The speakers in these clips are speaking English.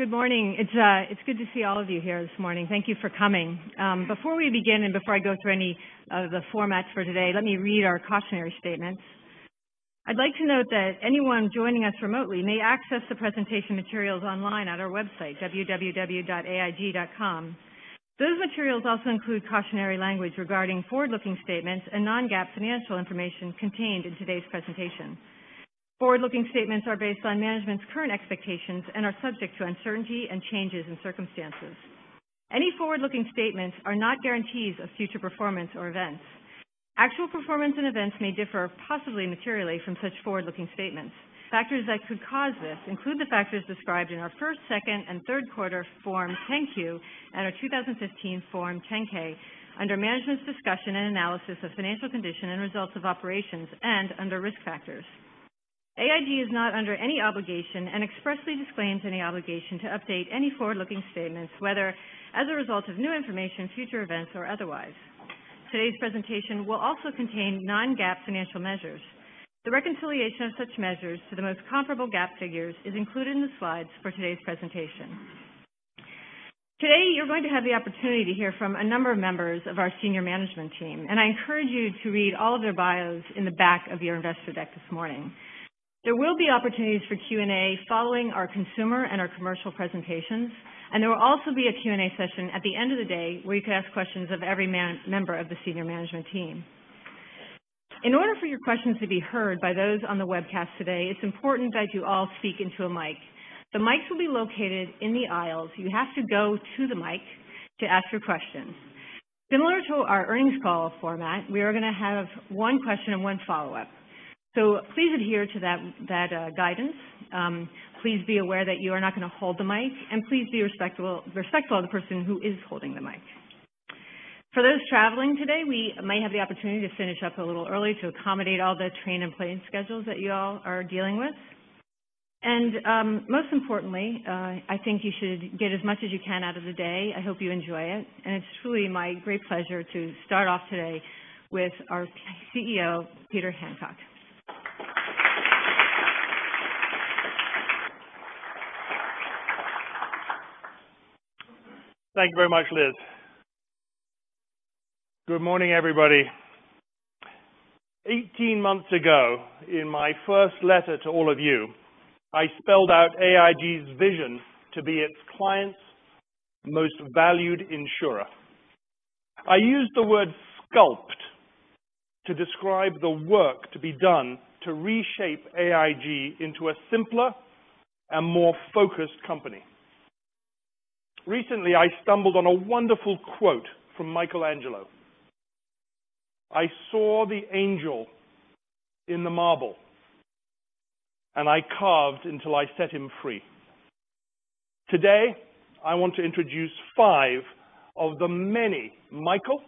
Good morning. It's good to see all of you here this morning. Thank you for coming. Before we begin, before I go through any of the formats for today, let me read our cautionary statements. I'd like to note that anyone joining us remotely may access the presentation materials online at our website, www.aig.com. Those materials also include cautionary language regarding forward-looking statements and non-GAAP financial information contained in today's presentation. Forward-looking statements are based on management's current expectations and are subject to uncertainty and changes in circumstances. Any forward-looking statements are not guarantees of future performance or events. Actual performance and events may differ, possibly materially, from such forward-looking statements. Factors that could cause this include the factors described in our first, second, and third quarter Form 10-Q and our 2015 Form 10-K under Management's Discussion and Analysis of Financial Condition and Results of Operations and under Risk Factors. AIG is not under any obligation and expressly disclaims any obligation to update any forward-looking statements, whether as a result of new information, future events, or otherwise. Today's presentation will also contain non-GAAP financial measures. The reconciliation of such measures to the most comparable GAAP figures is included in the slides for today's presentation. Today, you're going to have the opportunity to hear from a number of members of our senior management team. I encourage you to read all of their bios in the back of your investor deck this morning. There will be opportunities for Q&A following our consumer and our commercial presentations. There will also be a Q&A session at the end of the day where you can ask questions of every member of the senior management team. In order for your questions to be heard by those on the webcast today, it's important that you all speak into a mic. The mics will be located in the aisles. You have to go to the mic to ask your questions. Similar to our earnings call format, we are going to have one question and one follow-up. Please adhere to that guidance. Please be aware that you are not going to hold the mic. Please be respectful of the person who is holding the mic. For those traveling today, we might have the opportunity to finish up a little early to accommodate all the train and plane schedules that you all are dealing with. Most importantly, I think you should get as much as you can out of the day. I hope you enjoy it. It's truly my great pleasure to start off today with our CEO, Peter Hancock. Thank you very much, Liz. Good morning, everybody. 18 months ago, in my first letter to all of you, I spelled out AIG's vision to be its clients' most valued insurer. I used the word sculpt to describe the work to be done to reshape AIG into a simpler and more focused company. Recently, I stumbled on a wonderful quote from Michelangelo. "I saw the angel in the marble and I carved until I set him free." Today, I want to introduce five of the many Michael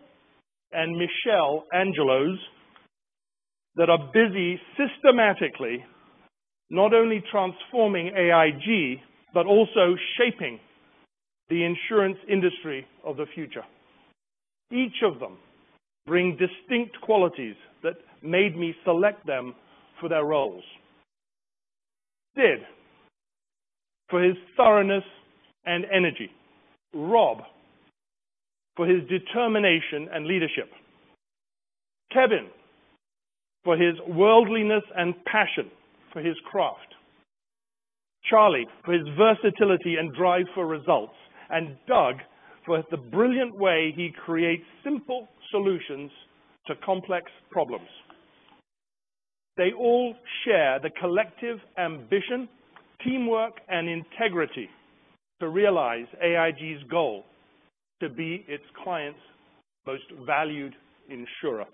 and Michelangelos that are busy systematically not only transforming AIG, but also shaping the insurance industry of the future. Each of them bring distinct qualities that made me select them for their roles. Sid for his thoroughness and energy, Rob for his determination and leadership, Kevin for his worldliness and passion for his craft, Charlie for his versatility and drive for results, and Doug for the brilliant way he creates simple solutions to complex problems. They all share the collective ambition, teamwork, and integrity to realize AIG's goal to be its clients' most valued insurer.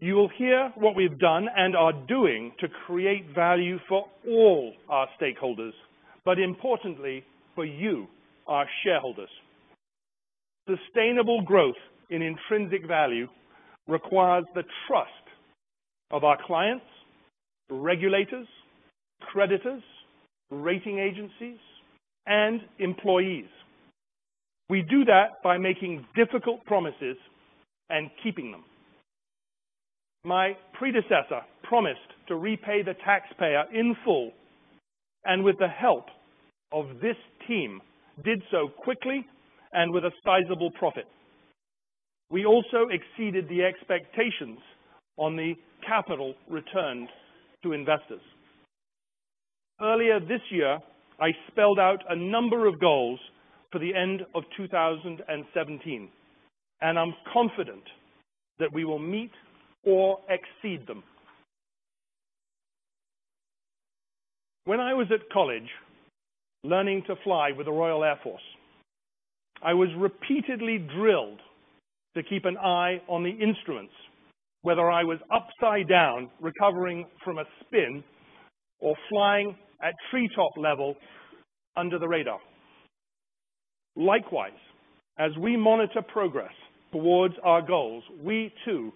You will hear what we've done and are doing to create value for all our stakeholders, but importantly for you, our shareholders. Sustainable growth in intrinsic value requires the trust of our clients, regulators, creditors, rating agencies, and employees. We do that by making difficult promises and keeping them. My predecessor promised to repay the taxpayer in full, with the help of this team, did so quickly and with a sizable profit. We also exceeded the expectations on the capital returned to investors. Earlier this year, I spelled out a number of goals for the end of 2017. I'm confident that we will meet or exceed them. When I was at college learning to fly with the Royal Air Force, I was repeatedly drilled to keep an eye on the instruments, whether I was upside down recovering from a spin or flying at treetop level under the radar. Likewise, as we monitor progress towards our goals, we too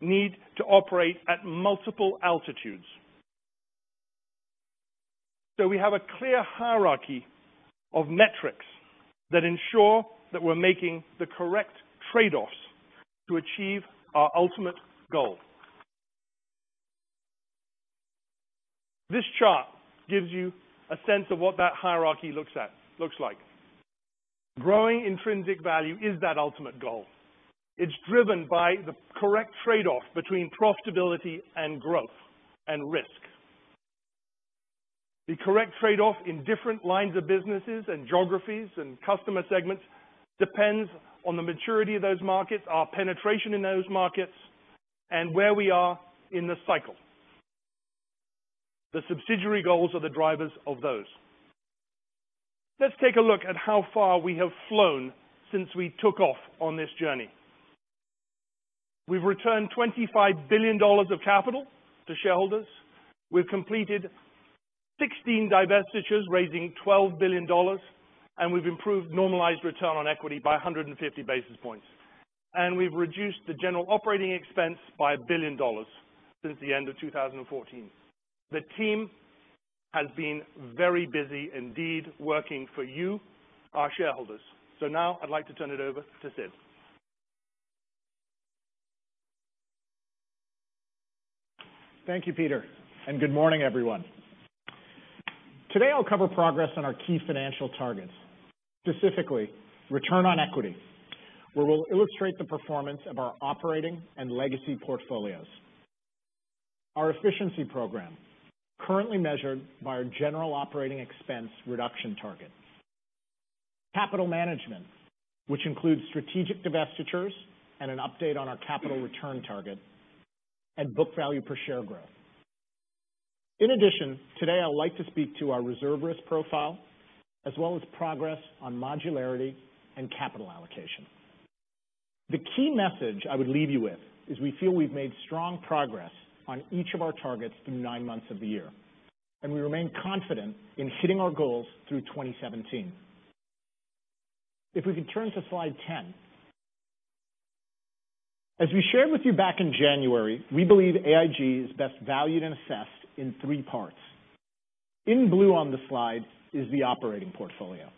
need to operate at multiple altitudes. We have a clear hierarchy of metrics that ensure that we're making the correct trade-offs to achieve our ultimate goal. This chart gives you a sense of what that hierarchy looks like. Growing intrinsic value is that ultimate goal. It's driven by the correct trade-off between profitability and growth and risk. The correct trade-off in different lines of businesses and geographies and customer segments depends on the maturity of those markets, our penetration in those markets, and where we are in the cycle. The subsidiary goals are the drivers of those. Let's take a look at how far we have flown since we took off on this journey. We've returned $25 billion of capital to shareholders. We've completed 16 divestitures, raising $12 billion. We've improved normalized return on equity by 150 basis points. We've reduced the general operating expense by $1 billion since the end of 2014. The team has been very busy indeed working for you, our shareholders. Now I'd like to turn it over to Sid. Thank you, Peter, and good morning, everyone. Today, I'll cover progress on our key financial targets, specifically return on equity, where we'll illustrate the performance of our operating and legacy portfolios. Our efficiency program, currently measured by our general operating expense reduction target. Capital management, which includes strategic divestitures and an update on our capital return target, and book value per share growth. In addition, today I'd like to speak to our reserve risk profile, as well as progress on modularity and capital allocation. The key message I would leave you with is we feel we've made strong progress on each of our targets through nine months of the year, and we remain confident in hitting our goals through 2017. If we could turn to slide 10. As we shared with you back in January, we believe AIG is best valued and assessed in three parts. In blue on the slide is the operating portfolio.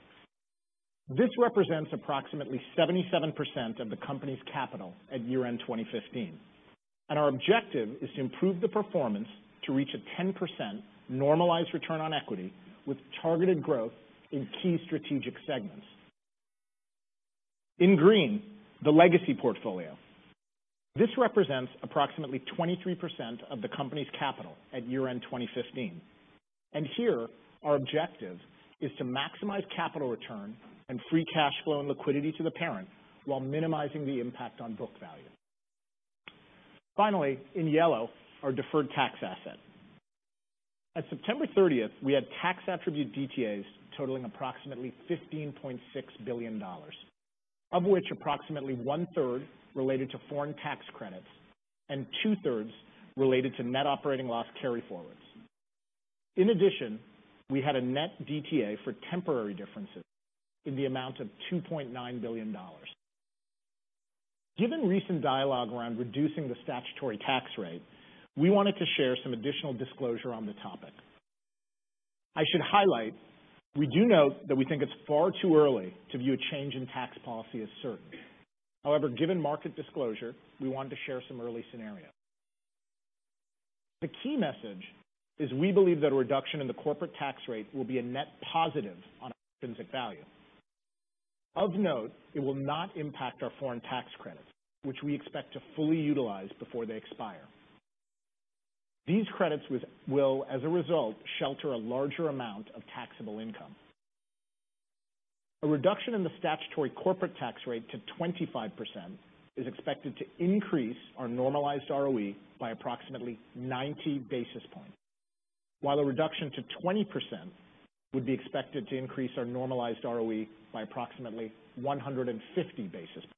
This represents approximately 77% of the company's capital at year-end 2015. Our objective is to improve the performance to reach a 10% normalized return on equity with targeted growth in key strategic segments. In green, the legacy portfolio. This represents approximately 23% of the company's capital at year-end 2015. Here our objective is to maximize capital return and free cash flow and liquidity to the parent while minimizing the impact on book value. Finally, in yellow, our deferred tax asset. At September 30th, we had tax attribute DTAs totaling approximately $15.6 billion, of which approximately one-third related to foreign tax credits and two-thirds related to net operating loss carryforwards. In addition, we had a net DTA for temporary differences in the amount of $2.9 billion. Given recent dialogue around reducing the statutory tax rate, we wanted to share some additional disclosure on the topic. I should highlight, we do note that we think it's far too early to view a change in tax policy as certain. Given market disclosure, we wanted to share some early scenarios. The key message is we believe that a reduction in the corporate tax rate will be a net positive on our intrinsic value. Of note, it will not impact our foreign tax credits, which we expect to fully utilize before they expire. These credits will, as a result, shelter a larger amount of taxable income. A reduction in the statutory corporate tax rate to 25% is expected to increase our normalized ROE by approximately 90 basis points, while a reduction to 20% would be expected to increase our normalized ROE by approximately 150 basis points.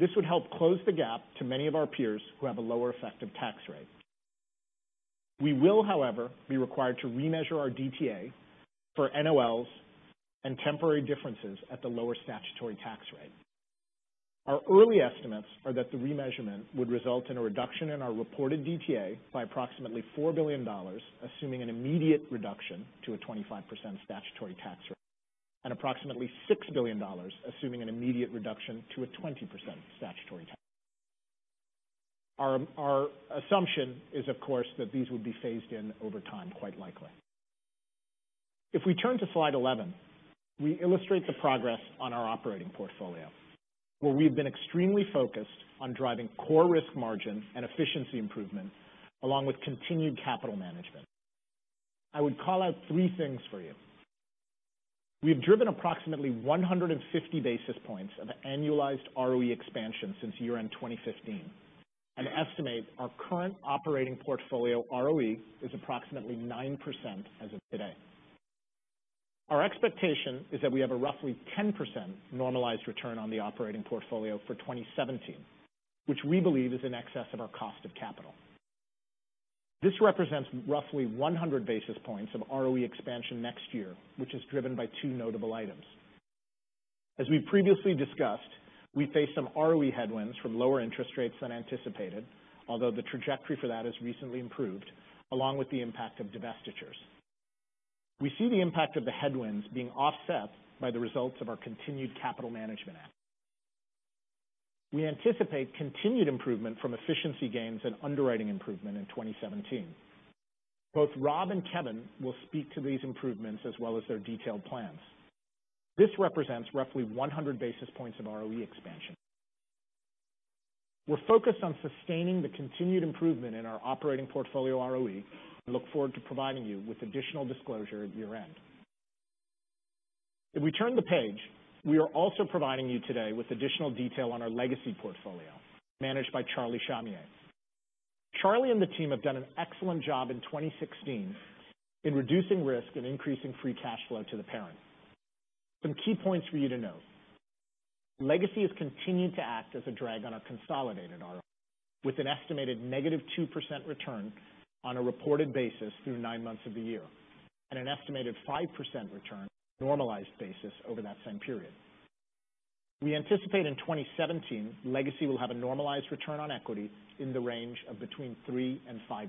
This would help close the gap to many of our peers who have a lower effective tax rate. We will, however, be required to remeasure our DTA for NOLs and temporary differences at the lower statutory tax rate. Our early estimates are that the remeasurement would result in a reduction in our reported DTA by approximately $4 billion, assuming an immediate reduction to a 25% statutory tax rate, and approximately $6 billion, assuming an immediate reduction to a 20% statutory tax rate. Our assumption is, of course, that these would be phased in over time, quite likely. If we turn to slide 11, we illustrate the progress on our operating portfolio, where we've been extremely focused on driving core risk margin and efficiency improvement along with continued capital management. I would call out three things for you. We've driven approximately 150 basis points of annualized ROE expansion since year-end 2015 and estimate our current operating portfolio ROE is approximately 9% as of today. Our expectation is that we have a roughly 10% normalized return on the operating portfolio for 2017, which we believe is in excess of our cost of capital. This represents roughly 100 basis points of ROE expansion next year, which is driven by two notable items. As we previously discussed, we face some ROE headwinds from lower interest rates than anticipated, although the trajectory for that has recently improved, along with the impact of divestitures. We see the impact of the headwinds being offset by the results of our continued capital management act. We anticipate continued improvement from efficiency gains and underwriting improvement in 2017. Both Rob and Kevin will speak to these improvements as well as their detailed plans. This represents roughly 100 basis points of ROE expansion. We're focused on sustaining the continued improvement in our operating portfolio ROE and look forward to providing you with additional disclosure at year-end. If we turn the page, we are also providing you today with additional detail on our legacy portfolio managed by Charlie Shamieh. Charlie and the team have done an excellent job in 2016 in reducing risk and increasing free cash flow to the parent. Some key points for you to note. Legacy has continued to act as a drag on our consolidated ROE with an estimated negative 2% return on a reported basis through nine months of the year, and an estimated 5% return normalized basis over that same period. We anticipate in 2017, legacy will have a normalized return on equity in the range of between 3% and 5%.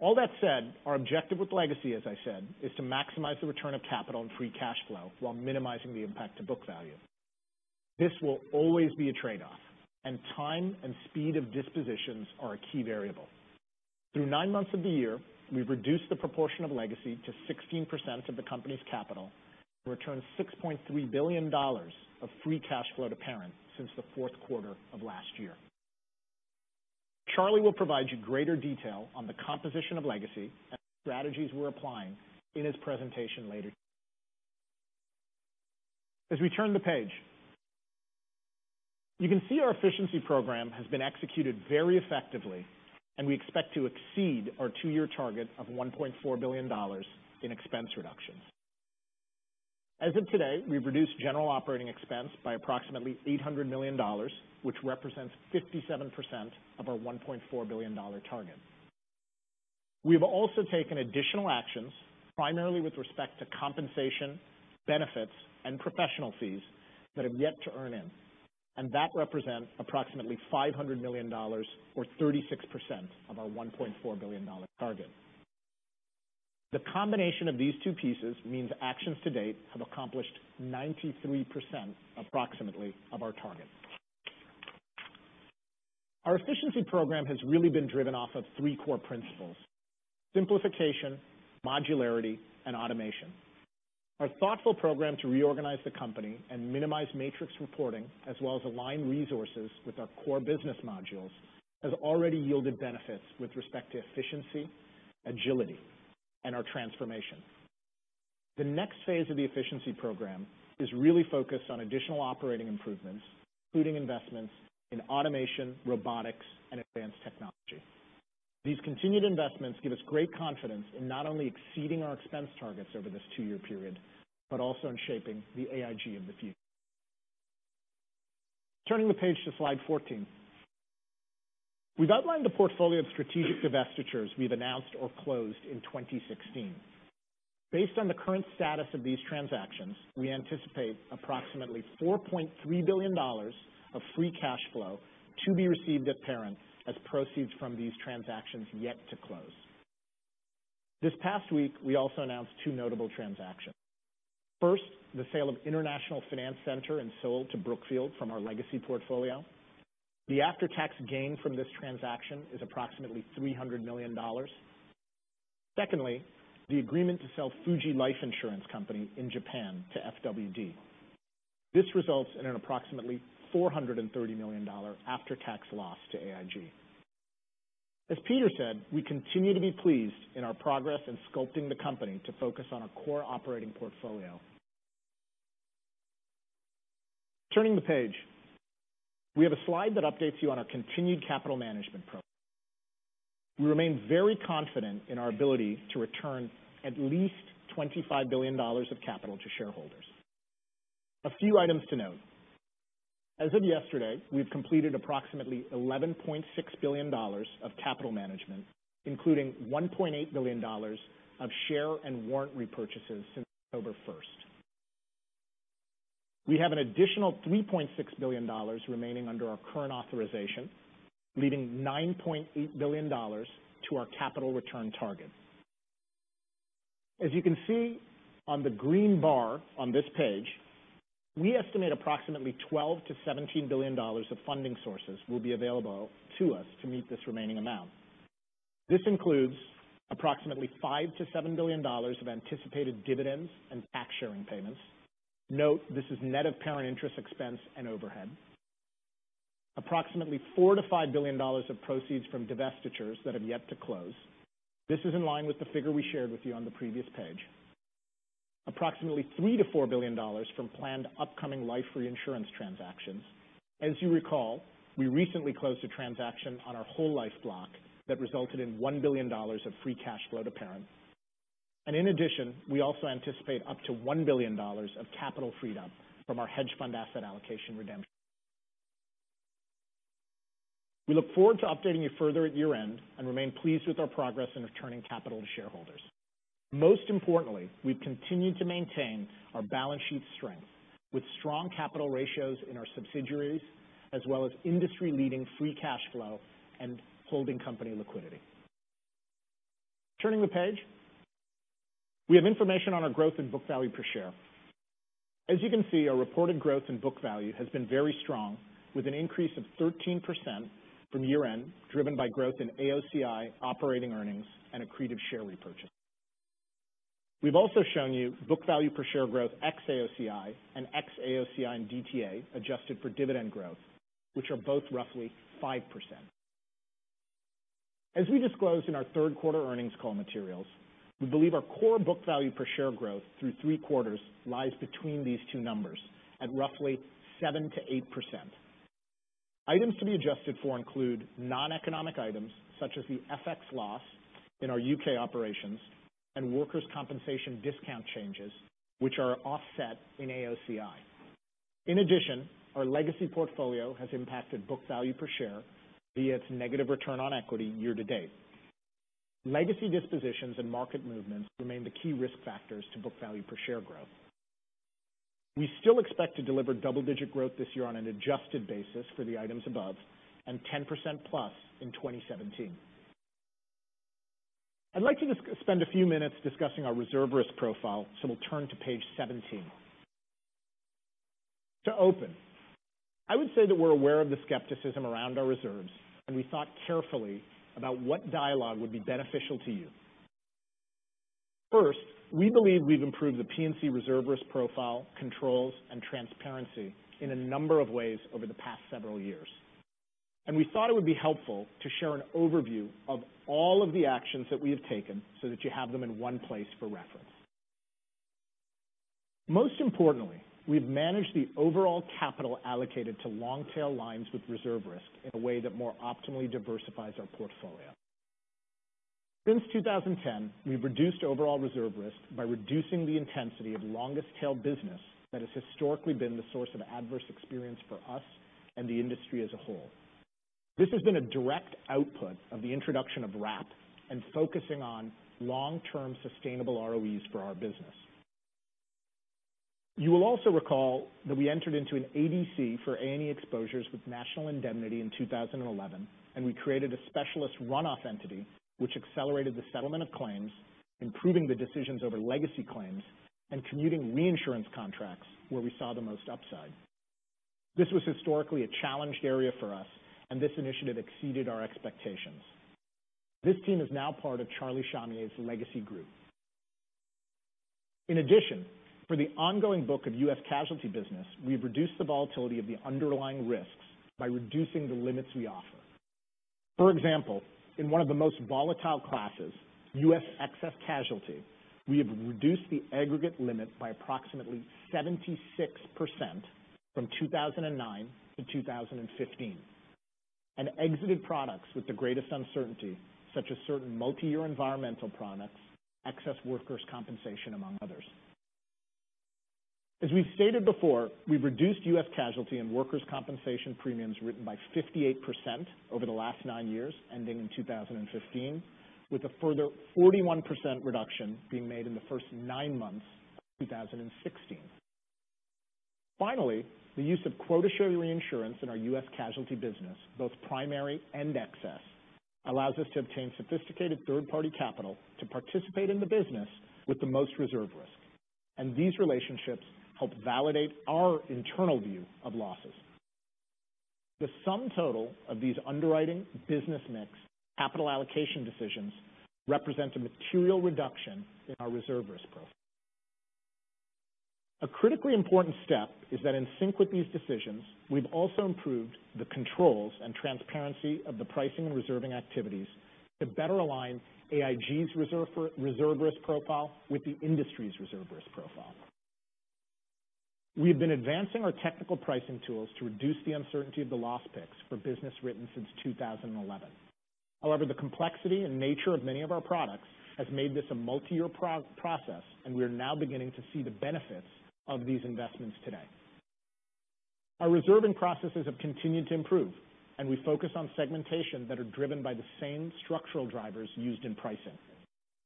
All that said, our objective with legacy, as I said, is to maximize the return of capital and free cash flow while minimizing the impact to book value. This will always be a trade-off, and time and speed of dispositions are a key variable. Through nine months of the year, we've reduced the proportion of legacy to 16% of the company's capital and returned $6.3 billion of free cash flow to parent since the fourth quarter of last year. Charlie will provide you greater detail on the composition of legacy and the strategies we're applying in his presentation later. As we turn the page, you can see our efficiency program has been executed very effectively, and we expect to exceed our two-year target of $1.4 billion in expense reductions. As of today, we've reduced general operating expense by approximately $800 million, which represents 57% of our $1.4 billion target. We have also taken additional actions, primarily with respect to compensation, benefits, and professional fees that have yet to earn in. That represents approximately $500 million or 36% of our $1.4 billion target. The combination of these two pieces means actions to date have accomplished 93%, approximately, of our target. Our efficiency program has really been driven off of three core principles: simplification, modularity, and automation. Our thoughtful program to reorganize the company and minimize matrix reporting, as well as align resources with our core business modules, has already yielded benefits with respect to efficiency, agility, and our transformation. The next phase of the efficiency program is really focused on additional operating improvements, including investments in automation, robotics, and advanced technology. These continued investments give us great confidence in not only exceeding our expense targets over this two-year period, but also in shaping the AIG of the future. Turning the page to slide 14. We've outlined the portfolio of strategic divestitures we've announced or closed in 2016. Based on the current status of these transactions, we anticipate approximately $4.3 billion of free cash flow to be received at parent as proceeds from these transactions yet to close. This past week, we also announced two notable transactions. First, the sale of International Finance Center Seoul to Brookfield from our legacy portfolio. The after-tax gain from this transaction is approximately $300 million. Secondly, the agreement to sell Fuji Life Insurance Company in Japan to FWD. This results in an approximately $430 million after-tax loss to AIG. As Peter said, we continue to be pleased in our progress in sculpting the company to focus on our core operating portfolio. Turning the page. We have a slide that updates you on our continued capital management program. We remain very confident in our ability to return at least $25 billion of capital to shareholders. A few items to note. As of yesterday, we've completed approximately $11.6 billion of capital management, including $1.8 billion of share and warrant repurchases since October 1st. We have an additional $3.6 billion remaining under our current authorization, leaving $9.8 billion to our capital return target. As you can see on the green bar on this page, we estimate approximately $12 billion-$17 billion of funding sources will be available to us to meet this remaining amount. This includes approximately $5 billion-$7 billion of anticipated dividends and tax sharing payments. Note, this is net of parent interest expense and overhead. Approximately $4 billion-$5 billion of proceeds from divestitures that have yet to close. This is in line with the figure we shared with you on the previous page. Approximately $3 billion-$4 billion from planned upcoming life reinsurance transactions. As you recall, we recently closed a transaction on our whole life block that resulted in $1 billion of free cash flow to parent. In addition, we also anticipate up to $1 billion of capital freed up from our hedge fund asset allocation redemption. We look forward to updating you further at year-end and remain pleased with our progress in returning capital to shareholders. Most importantly, we've continued to maintain our balance sheet strength with strong capital ratios in our subsidiaries, as well as industry-leading free cash flow and holding company liquidity. Turning the page. We have information on our growth in book value per share. As you can see, our reported growth in book value has been very strong, with an increase of 13% from year-end, driven by growth in AOCI operating earnings and accretive share repurchase. We've also shown you book value per share growth ex-AOCI and ex-AOCI and DTA adjusted for dividend growth, which are both roughly 5%. As we disclosed in our third-quarter earnings call materials, we believe our core book value per share growth through three quarters lies between these two numbers at roughly 7%-8%. Items to be adjusted for include non-economic items such as the FX loss in our U.K. operations and workers' compensation discount changes, which are offset in AOCI. In addition, our legacy portfolio has impacted book value per share via its negative return on equity year to date. Legacy dispositions and market movements remain the key risk factors to book value per share growth. We still expect to deliver double-digit growth this year on an adjusted basis for the items above and 10%+ in 2017. I'd like to spend a few minutes discussing our reserve risk profile. We'll turn to page 17. To open, I would say that we're aware of the skepticism around our reserves. We thought carefully about what dialogue would be beneficial to you. First, we believe we've improved the P&C reserve risk profile, controls, and transparency in a number of ways over the past several years. We thought it would be helpful to share an overview of all of the actions that we have taken so that you have them in one place for reference. Most importantly, we've managed the overall capital allocated to long-tail lines with reserve risk in a way that more optimally diversifies our portfolio. Since 2010, we've reduced overall reserve risk by reducing the intensity of longest tail business that has historically been the source of adverse experience for us and the industry as a whole. This has been a direct output of the introduction of RAP and focusing on long-term sustainable ROEs for our business. You will also recall that we entered into an ADC for A&E exposures with National Indemnity in 2011. We created a specialist runoff entity which accelerated the settlement of claims, improving the decisions over legacy claims, and commuting reinsurance contracts where we saw the most upside. This was historically a challenged area for us. This initiative exceeded our expectations. This team is now part of Charlie Shamieh's legacy group. In addition, for the ongoing book of U.S. casualty business, we've reduced the volatility of the underlying risks by reducing the limits we offer. For example, in one of the most volatile classes, U.S. excess casualty, we have reduced the aggregate limit by approximately 76% from 2009 to 2015. Exited products with the greatest uncertainty, such as certain multi-year environmental products, excess workers' compensation, among others. As we've stated before, we've reduced U.S. casualty and workers' compensation premiums written by 58% over the last nine years, ending in 2015, with a further 41% reduction being made in the first nine months of 2016. Finally, the use of quota share reinsurance in our U.S. casualty business, both primary and excess, allows us to obtain sophisticated third-party capital to participate in the business with the most reserve risk. These relationships help validate our internal view of losses. The sum total of these underwriting business mix capital allocation decisions represents a material reduction in our reserve risk profile. A critically important step is that in sync with these decisions, we've also improved the controls and transparency of the pricing and reserving activities to better align AIG's reserve risk profile with the industry's reserve risk profile. We have been advancing our technical pricing tools to reduce the uncertainty of the loss picks for business written since 2011. However, the complexity and nature of many of our products has made this a multi-year process. We are now beginning to see the benefits of these investments today. Our reserving processes have continued to improve. We focus on segmentation that are driven by the same structural drivers used in pricing.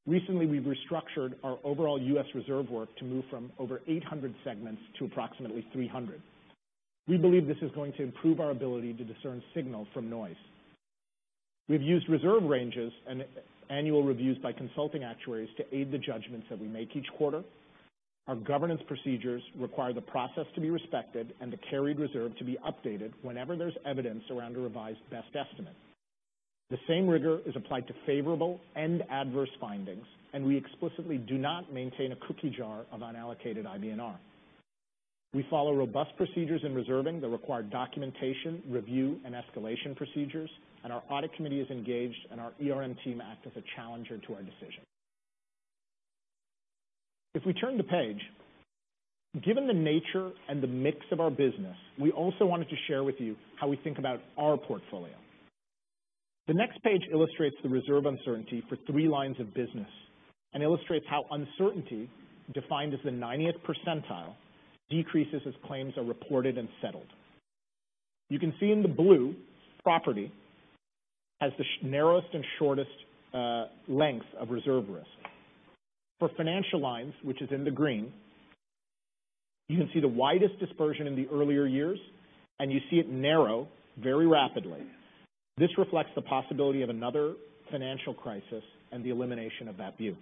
Recently, we've restructured our overall U.S. reserve work to move from over 800 segments to approximately 300. We believe this is going to improve our ability to discern signal from noise. We've used reserve ranges and annual reviews by consulting actuaries to aid the judgments that we make each quarter. Our governance procedures require the process to be respected and the carried reserve to be updated whenever there's evidence around a revised best estimate. The same rigor is applied to favorable and adverse findings, and we explicitly do not maintain a cookie jar of unallocated IBNR. We follow robust procedures in reserving that require documentation, review, and escalation procedures, and our audit committee is engaged, and our ERM team act as a challenger to our decision. Turning the page, given the nature and the mix of our business, we also wanted to share with you how we think about our portfolio. The next page illustrates the reserve uncertainty for three lines of business and illustrates how uncertainty, defined as the 90th percentile, decreases as claims are reported and settled. You can see in the blue, property has the narrowest and shortest length of reserve risk. For financial lines, which is in the green, you can see the widest dispersion in the earlier years, and you see it narrow very rapidly. This reflects the possibility of another financial crisis and the elimination of that view.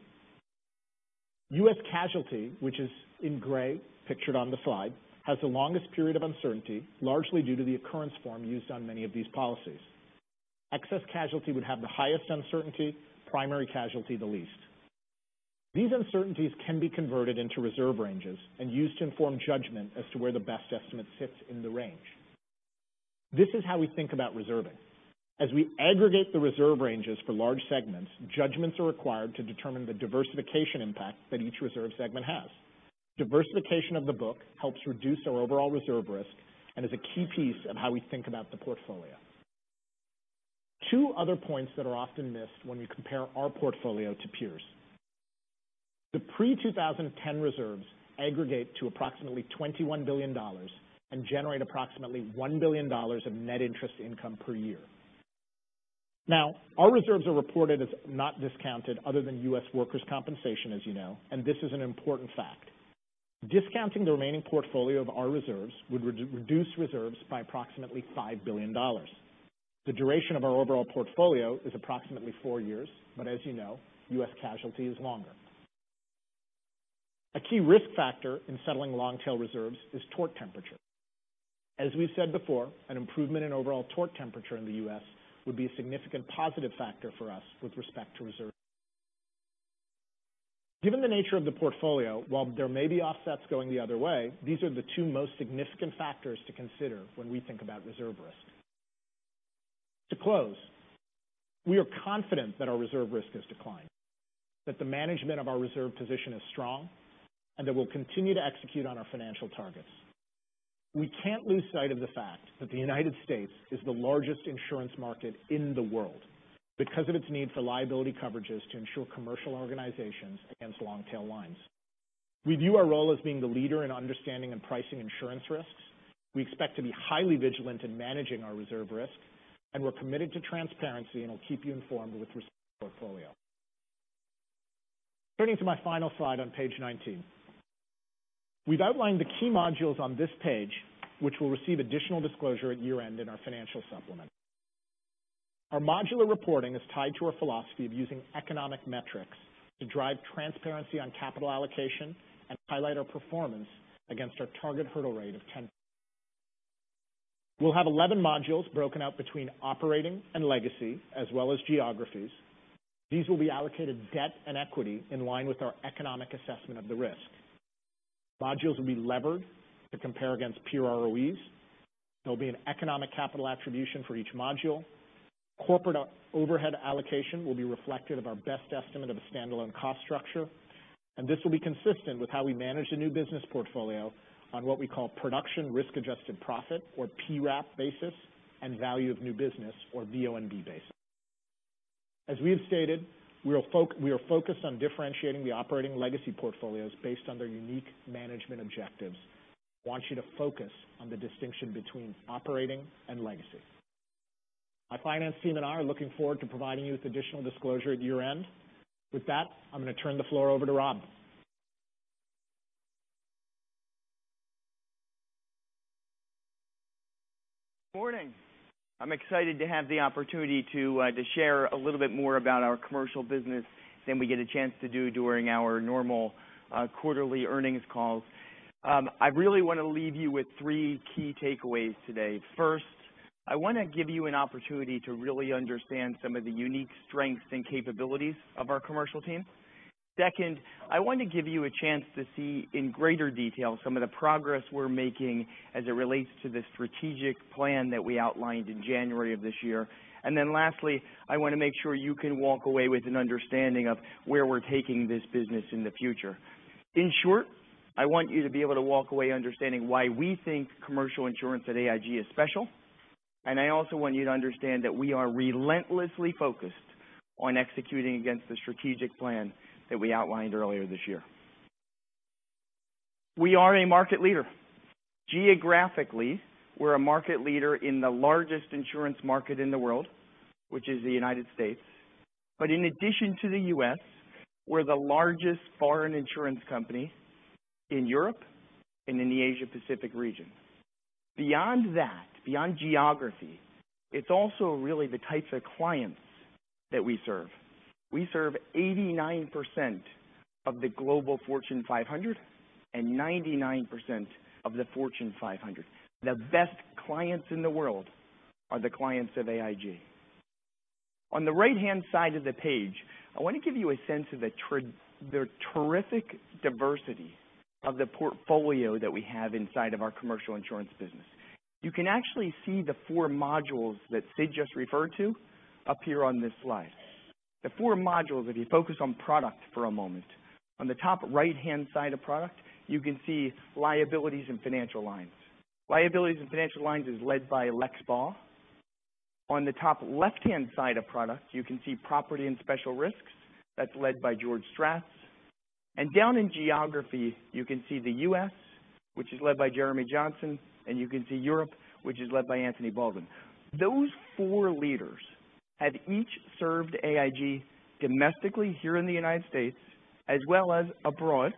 U.S. casualty, which is in gray, pictured on the slide, has the longest period of uncertainty, largely due to the occurrence form used on many of these policies. Excess casualty would have the highest uncertainty, primary casualty the least. These uncertainties can be converted into reserve ranges and used to inform judgment as to where the best estimate sits in the range. This is how we think about reserving. As we aggregate the reserve ranges for large segments, judgments are required to determine the diversification impact that each reserve segment has. Diversification of the book helps reduce our overall reserve risk and is a key piece of how we think about the portfolio. Two other points that are often missed when we compare our portfolio to peers. The pre-2010 reserves aggregate to approximately $21 billion and generate approximately one billion dollars of net interest income per year. Our reserves are reported as not discounted other than U.S. workers' compensation, as you know, and this is an important fact. Discounting the remaining portfolio of our reserves would reduce reserves by approximately five billion dollars. The duration of our overall portfolio is approximately four years, but as you know, U.S. casualty is longer. A key risk factor in settling long-tail reserves is tort temperature. As we've said before, an improvement in overall tort temperature in the U.S. would be a significant positive factor for us with respect to reserve. Given the nature of the portfolio, while there may be offsets going the other way, these are the two most significant factors to consider when we think about reserve risk. To close, we are confident that our reserve risk has declined, that the management of our reserve position is strong, and that we'll continue to execute on our financial targets. We can't lose sight of the fact that the United States is the largest insurance market in the world because of its need for liability coverages to insure commercial organizations against long-tail lines. We view our role as being the leader in understanding and pricing insurance risks. We expect to be highly vigilant in managing our reserve risk, and we're committed to transparency and will keep you informed with respect to the portfolio. Turning to my final slide on page 19. We've outlined the key modules on this page, which will receive additional disclosure at year-end in our financial supplement. Our modular reporting is tied to a philosophy of using economic metrics to drive transparency on capital allocation and highlight our performance against our target hurdle rate of 10. We'll have 11 modules broken out between operating and legacy, as well as geographies. These will be allocated debt and equity in line with our economic assessment of the risk. Modules will be levered to compare against pure ROEs. There'll be an economic capital attribution for each module. Corporate overhead allocation will be reflective of our best estimate of a standalone cost structure, and this will be consistent with how we manage the new business portfolio on what we call production risk-adjusted profit or PRAP basis and value of new business or VONB basis. As we have stated, we are focused on differentiating the operating legacy portfolios based on their unique management objectives. Want you to focus on the distinction between operating and legacy. My finance team and I are looking forward to providing you with additional disclosure at year-end. With that, I'm going to turn the floor over to Rob. Morning. I'm excited to have the opportunity to share a little bit more about our commercial business than we get a chance to do during our normal quarterly earnings calls. I really want to leave you with three key takeaways today. First, I want to give you an opportunity to really understand some of the unique strengths and capabilities of our commercial team. Second, I want to give you a chance to see in greater detail some of the progress we're making as it relates to the strategic plan that we outlined in January of this year. Lastly, I want to make sure you can walk away with an understanding of where we're taking this business in the future. In short, I want you to be able to walk away understanding why we think commercial insurance at AIG is special, and I also want you to understand that we are relentlessly focused on executing against the strategic plan that we outlined earlier this year. We are a market leader. Geographically, we're a market leader in the largest insurance market in the world, which is the United States. In addition to the U.S., we're the largest foreign insurance company in Europe and in the Asia-Pacific region. Beyond that, beyond geography, it's also really the types of clients that we serve. We serve 89% of the global Fortune 500 and 99% of the Fortune 500. The best clients in the world are the clients of AIG. On the right-hand side of the page, I want to give you a sense of the terrific diversity of the portfolio that we have inside of our commercial insurance business. You can actually see the four modules that Sid just referred to up here on this slide. The four modules, if you focus on product for a moment, on the top right-hand side of product, you can see Liability and Financial Lines. Liability and Financial Lines is led by Lex Baugh. On the top left-hand side of product, you can see Property and Special Risks. That's led by George Stratas. Down in geography, you can see the U.S., which is led by Jeremy Johnson, and you can see Europe, which is led by Anthony Baldwin. Those four leaders have each served AIG domestically here in the United States as well as abroad.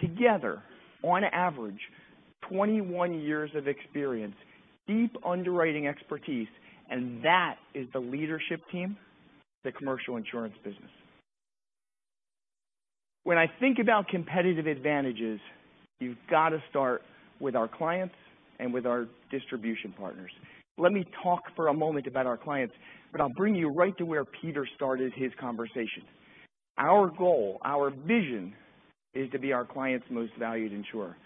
Together, on average, 21 years of experience, deep underwriting expertise, that is the leadership team, the commercial insurance business. When I think about competitive advantages, you've got to start with our clients and with our distribution partners. Let me talk for a moment about our clients. I'll bring you right to where Peter started his conversation. Our goal, our vision, is to be our clients' most valued insurer.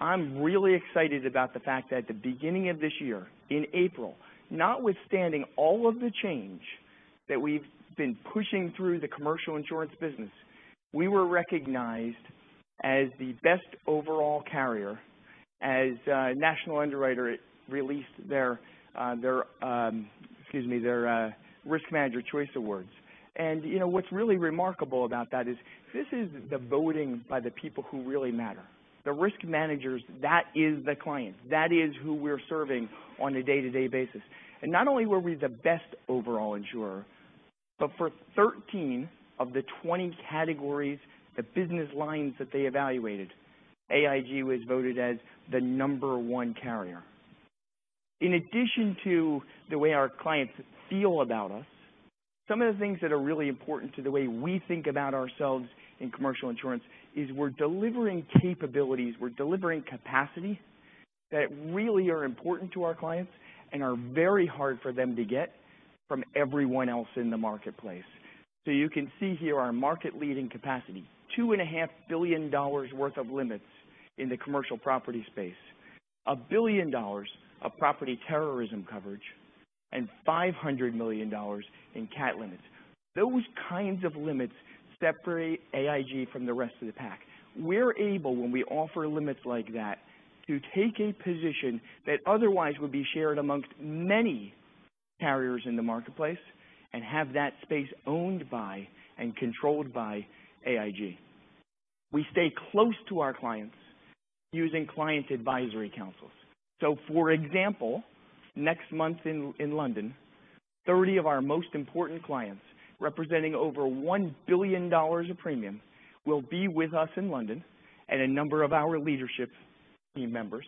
I'm really excited about the fact that at the beginning of this year, in April, notwithstanding all of the change that we've been pushing through the commercial insurance business, we were recognized as the best overall carrier as National Underwriter released their Risk Manager Choice Awards. What's really remarkable about that is this is the voting by the people who really matter, the risk managers. That is the client. That is who we're serving on a day-to-day basis. Not only were we the best overall insurer, for 13 of the 20 categories, the business lines that they evaluated, AIG was voted as the number one carrier. In addition to the way our clients feel about us, some of the things that are really important to the way we think about ourselves in commercial insurance is we're delivering capabilities, we're delivering capacity that really are important to our clients and are very hard for them to get from everyone else in the marketplace. You can see here our market leading capacity, $2.5 billion worth of limits in the commercial property space, $1 billion of property terrorism coverage, $500 million in CAT limits. Those kinds of limits separate AIG from the rest of the pack. We're able, when we offer limits like that, to take a position that otherwise would be shared amongst many carriers in the marketplace and have that space owned by and controlled by AIG. We stay close to our clients using client advisory councils. For example, next month in London, 30 of our most important clients, representing over $1 billion of premium, will be with us in London and a number of our leadership team members.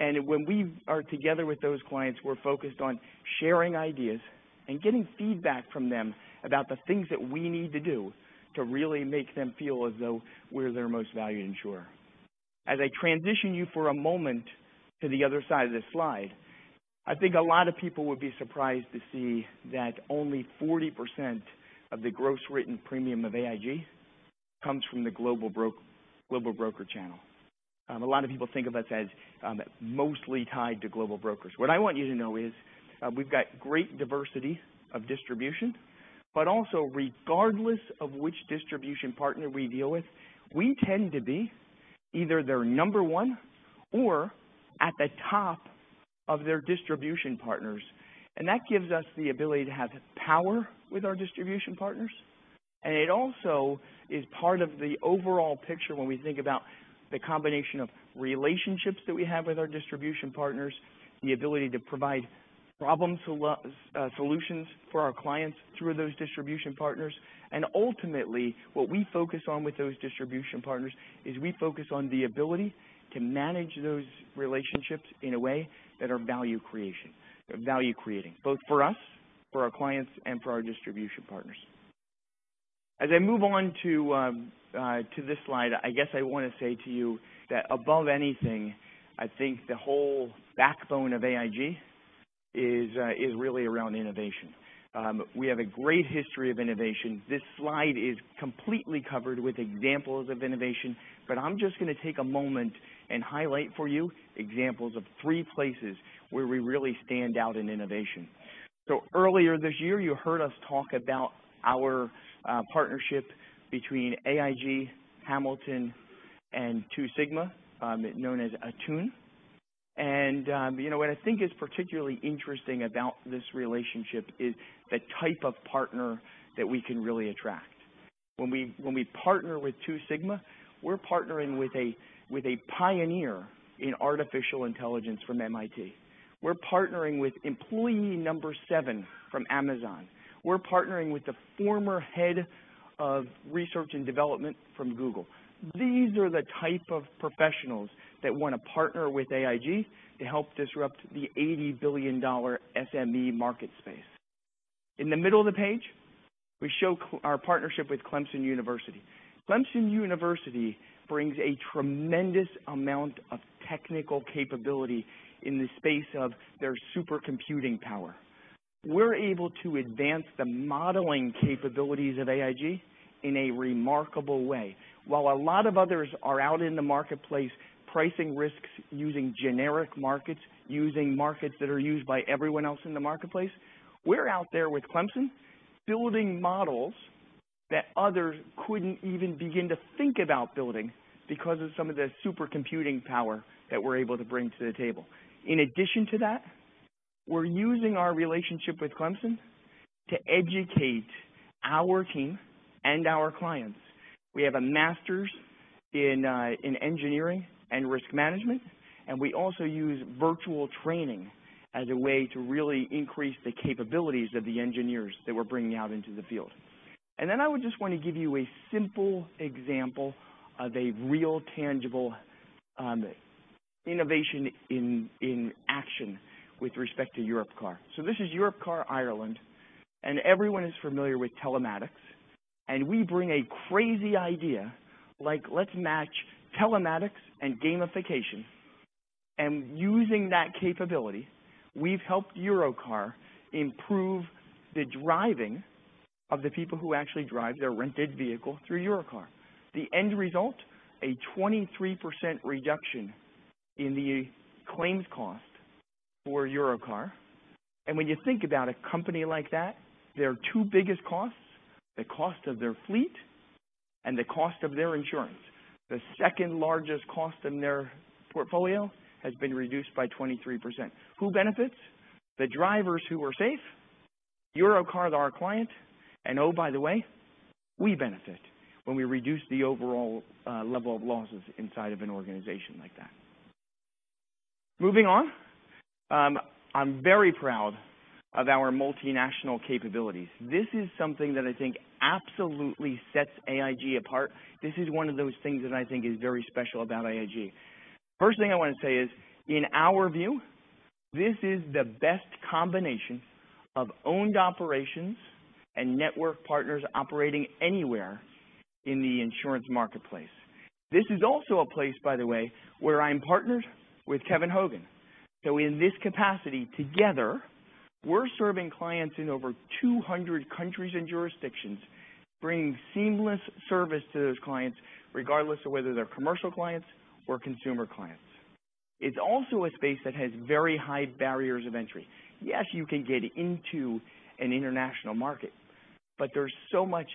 When we are together with those clients, we're focused on sharing ideas and getting feedback from them about the things that we need to do to really make them feel as though we're their most valued insurer. As I transition you for a moment to the other side of this slide, I think a lot of people would be surprised to see that only 40% of the gross written premium of AIG comes from the global broker channel. A lot of people think of us as mostly tied to global brokers. What I want you to know is we've got great diversity of distribution, but also regardless of which distribution partner we deal with, we tend to be either their number one or at the top of their distribution partners. That gives us the ability to have power with our distribution partners, and it also is part of the overall picture when we think about the combination of relationships that we have with our distribution partners, the ability to provide problem solutions for our clients through those distribution partners. Ultimately, what we focus on with those distribution partners is we focus on the ability to manage those relationships in a way that are value creating, both for us, for our clients, and for our distribution partners. As I move on to this slide, I guess I want to say to you that above anything, I think the whole backbone of AIG is really around innovation. We have a great history of innovation. This slide is completely covered with examples of innovation, but I'm just going to take a moment and highlight for you examples of three places where we really stand out in innovation. Earlier this year, you heard us talk about our partnership between AIG, Hamilton, and Two Sigma, known as Attune. What I think is particularly interesting about this relationship is the type of partner that we can really attract. When we partner with Two Sigma, we're partnering with a pioneer in artificial intelligence from MIT. We're partnering with employee number seven from Amazon. We're partnering with the former head of research and development from Google. These are the type of professionals that want to partner with AIG to help disrupt the $80 billion SME market space. In the middle of the page, we show our partnership with Clemson University. Clemson University brings a tremendous amount of technical capability in the space of their supercomputing power. We're able to advance the modeling capabilities of AIG in a remarkable way. While a lot of others are out in the marketplace pricing risks using generic markets, using markets that are used by everyone else in the marketplace, we're out there with Clemson building models That others couldn't even begin to think about building because of some of the supercomputing power that we're able to bring to the table. In addition to that, we're using our relationship with Clemson to educate our team and our clients. We have a master's in engineering and risk management, and we also use virtual training as a way to really increase the capabilities of the engineers that we're bringing out into the field. I would just want to give you a simple example of a real tangible innovation in action with respect to Europcar. This is Europcar Ireland, everyone is familiar with telematics, and we bring a crazy idea like let's match telematics and gamification. Using that capability, we've helped Europcar improve the driving of the people who actually drive their rented vehicle through Europcar. The end result, a 23% reduction in the claims cost for Europcar. When you think about a company like that, their two biggest costs, the cost of their fleet and the cost of their insurance. The second-largest cost in their portfolio has been reduced by 23%. Who benefits? The drivers who are safe, Europcar, our client, and oh, by the way, we benefit when we reduce the overall level of losses inside of an organization like that. Moving on. I'm very proud of our multinational capabilities. This is something that I think absolutely sets AIG apart. This is one of those things that I think is very special about AIG. First thing I want to say is, in our view, this is the best combination of owned operations and network partners operating anywhere in the insurance marketplace. This is also a place, by the way, where I'm partnered with Kevin Hogan. In this capacity, together, we're serving clients in over 200 countries and jurisdictions, bringing seamless service to those clients, regardless of whether they're commercial clients or consumer clients. It's also a space that has very high barriers of entry. Yes, you can get into an international market, but there's so much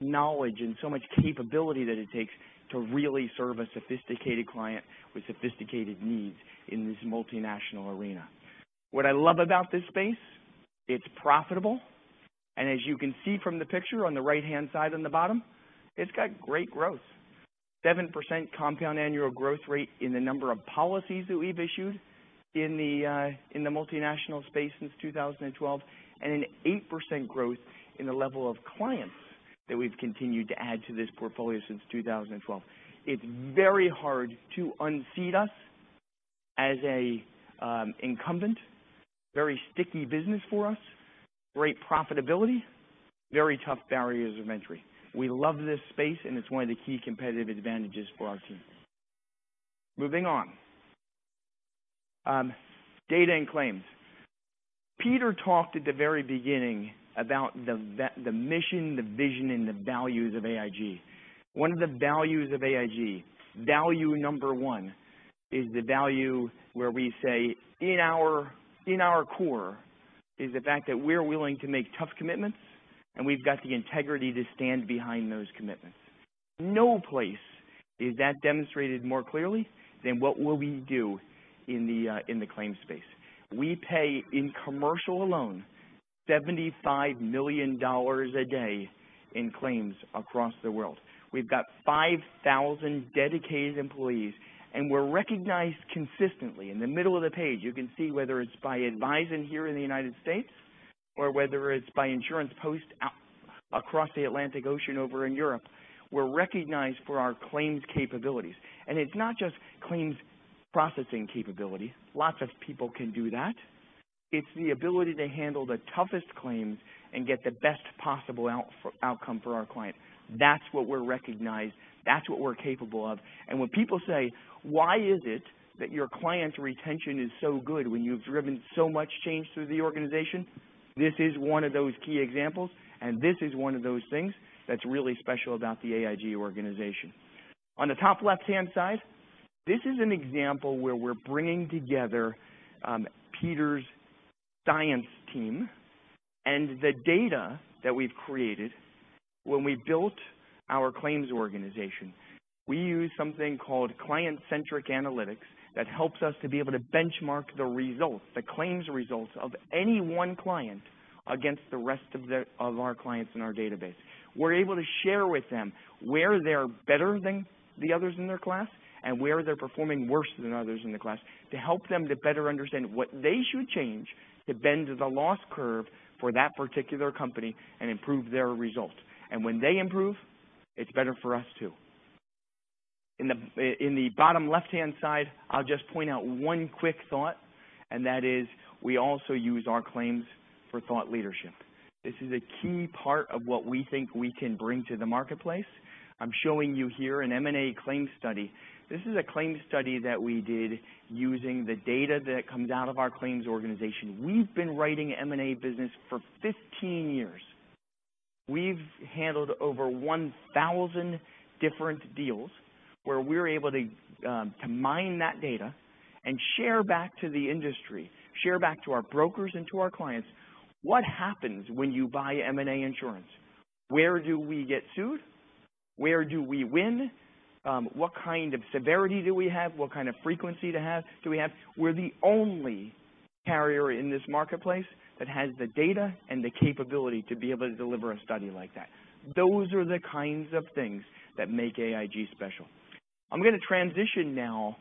knowledge and so much capability that it takes to really serve a sophisticated client with sophisticated needs in this multinational arena. What I love about this space, it's profitable. As you can see from the picture on the right-hand side on the bottom, it's got great growth. 7% compound annual growth rate in the number of policies that we've issued in the multinational space since 2012, and an 8% growth in the level of clients that we've continued to add to this portfolio since 2012. It's very hard to unseat us as a incumbent, very sticky business for us, great profitability, very tough barriers of entry. We love this space, and it's one of the key competitive advantages for our team. Moving on. Data and claims. Peter talked at the very beginning about the mission, the vision, and the values of AIG. One of the values of AIG, value number 1 is the value where we say in our core is the fact that we're willing to make tough commitments, and we've got the integrity to stand behind those commitments. No place is that demonstrated more clearly than what will we do in the claims space. We pay, in commercial alone, $75 million a day in claims across the world. We've got 5,000 dedicated employees, and we're recognized consistently. In the middle of the page, you can see whether it's by Advisen here in the United States or whether it's by Insurance Post across the Atlantic Ocean over in Europe, we're recognized for our claims capabilities. It's not just claims processing capabilities. Lots of people can do that. It's the ability to handle the toughest claims and get the best possible outcome for our client. That's what we're recognized. That's what we're capable of. When people say, "Why is it that your client retention is so good when you've driven so much change through the organization?" This is one of those key examples, and this is one of those things that's really special about the AIG organization. On the top left-hand side, this is an example where we're bringing together Peter's Science team and the data that we've created when we built our claims organization. We use something called client-centric analytics that helps us to be able to benchmark the results, the claims results of any one client against the rest of our clients in our database. We're able to share with them where they're better than the others in their class and where they're performing worse than others in the class to help them to better understand what they should change to bend the loss curve for that particular company and improve their results. When they improve, it's better for us too. In the bottom left-hand side, I'll just point out one quick thought, and that is we also use our claims for thought leadership. This is a key part of what we think we can bring to the marketplace. I'm showing you here an M&A claims study. This is a claims study that we did using the data that comes out of our claims organization. We've been writing M&A business for 15 years. We've handled over 1,000 different deals. Where we're able to mine that data and share back to the industry, share back to our brokers and to our clients what happens when you buy M&A insurance. Where do we get sued? Where do we win? What kind of severity do we have? What kind of frequency do we have? We're the only carrier in this marketplace that has the data and the capability to be able to deliver a study like that. Those are the kinds of things that make AIG special. I'm going to transition now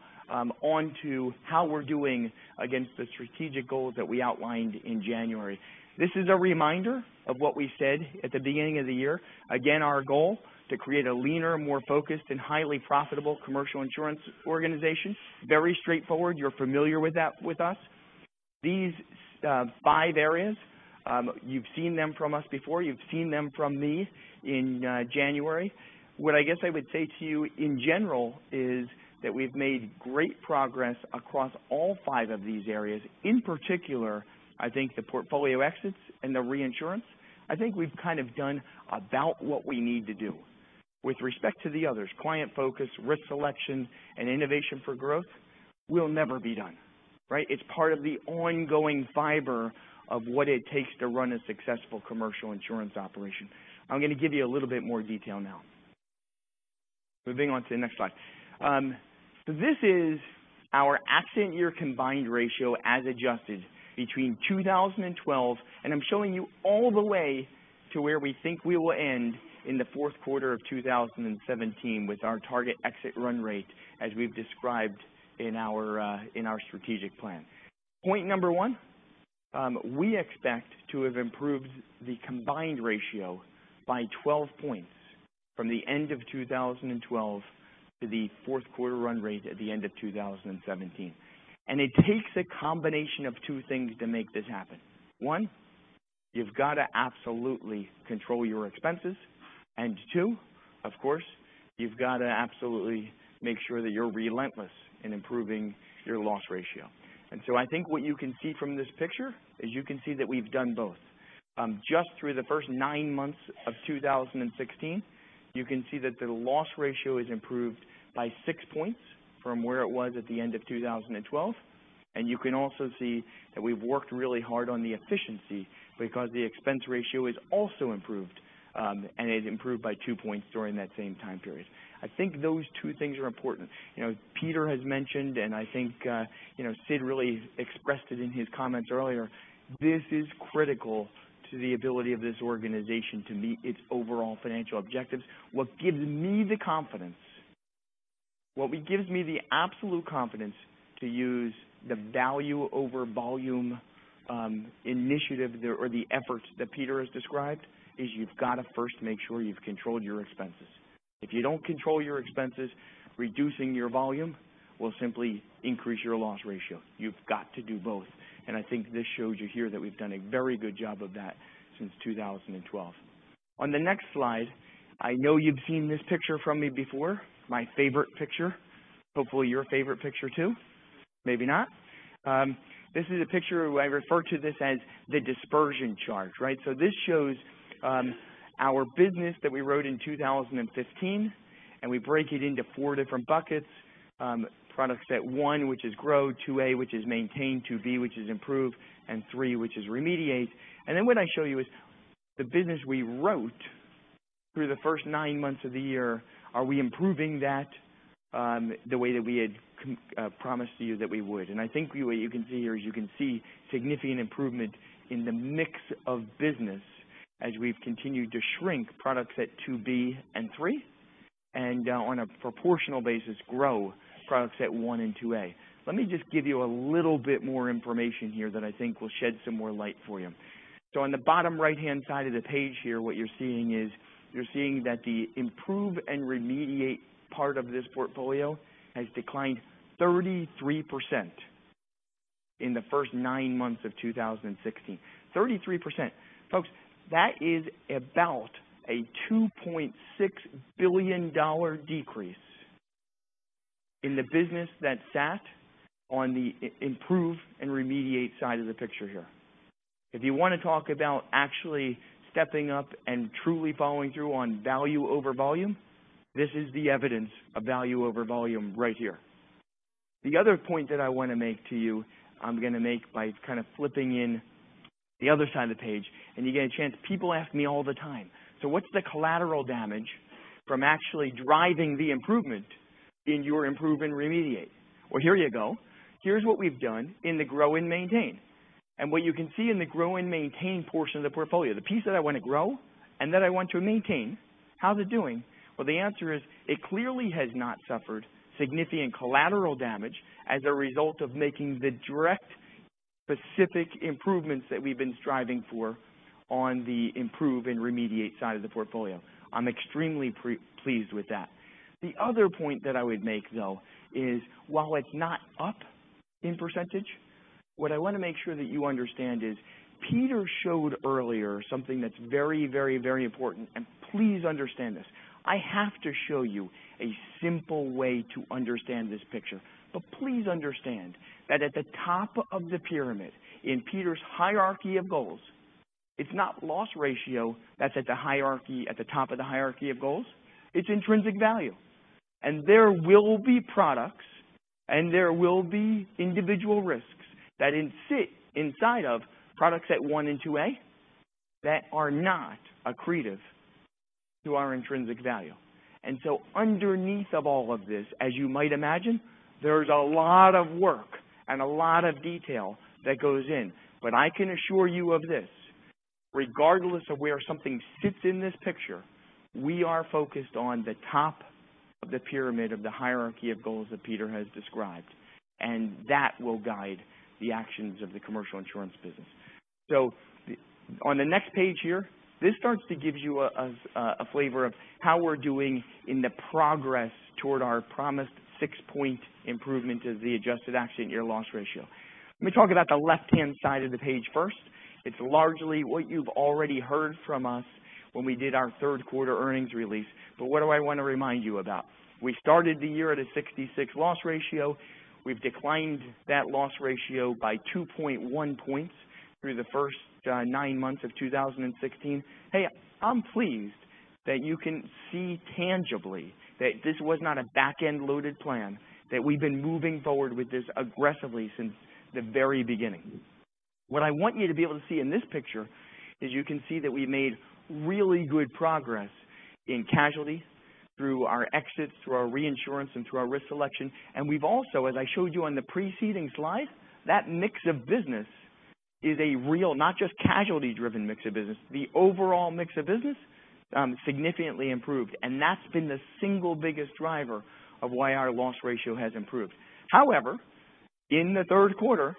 on to how we're doing against the strategic goals that we outlined in January. This is a reminder of what we said at the beginning of the year. Again, our goal, to create a leaner, more focused, and highly profitable commercial insurance organization. Very straightforward. You're familiar with us. These five areas, you've seen them from us before. You've seen them from me in January. What I guess I would say to you, in general, is that we've made great progress across all five of these areas. In particular, I think the portfolio exits and the reinsurance, I think we've kind of done about what we need to do. With respect to the others, client focus, risk selection, and innovation for growth, we'll never be done, right? It's part of the ongoing fiber of what it takes to run a successful commercial insurance operation. I'm going to give you a little bit more detail now. Moving on to the next slide. So this is our accident year combined ratio as adjusted between 2012, and I'm showing you all the way to where we think we will end in the fourth quarter of 2017 with our target exit run rate as we've described in our strategic plan. Point number one, we expect to have improved the combined ratio by 12 points from the end of 2012 to the fourth quarter run rate at the end of 2017. It takes a combination of two things to make this happen. One, you've got to absolutely control your expenses, and two, of course, you've got to absolutely make sure that you're relentless in improving your loss ratio. I think what you can see from this picture is you can see that we've done both. Just through the first nine months of 2016, you can see that the loss ratio is improved by six points from where it was at the end of 2012. You can also see that we've worked really hard on the efficiency because the expense ratio is also improved, and it improved by two points during that same time period. I think those two things are important. Peter has mentioned, and I think Sid really expressed it in his comments earlier, this is critical to the ability of this organization to meet its overall financial objectives. What gives me the absolute confidence to use the Value over Volume initiative or the efforts that Peter has described is you've got to first make sure you've controlled your expenses. If you don't control your expenses, reducing your volume will simply increase your loss ratio. You've got to do both. I think this shows you here that we've done a very good job of that since 2012. On the next slide, I know you've seen this picture from me before, my favorite picture, hopefully your favorite picture too, maybe not. This is a picture, I refer to this as the dispersion charge, right? This shows our business that we wrote in 2015, and we break it into four different buckets. Products at one, which is grow, 2A, which is maintain, 2B, which is improve, and three, which is remediate. What I show you is the business we wrote through the first nine months of the year. Are we improving that the way that we had promised to you that we would? I think what you can see here is you can see significant improvement in the mix of business as we've continued to shrink products at 2B and three, and on a proportional basis grow products at one and 2A. Let me just give you a little bit more information here that I think will shed some more light for you. On the bottom right-hand side of the page here, what you're seeing is you're seeing that the improve and remediate part of this portfolio has declined 33% in the first nine months of 2016. 33%. Folks, that is about a $2.6 billion decrease in the business that sat on the improve and remediate side of the picture here. If you want to talk about actually stepping up and truly following through on Value over Volume, this is the evidence of Value over Volume right here. The other point that I want to make to you, I'm going to make by kind of flipping in the other side of the page, and you get a chance, people ask me all the time, "What's the collateral damage from actually driving the improvement in your improve and remediate?" Here you go. Here's what we've done in the grow and maintain. What you can see in the grow and maintain portion of the portfolio, the piece that I want to grow and that I want to maintain, how's it doing? The answer is it clearly has not suffered significant collateral damage as a result of making the direct specific improvements that we've been striving for on the improve and remediate side of the portfolio. I'm extremely pleased with that. The other point that I would make, though, is while it's not up in percentage, what I want to make sure that you understand is Peter showed earlier something that's very, very, very important, and please understand this. I have to show you a simple way to understand this picture. Please understand that at the top of the pyramid in Peter's hierarchy of goals- It's not loss ratio that's at the top of the hierarchy of goals, it's intrinsic value. There will be products and there will be individual risks that sit inside of products at one and 2A that are not accretive to our intrinsic value. Underneath of all of this, as you might imagine, there's a lot of work and a lot of detail that goes in. I can assure you of this, regardless of where something sits in this picture, we are focused on the top of the pyramid of the hierarchy of goals that Peter has described, and that will guide the actions of the commercial insurance business. On the next page here, this starts to give you a flavor of how we're doing in the progress toward our promised six-point improvement of the adjusted accident year loss ratio. Let me talk about the left-hand side of the page first. It's largely what you've already heard from us when we did our third quarter earnings release. What do I want to remind you about? We started the year at a 66 loss ratio. We've declined that loss ratio by 2.1 points through the first nine months of 2016. I'm pleased that you can see tangibly that this was not a back-end loaded plan, that we've been moving forward with this aggressively since the very beginning. What I want you to be able to see in this picture is you can see that we made really good progress in casualty through our exits, through our reinsurance, and through our risk selection. We've also, as I showed you on the preceding slide, that mix of business is a real, not just casualty driven mix of business. The overall mix of business significantly improved, and that's been the single biggest driver of why our loss ratio has improved. In the third quarter,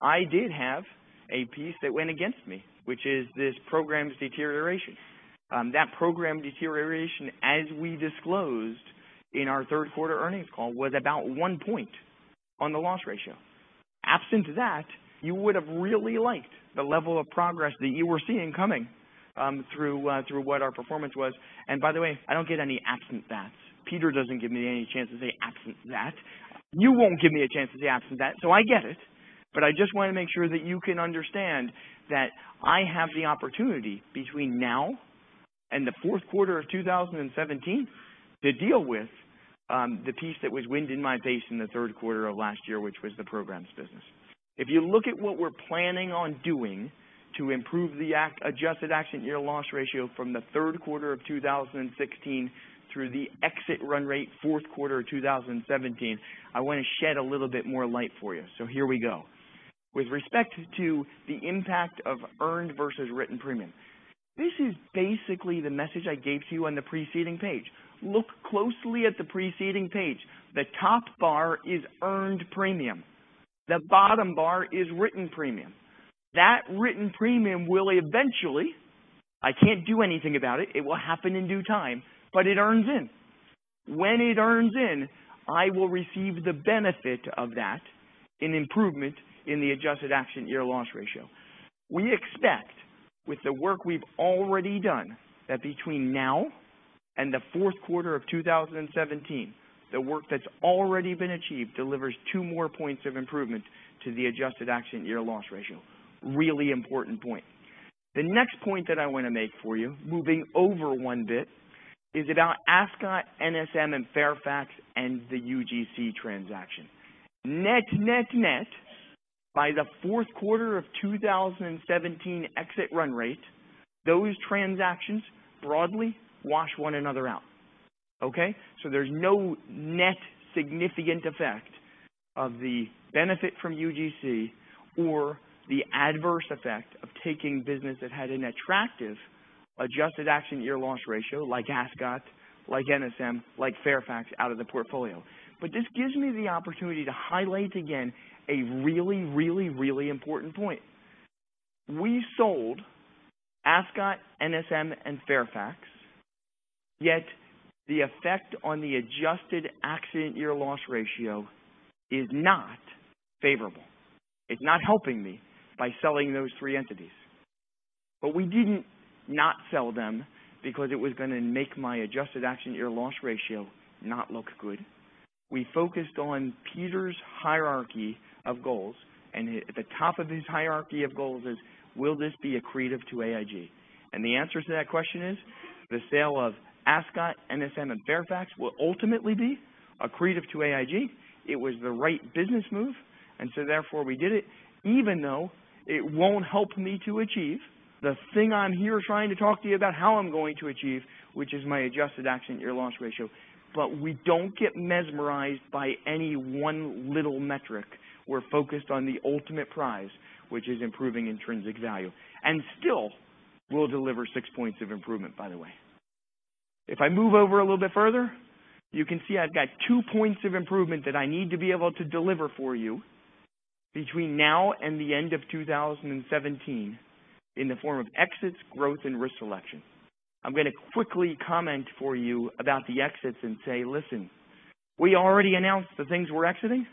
I did have a piece that went against me, which is this program's deterioration. That program deterioration, as we disclosed in our third quarter earnings call, was about one point on the loss ratio. Absent that, you would have really liked the level of progress that you were seeing coming through what our performance was. By the way, I don't get any absent that. Peter doesn't give me any chance to say absent that. You won't give me a chance to say absent that. I get it, but I just want to make sure that you can understand that I have the opportunity between now and the fourth quarter of 2017 to deal with the piece that was wind in my face in the third quarter of last year, which was the programs business. If you look at what we're planning on doing to improve the adjusted accident year loss ratio from the third quarter of 2016 through the exit run rate fourth quarter of 2017, I want to shed a little bit more light for you. Here we go. With respect to the impact of earned versus written premium, this is basically the message I gave to you on the preceding page. Look closely at the preceding page. The top bar is earned premium. The bottom bar is written premium. That written premium will eventually, I can't do anything about it will happen in due time, but it earns in. When it earns in, I will receive the benefit of that in improvement in the adjusted accident year loss ratio. We expect with the work we've already done, that between now and the fourth quarter of 2017, the work that's already been achieved delivers 2 more points of improvement to the adjusted accident year loss ratio. Really important point. The next point that I want to make for you, moving over 1 bit, is about Ascot, NSM and Fairfax and the UGC transaction. Net, net, by the fourth quarter of 2017 exit run rate, those transactions broadly wash one another out. Okay? There's no net significant effect of the benefit from UGC or the adverse effect of taking business that had an attractive adjusted accident year loss ratio like Ascot, like NSM, like Fairfax out of the portfolio. This gives me the opportunity to highlight again a really, really, really important point. We sold Ascot, NSM and Fairfax, yet the effect on the adjusted accident year loss ratio is not favorable. It's not helping me by selling those three entities. We didn't not sell them because it was going to make my adjusted accident year loss ratio not look good. We focused on Peter's hierarchy of goals, and at the top of his hierarchy of goals is will this be accretive to AIG? The answer to that question is the sale of Ascot, NSM and Fairfax will ultimately be accretive to AIG. It was the right business move, therefore we did it even though it won't help me to achieve the thing I'm here trying to talk to you about how I'm going to achieve, which is my adjusted accident year loss ratio. We don't get mesmerized by any 1 little metric. We're focused on the ultimate prize, which is improving intrinsic value, and still we'll deliver 6 points of improvement, by the way. If I move over a little bit further, you can see I've got 2 points of improvement that I need to be able to deliver for you between now and the end of 2017 in the form of exits, growth and risk selection. I'm going to quickly comment for you about the exits and say, listen, we already announced the things we're exiting.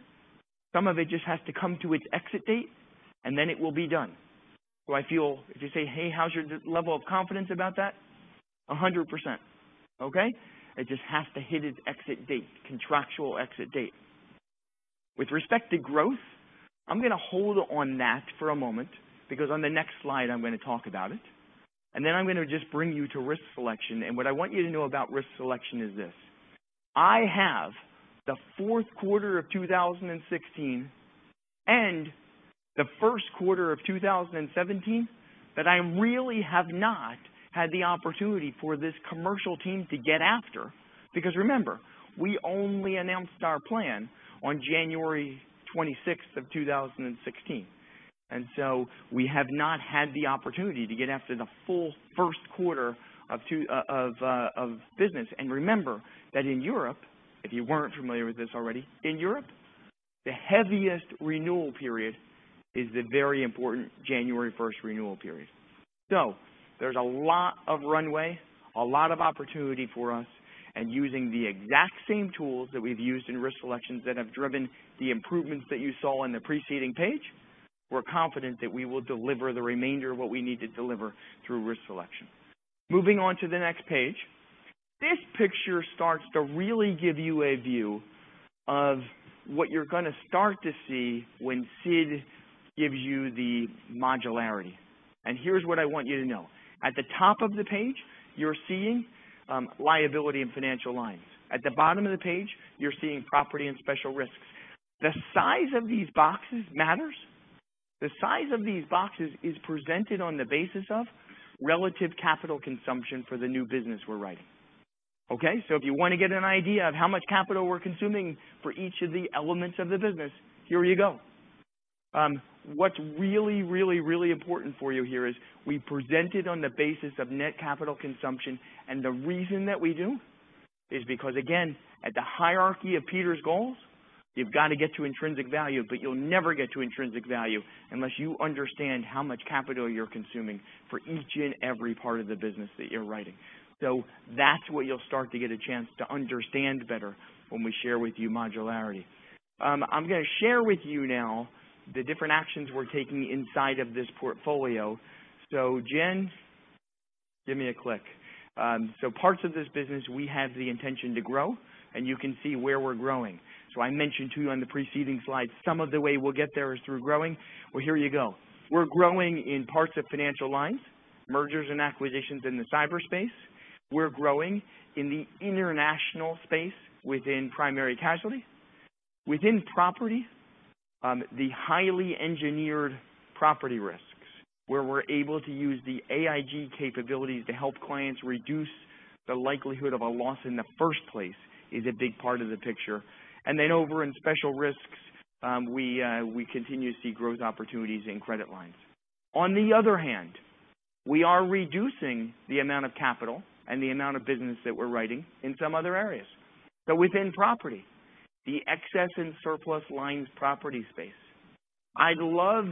Some of it just has to come to its exit date, then it will be done. I feel if you say, "Hey, how's your level of confidence about that?" 100%. Okay? It just has to hit its exit date, contractual exit date. With respect to growth, I'm going to hold on that for a moment because on the next slide, I'm going to talk about it. Then I'm going to just bring you to risk selection. What I want you to know about risk selection is this. I have the fourth quarter of 2016 and the first quarter of 2017 that I really have not had the opportunity for this commercial team to get after because remember, we only announced our plan on January 26th of 2016. We have not had the opportunity to get after the full first quarter of business. Remember that in Europe, if you weren't familiar with this already, in Europe, the heaviest renewal period is the very important January 1st renewal period. There's a lot of runway, a lot of opportunity for us, and using the exact same tools that we've used in risk selections that have driven the improvements that you saw on the preceding page, we're confident that we will deliver the remainder of what we need to deliver through risk selection. Moving on to the next page. This picture starts to really give you a view of what you're going to start to see when Sid gives you the modularity. Here's what I want you to know. At the top of the page, you're seeing Liability and Financial Lines. At the bottom of the page, you're seeing Property and Special Risks. The size of these boxes matters. The size of these boxes is presented on the basis of relative capital consumption for the new business we're writing. Okay? If you want to get an idea of how much capital we're consuming for each of the elements of the business, here you go. What's really important for you here is we presented on the basis of net capital consumption, the reason that we do is because, again, at the hierarchy of Peter's goals, you've got to get to intrinsic value, you'll never get to intrinsic value unless you understand how much capital you're consuming for each and every part of the business that you're writing. That's what you'll start to get a chance to understand better when we share with you modularity. I'm going to share with you now the different actions we're taking inside of this portfolio. Jen, give me a click. Parts of this business, we have the intention to grow, you can see where we're growing. I mentioned to you on the preceding slide, some of the way we'll get there is through growing. Well, here you go. We're growing in parts of financial lines, mergers and acquisitions in the cyberspace. We're growing in the international space within primary casualty. Within property, the highly engineered property risks, where we're able to use the AIG capabilities to help clients reduce the likelihood of a loss in the first place is a big part of the picture. Then over in special risks, we continue to see growth opportunities in credit lines. On the other hand, we are reducing the amount of capital and the amount of business that we're writing in some other areas. Within property, the excess in surplus lines property space. I'd love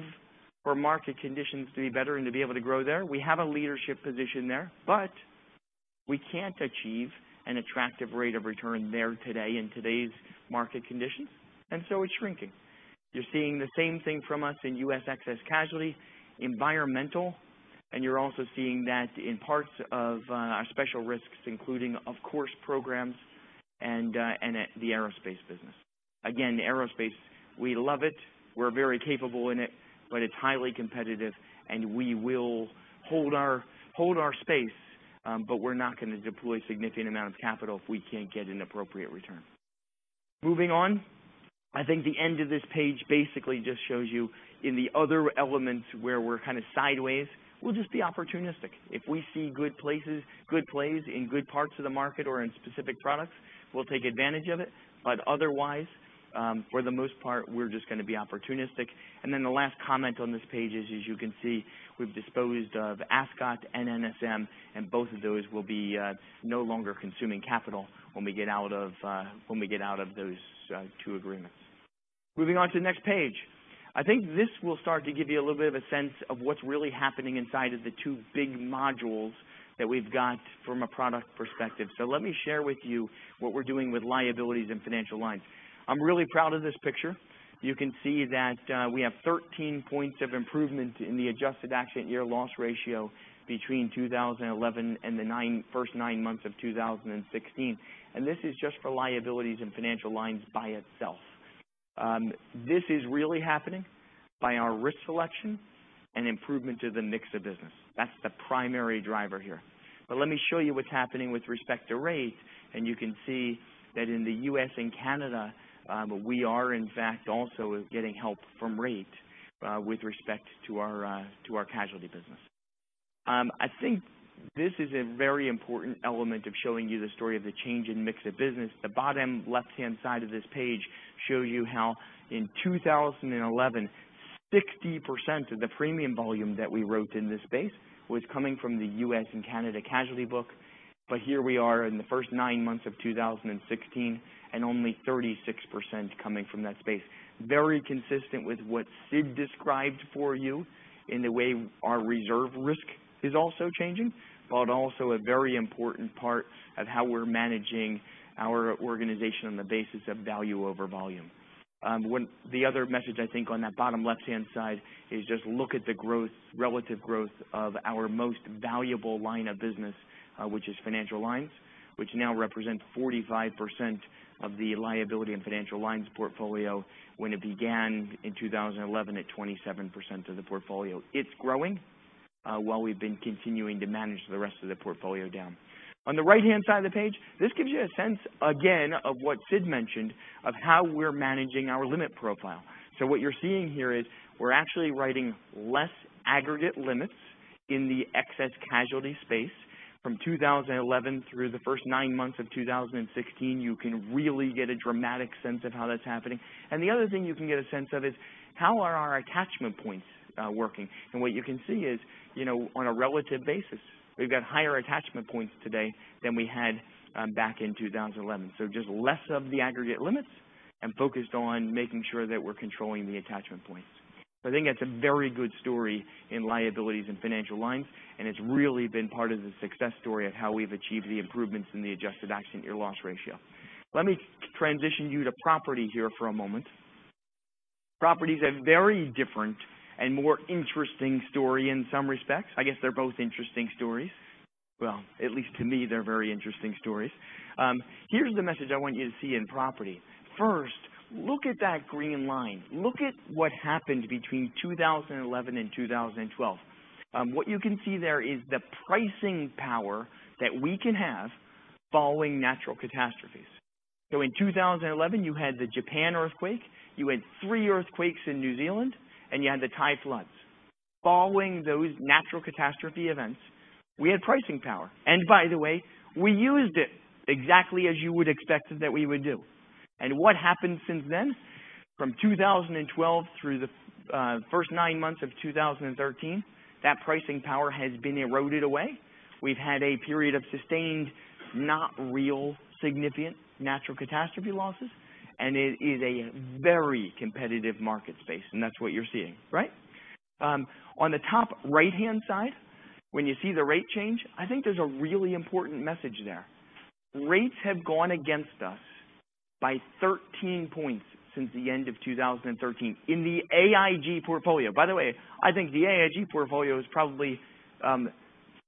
for market conditions to be better and to be able to grow there. We have a leadership position there, but we can't achieve an attractive rate of return there today in today's market conditions. So it's shrinking. You're seeing the same thing from us in U.S. excess casualty, environmental. You're also seeing that in parts of our special risks, including, of course, programs and the aerospace business. Again, aerospace, we love it. We're very capable in it, but it's highly competitive, we will hold our space, but we're not going to deploy significant amount of capital if we can't get an appropriate return. Moving on. I think the end of this page basically just shows you in the other elements where we're kind of sideways, we'll just be opportunistic. If we see good plays in good parts of the market or in specific products, we'll take advantage of it. Otherwise, for the most part, we're just going to be opportunistic. Then the last comment on this page is, as you can see, we've disposed of Ascot and NSM, both of those will be no longer consuming capital when we get out of those two agreements. Moving on to the next page. I think this will start to give you a little bit of a sense of what's really happening inside of the two big modules that we've got from a product perspective. Let me share with you what we're doing with liabilities and financial lines. I'm really proud of this picture. You can see that we have 13 points of improvement in the adjusted accident year loss ratio between 2011 and the first nine months of 2016. This is just for liabilities and financial lines by itself. This is really happening by our risk selection and improvement to the mix of business. That's the primary driver here. Let me show you what's happening with respect to rate, you can see that in the U.S. and Canada, we are in fact also getting help from rate with respect to our casualty business. I think this is a very important element of showing you the story of the change in mix of business. The bottom left-hand side of this page shows you how in 2011, 60% of the premium volume that we wrote in this space was coming from the U.S. and Canada casualty book. Here we are in the first nine months of 2016, only 36% coming from that space. Very consistent with what Sid described for you in the way our reserve risk is also changing, also a very important part of how we're managing our organization on the basis of value over volume. The other message I think on that bottom left-hand side is just look at the relative growth of our most valuable line of business, which is financial lines, which now represents 45% of the liability and financial lines portfolio when it began in 2011 at 27% of the portfolio. It's growing while we've been continuing to manage the rest of the portfolio down. On the right-hand side of the page, this gives you a sense, again, of what Sid mentioned of how we're managing our limit profile. What you're seeing here is we're actually writing less aggregate limits in the excess casualty space from 2011 through the first nine months of 2016. You can really get a dramatic sense of how that's happening. The other thing you can get a sense of is how are our attachment points working. What you can see is on a relative basis, we've got higher attachment points today than we had back in 2011. Just less of the aggregate limits and focused on making sure that we're controlling the attachment points. I think that's a very good story in liabilities and financial lines, and it's really been part of the success story of how we've achieved the improvements in the adjusted action year loss ratio. Let me transition you to property here for a moment. Properties have very different and more interesting story in some respects. I guess they're both interesting stories. Well, at least to me, they're very interesting stories. Here's the message I want you to see in property. First, look at that green line. Look at what happened between 2011 and 2012. What you can see there is the pricing power that we can have following natural catastrophes. In 2011, you had the Japan earthquake, you had three earthquakes in New Zealand, and you had the Thai floods. Following those natural catastrophe events, we had pricing power. By the way, we used it exactly as you would expected that we would do. What happened since then? From 2012 through the first nine months of 2013, that pricing power has been eroded away. We've had a period of sustained, not real significant natural catastrophe losses, and it is a very competitive market space, and that's what you're seeing. Right? On the top right-hand side, when you see the rate change, I think there's a really important message there. Rates have gone against us by 13 points since the end of 2013 in the AIG portfolio. By the way, I think the AIG portfolio is probably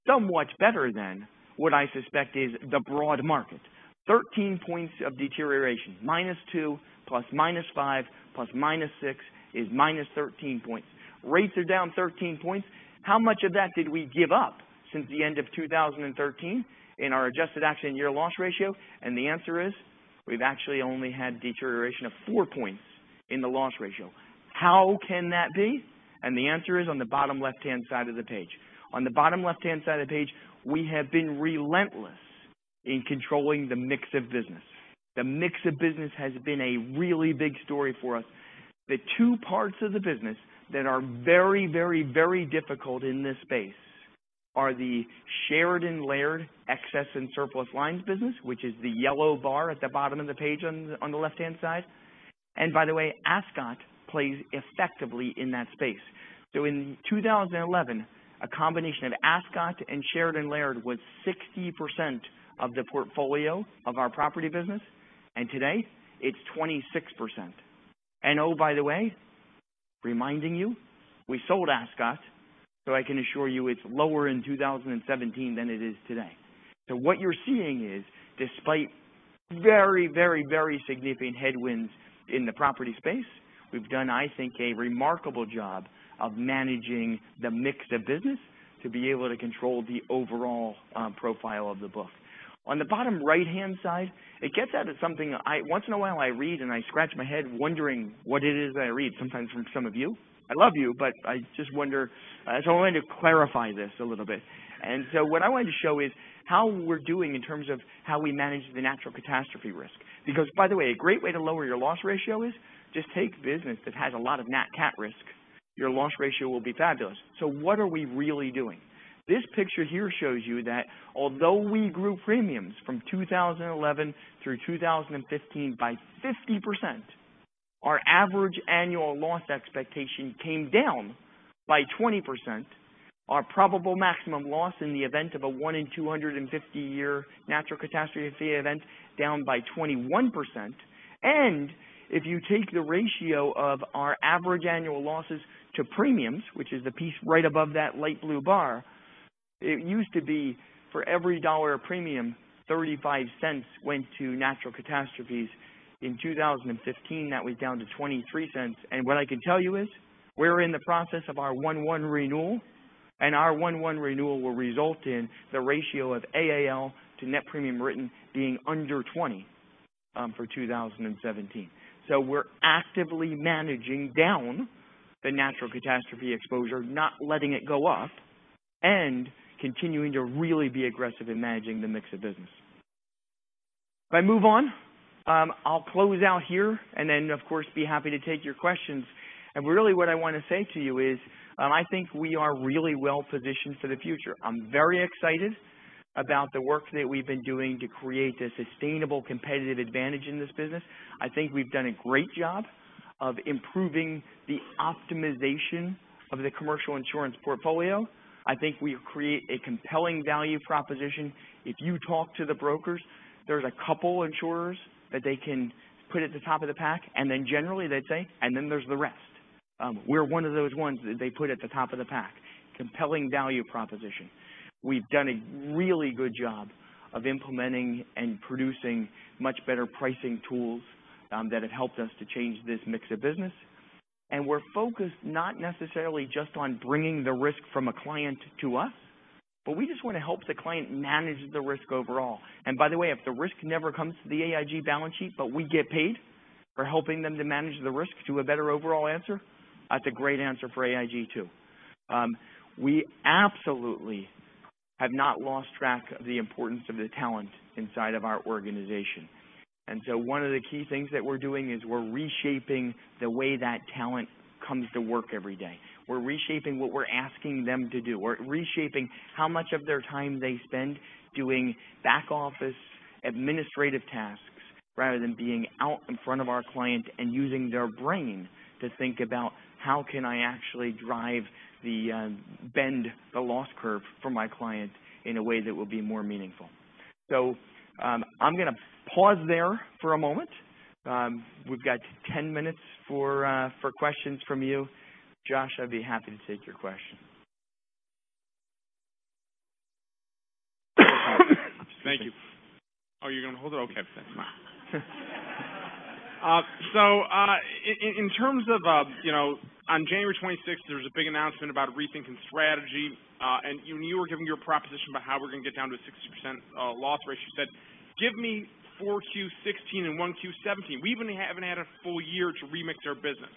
somewhat better than what I suspect is the broad market. 13 points of deterioration, -2 + -5 + -6 is -13 points. Rates are down 13 points. How much of that did we give up since the end of 2013 in our adjusted action year loss ratio? The answer is, we've actually only had deterioration of four points in the loss ratio. How can that be? The answer is on the bottom left-hand side of the page. On the bottom left-hand side of the page, we have been relentless in controlling the mix of business. The mix of business has been a really big story for us. The two parts of the business that are very difficult in this space are the shared and layered excess and surplus lines business, which is the yellow bar at the bottom of the page on the left-hand side. By the way, Ascot plays effectively in that space. In 2011, a combination of Ascot and shared and layered was 60% of the portfolio of our property business. Today, it's 26%. Oh, by the way, reminding you, we sold Ascot, so I can assure you it's lower in 2017 than it is today. What you're seeing is despite very significant headwinds in the property space, we've done, I think, a remarkable job of managing the mix of business to be able to control the overall profile of the book. On the bottom right-hand side, it gets out of something I once in a while, I read and I scratch my head wondering what it is that I read sometimes from some of you. I love you, but I just wonder, so I wanted to clarify this a little bit. What I wanted to show is how we're doing in terms of how we manage the natural catastrophe risk. By the way, a great way to lower your loss ratio is just take business that has a lot of nat cat risk. Your loss ratio will be fabulous. What are we really doing? This picture here shows you that although we grew premiums from 2011 through 2015 by 50%, our average annual loss expectation came down by 20%. Our probable maximum loss in the event of a one in 250-year natural catastrophe event, down by 21%. If you take the ratio of our average annual losses to premiums, which is the piece right above that light blue bar, it used to be for every dollar premium, $0.35 went to natural catastrophes. In 2015, that was down to $0.23. What I can tell you is we're in the process of our 1/1 renewal, and our 1/1 renewal will result in the ratio of AAL to net premium written being under 20 for 2017. We're actively managing down the natural catastrophe exposure, not letting it go up, and continuing to really be aggressive in managing the mix of business. If I move on, I'll close out here and then of course, be happy to take your questions. Really what I want to say to you is, I think we are really well-positioned for the future. I'm very excited about the work that we've been doing to create a sustainable competitive advantage in this business. I think we've done a great job of improving the optimization of the commercial insurance portfolio. I think we've created a compelling value proposition. If you talk to the brokers, there's a couple insurers that they can put at the top of the pack, and then generally they'd say, "And then there's the rest." We're one of those ones that they put at the top of the pack. Compelling value proposition. We've done a really good job of implementing and producing much better pricing tools that have helped us to change this mix of business. We're focused not necessarily just on bringing the risk from a client to us, but we just want to help the client manage the risk overall. By the way, if the risk never comes to the AIG balance sheet, but we get paid for helping them to manage the risk to a better overall answer, that's a great answer for AIG, too. We absolutely have not lost track of the importance of the talent inside of our organization. One of the key things that we're doing is we're reshaping the way that talent comes to work every day. We're reshaping what we're asking them to do. We're reshaping how much of their time they spend doing back office administrative tasks rather than being out in front of our client and using their brain to think about how can I actually drive the bend the loss curve for my client in a way that will be more meaningful. I'm going to pause there for a moment. We've got 10 minutes for questions from you. Josh, I'd be happy to take your question. Thank you. Oh, you're going to hold it? Okay. Thanks. In terms of on January 26th, there was a big announcement about rethink and strategy. You were giving your proposition about how we're going to get down to a 60% loss ratio. Give me 4Q16 and 1Q17. We even haven't had a full year to remix our business.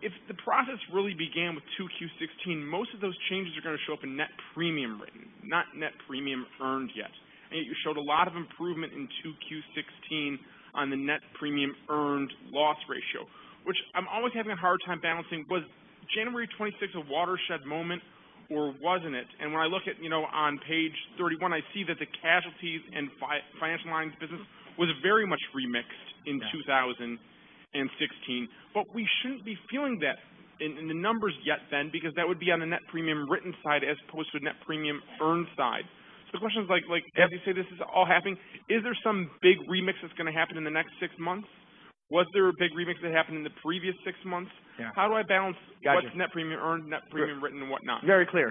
If the process really began with 2Q16, most of those changes are going to show up in net premium written, not net premium earned yet. You showed a lot of improvement in 2Q16 on the net premium earned loss ratio, which I'm always having a hard time balancing. Was January 26th a watershed moment, or wasn't it? When I look at on page 31, I see that the casualties and financial lines business was very much remixed in 2016. We shouldn't be feeling that in the numbers yet then because that would be on the net premium written side as opposed to net premium earned side. The question is like as you say this is all happening, is there some big remix that's going to happen in the next six months? Was there a big remix that happened in the previous six months? Yeah. How do I balance- Got you. What's net premium earned, net premium written, and whatnot? Very clear.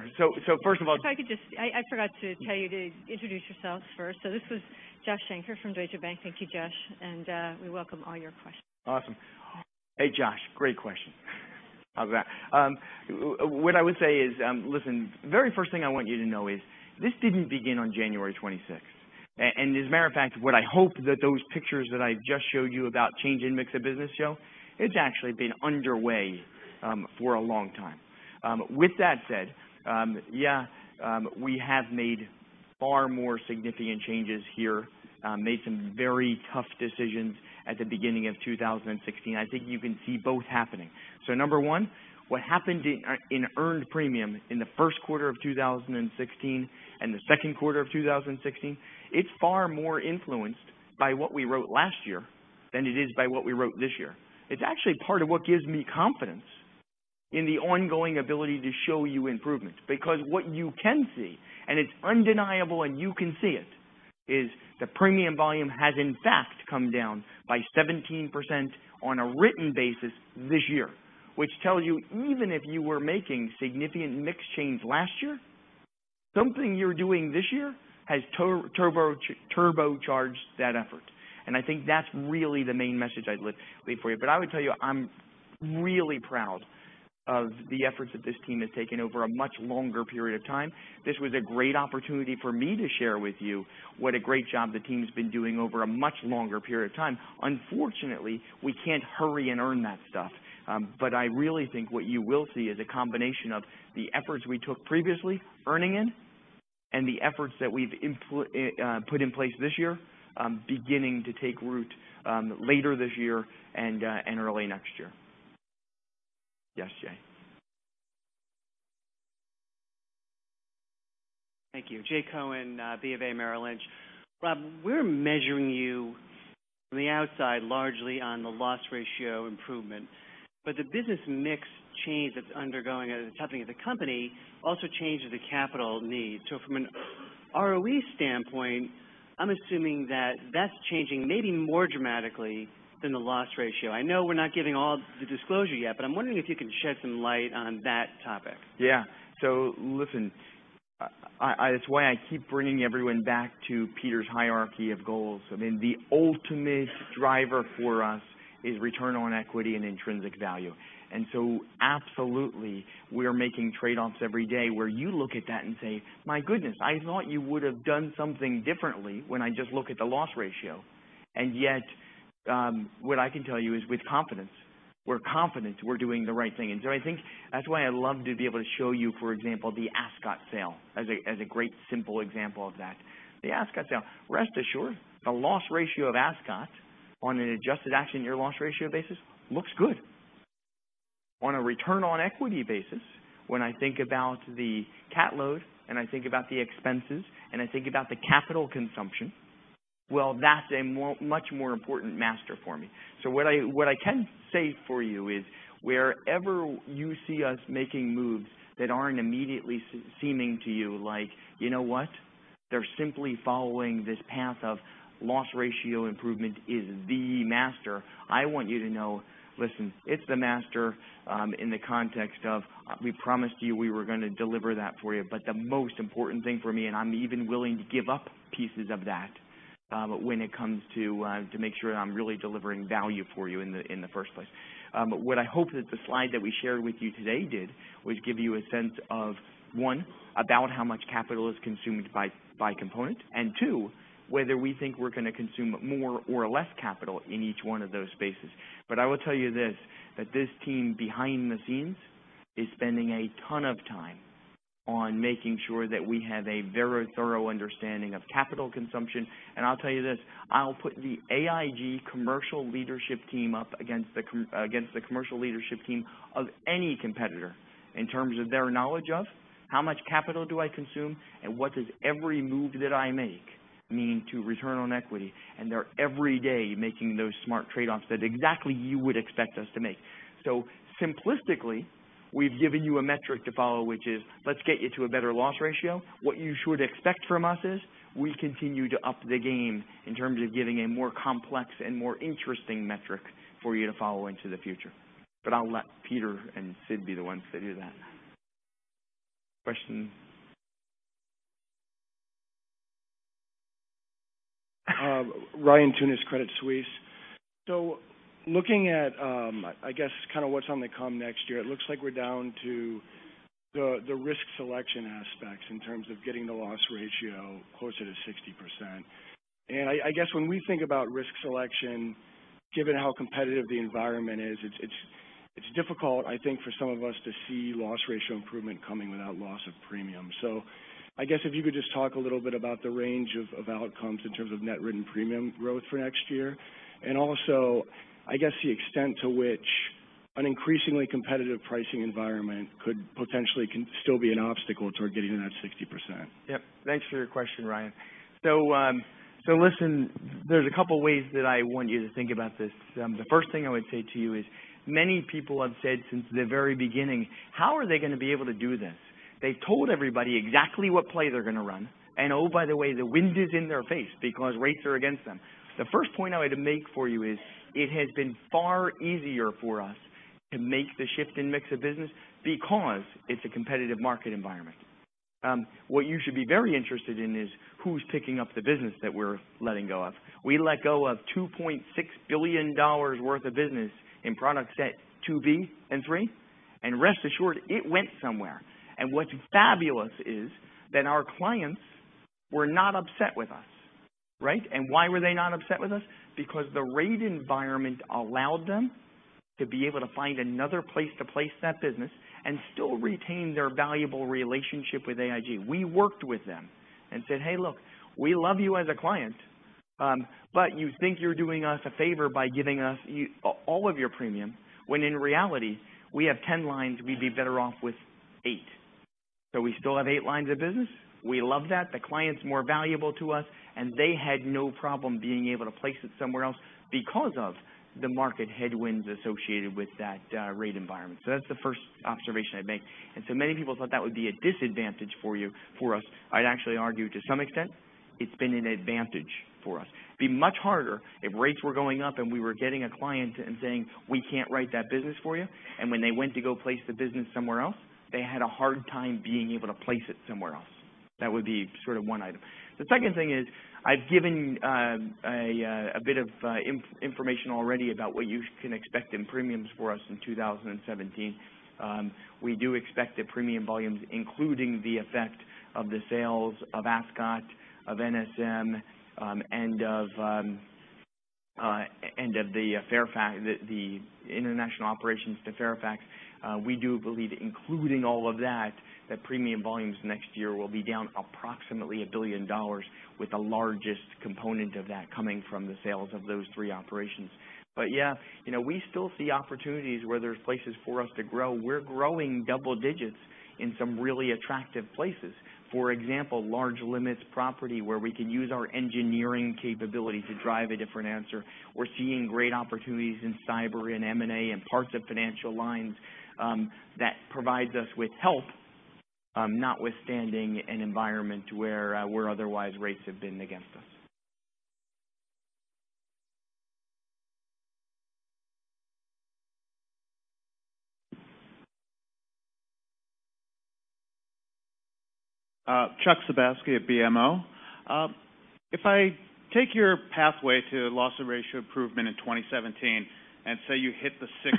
First of all- I forgot to tell you to introduce yourselves first. This is Joshua Shanker from Deutsche Bank. Thank you, Josh, and we welcome all your questions. Awesome. Hey, Josh, great question. How's that? What I would say is, listen, the very first thing I want you to know is this didn't begin on January 26th. As a matter of fact, what I hope that those pictures that I just showed you about change in mix of business show, it's actually been underway for a long time. That said, yeah, we have made far more significant changes here, made some very tough decisions at the beginning of 2016. I think you can see both happening. Number one, what happened in earned premium in the first quarter of 2016 and the second quarter of 2016, it's far more influenced by what we wrote last year than it is by what we wrote this year. It's actually part of what gives me confidence in the ongoing ability to show you improvements. What you can see, and it's undeniable and you can see it, is the premium volume has in fact come down by 17% on a written basis this year. That tells you even if you were making significant mix change last year, something you're doing this year has turbocharged that effort. I think that's really the main message I'd leave for you. I would tell you I'm really proud of the efforts that this team has taken over a much longer period of time. This was a great opportunity for me to share with you what a great job the team's been doing over a much longer period of time. Unfortunately, we can't hurry and earn that stuff. I really think what you will see is a combination of the efforts we took previously earning in and the efforts that we've put in place this year beginning to take root later this year and early next year. Yes, Jay. Thank you. Jay Cohen, Bank of America, Merrill Lynch. Rob, we're measuring you from the outside largely on the loss ratio improvement. The business mix change that's undergoing at the company also changes the capital needs. From an ROE standpoint, I'm assuming that that's changing maybe more dramatically than the loss ratio. I know we're not getting all the disclosure yet, but I'm wondering if you can shed some light on that topic. Yeah. Listen, it's why I keep bringing everyone back to Peter's hierarchy of goals. I mean, the ultimate driver for us is return on equity and intrinsic value. Absolutely, we are making trade-offs every day where you look at that and say, "My goodness, I thought you would've done something differently when I just look at the loss ratio." Yet, what I can tell you is with confidence, we're confident we're doing the right thing. I think that's why I love to be able to show you, for example, the Ascot sale as a great simple example of that. The Ascot sale, rest assured, the loss ratio of Ascot on an adjusted action year loss ratio basis looks good. On a return on equity basis, when I think about the CAT load and I think about the expenses and I think about the capital consumption. Well, that's a much more important master for me. What I can say for you is wherever you see us making moves that aren't immediately seeming to you like, you know what? They're simply following this path of loss ratio improvement is the master. I want you to know, listen, it's the master in the context of we promised you we were going to deliver that for you. The most important thing for me, and I'm even willing to give up pieces of that to make sure that I'm really delivering value for you in the first place. What I hope that the slide that we shared with you today did was give you a sense of, one, about how much capital is consumed by component, and two, whether we think we're going to consume more or less capital in each one of those spaces. I will tell you this, that this team behind the scenes is spending a ton of time on making sure that we have a very thorough understanding of capital consumption. I'll tell you this, I'll put the AIG commercial leadership team up against the commercial leadership team of any competitor in terms of their knowledge of how much capital do I consume and what does every move that I make mean to return on equity, and they're every day making those smart trade-offs that exactly you would expect us to make. Simplistically, we've given you a metric to follow, which is let's get you to a better loss ratio. What you should expect from us is we continue to up the game in terms of giving a more complex and more interesting metric for you to follow into the future. I'll let Peter and Sid be the ones to do that. Question? Ryan Tunis, Credit Suisse. Looking at, I guess kind of what's on the come next year, it looks like we're down to the risk selection aspects in terms of getting the loss ratio closer to 60%. I guess when we think about risk selection, given how competitive the environment is, it's difficult, I think, for some of us to see loss ratio improvement coming without loss of premium. I guess if you could just talk a little bit about the range of outcomes in terms of net written premium growth for next year. Also, I guess the extent to which an increasingly competitive pricing environment could potentially still be an obstacle toward getting to that 60%. Yep. Thanks for your question, Ryan. Listen, there's a couple ways that I want you to think about this. The first thing I would say to you is, many people have said since the very beginning, how are they going to be able to do this? They've told everybody exactly what play they're going to run, and oh, by the way, the wind is in their face because rates are against them. The first point I would make for you is it has been far easier for us to make the shift in mix of business because it's a competitive market environment. What you should be very interested in is who's picking up the business that we're letting go of. We let go of $2.6 billion worth of business in products at 2B and 3, rest assured, it went somewhere. What's fabulous is that our clients were not upset with us, right? Why were they not upset with us? Because the rate environment allowed them to be able to find another place to place that business and still retain their valuable relationship with AIG. We worked with them and said, "Hey, look, we love you as a client, but you think you're doing us a favor by giving us all of your premium, when in reality, we have 10 lines we'd be better off with eight." We still have eight lines of business. We love that. The client's more valuable to us, they had no problem being able to place it somewhere else because of the market headwinds associated with that rate environment. That's the first observation I'd make. So many people thought that would be a disadvantage for us. I'd actually argue to some extent it's been an advantage for us. It'd be much harder if rates were going up and we were getting a client and saying, "We can't write that business for you." When they went to go place the business somewhere else, they had a hard time being able to place it somewhere else. That would be sort of one item. The second thing is I've given a bit of information already about what you can expect in premiums for us in 2017. We do expect the premium volumes, including the effect of the sales of Ascot, of NSM, and of the international operations to Fairfax. We do believe, including all of that premium volumes next year will be down approximately $1 billion, with the largest component of that coming from the sales of those three operations. Yeah, we still see opportunities where there's places for us to grow. We're growing double-digits in some really attractive places. For example, large limits property where we can use our engineering capability to drive a different answer. We're seeing great opportunities in cyber and M&A and parts of financial lines that provides us with help notwithstanding an environment where otherwise rates have been against us. Chuck Sebaski at BMO. If I take your pathway to loss of ratio improvement in 2017 and say you hit the 60%,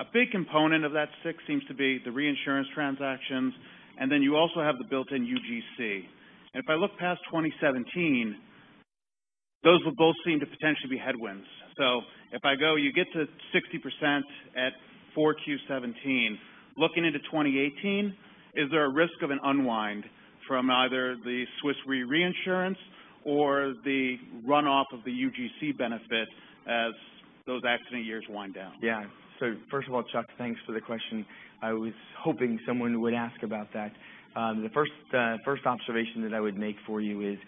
a big component of that 6% seems to be the reinsurance transactions, you also have the built-in UGC. If I look past 2017, those will both seem to potentially be headwinds. If I go, you get to 60% at 4Q 2017, looking into 2018, is there a risk of an unwind from either the Swiss Re reinsurance or the runoff of the UGC benefit as those accident years wind down. Yeah. First of all, Chuck, thanks for the question. I was hoping someone would ask about that. The first observation that I would make for you is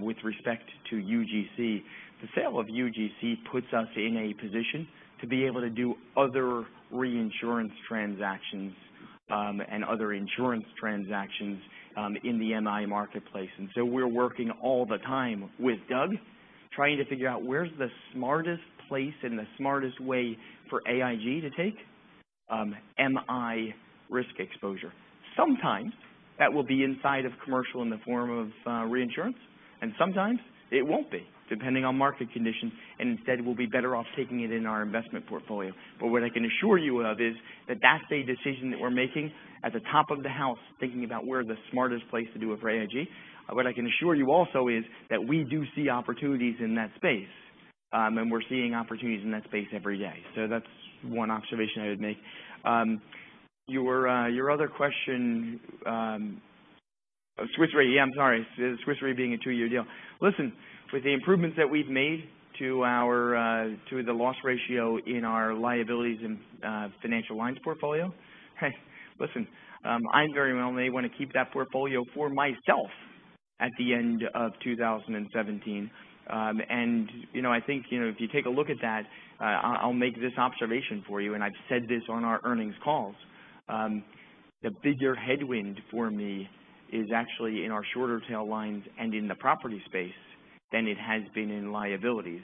with respect to UGC. The sale of UGC puts us in a position to be able to do other reinsurance transactions, other insurance transactions in the MI marketplace. We're working all the time with Doug, trying to figure out where's the smartest place and the smartest way for AIG to take MI risk exposure. Sometimes that will be inside of commercial in the form of reinsurance, sometimes it won't be, depending on market conditions, instead we'll be better off taking it in our investment portfolio. What I can assure you of is that that's a decision that we're making at the top of the house, thinking about where the smartest place to do it for AIG. What I can assure you also is that we do see opportunities in that space, and we're seeing opportunities in that space every day. That's one observation I would make. Your other question, Swiss Re, yeah, I'm sorry, Swiss Re being a two-year deal. Listen, with the improvements that we've made to the loss ratio in our liabilities and financial lines portfolio, hey, listen, I very well may want to keep that portfolio for myself at the end of 2017. I think, if you take a look at that, I'll make this observation for you, and I've said this on our earnings calls. The bigger headwind for me is actually in our shorter tail lines and in the property space than it has been in liabilities.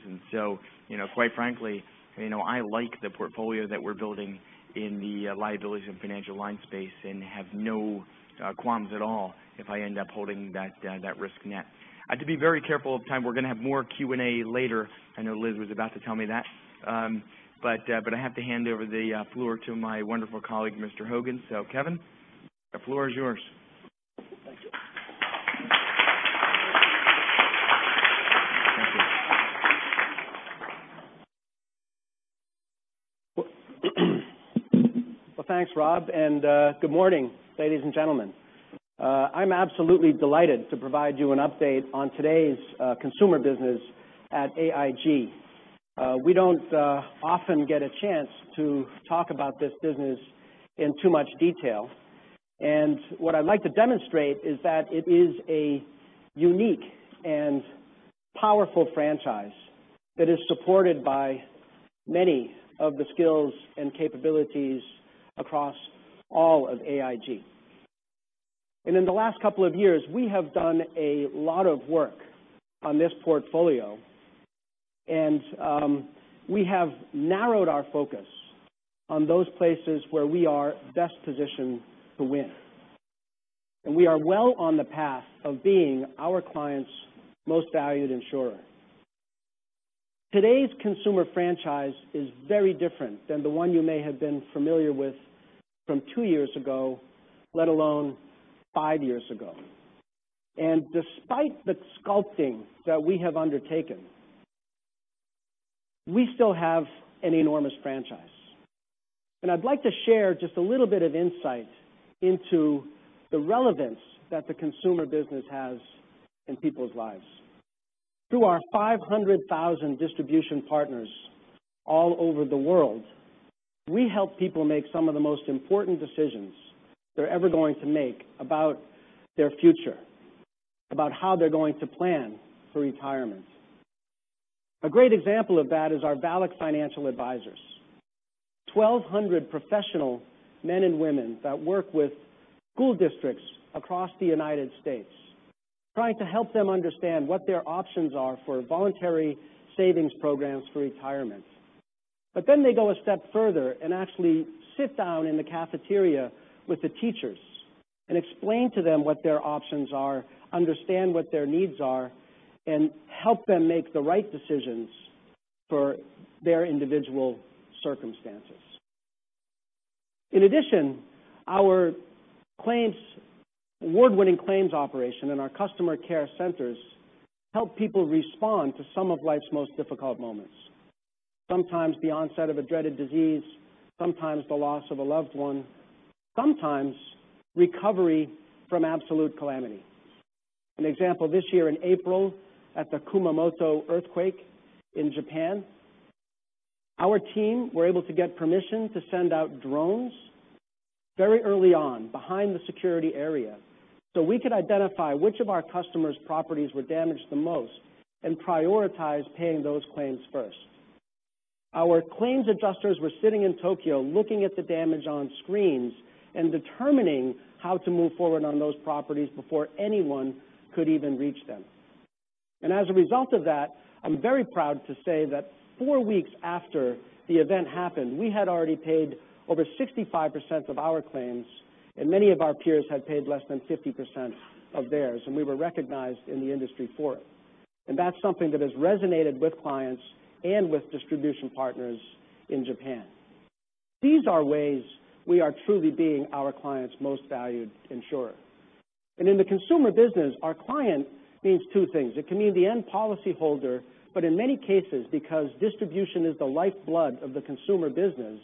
Quite frankly, I like the portfolio that we're building in the liabilities and financial line space and have no qualms at all if I end up holding that risk net. I have to be very careful of time. We're going to have more Q&A later. I know Liz was about to tell me that. I have to hand over the floor to my wonderful colleague, Mr. Hogan. Kevin, the floor is yours. Thank you. Thank you. Well, thanks, Rob, and good morning, ladies and gentlemen. I'm absolutely delighted to provide you an update on today's consumer business at AIG. We don't often get a chance to talk about this business in too much detail. What I'd like to demonstrate is that it is a unique and powerful franchise that is supported by many of the skills and capabilities across all of AIG. In the last couple of years, we have done a lot of work on this portfolio and we have narrowed our focus on those places where we are best positioned to win. We are well on the path of being our clients' most valued insurer. Today's consumer franchise is very different than the one you may have been familiar with from two years ago, let alone five years ago. Despite the sculpting that we have undertaken, we still have an enormous franchise. I'd like to share just a little bit of insight into the relevance that the consumer business has in people's lives. Through our 500,000 distribution partners all over the world, we help people make some of the most important decisions they're ever going to make about their future, about how they're going to plan for retirement. A great example of that is our VALIC Financial Advisors, 1,200 professional men and women that work with school districts across the U.S., trying to help them understand what their options are for voluntary savings programs for retirement. They go a step further and actually sit down in the cafeteria with the teachers and explain to them what their options are, understand what their needs are, and help them make the right decisions for their individual circumstances. In addition, our award-winning claims operation and our customer care centers help people respond to some of life's most difficult moments. Sometimes the onset of a dreaded disease, sometimes the loss of a loved one, sometimes recovery from absolute calamity. An example, this year in April, at the Kumamoto earthquake in Japan, our team were able to get permission to send out drones very early on behind the security area so we could identify which of our customers' properties were damaged the most and prioritize paying those claims first. Our claims adjusters were sitting in Tokyo looking at the damage on screens and determining how to move forward on those properties before anyone could even reach them. As a result of that, I'm very proud to say that four weeks after the event happened, we had already paid over 65% of our claims, and many of our peers had paid less than 50% of theirs, and we were recognized in the industry for it. That's something that has resonated with clients and with distribution partners in Japan. These are ways we are truly being our clients' most valued insurer. In the consumer business, our client means two things. It can mean the end policyholder, but in many cases, because distribution is the lifeblood of the consumer business,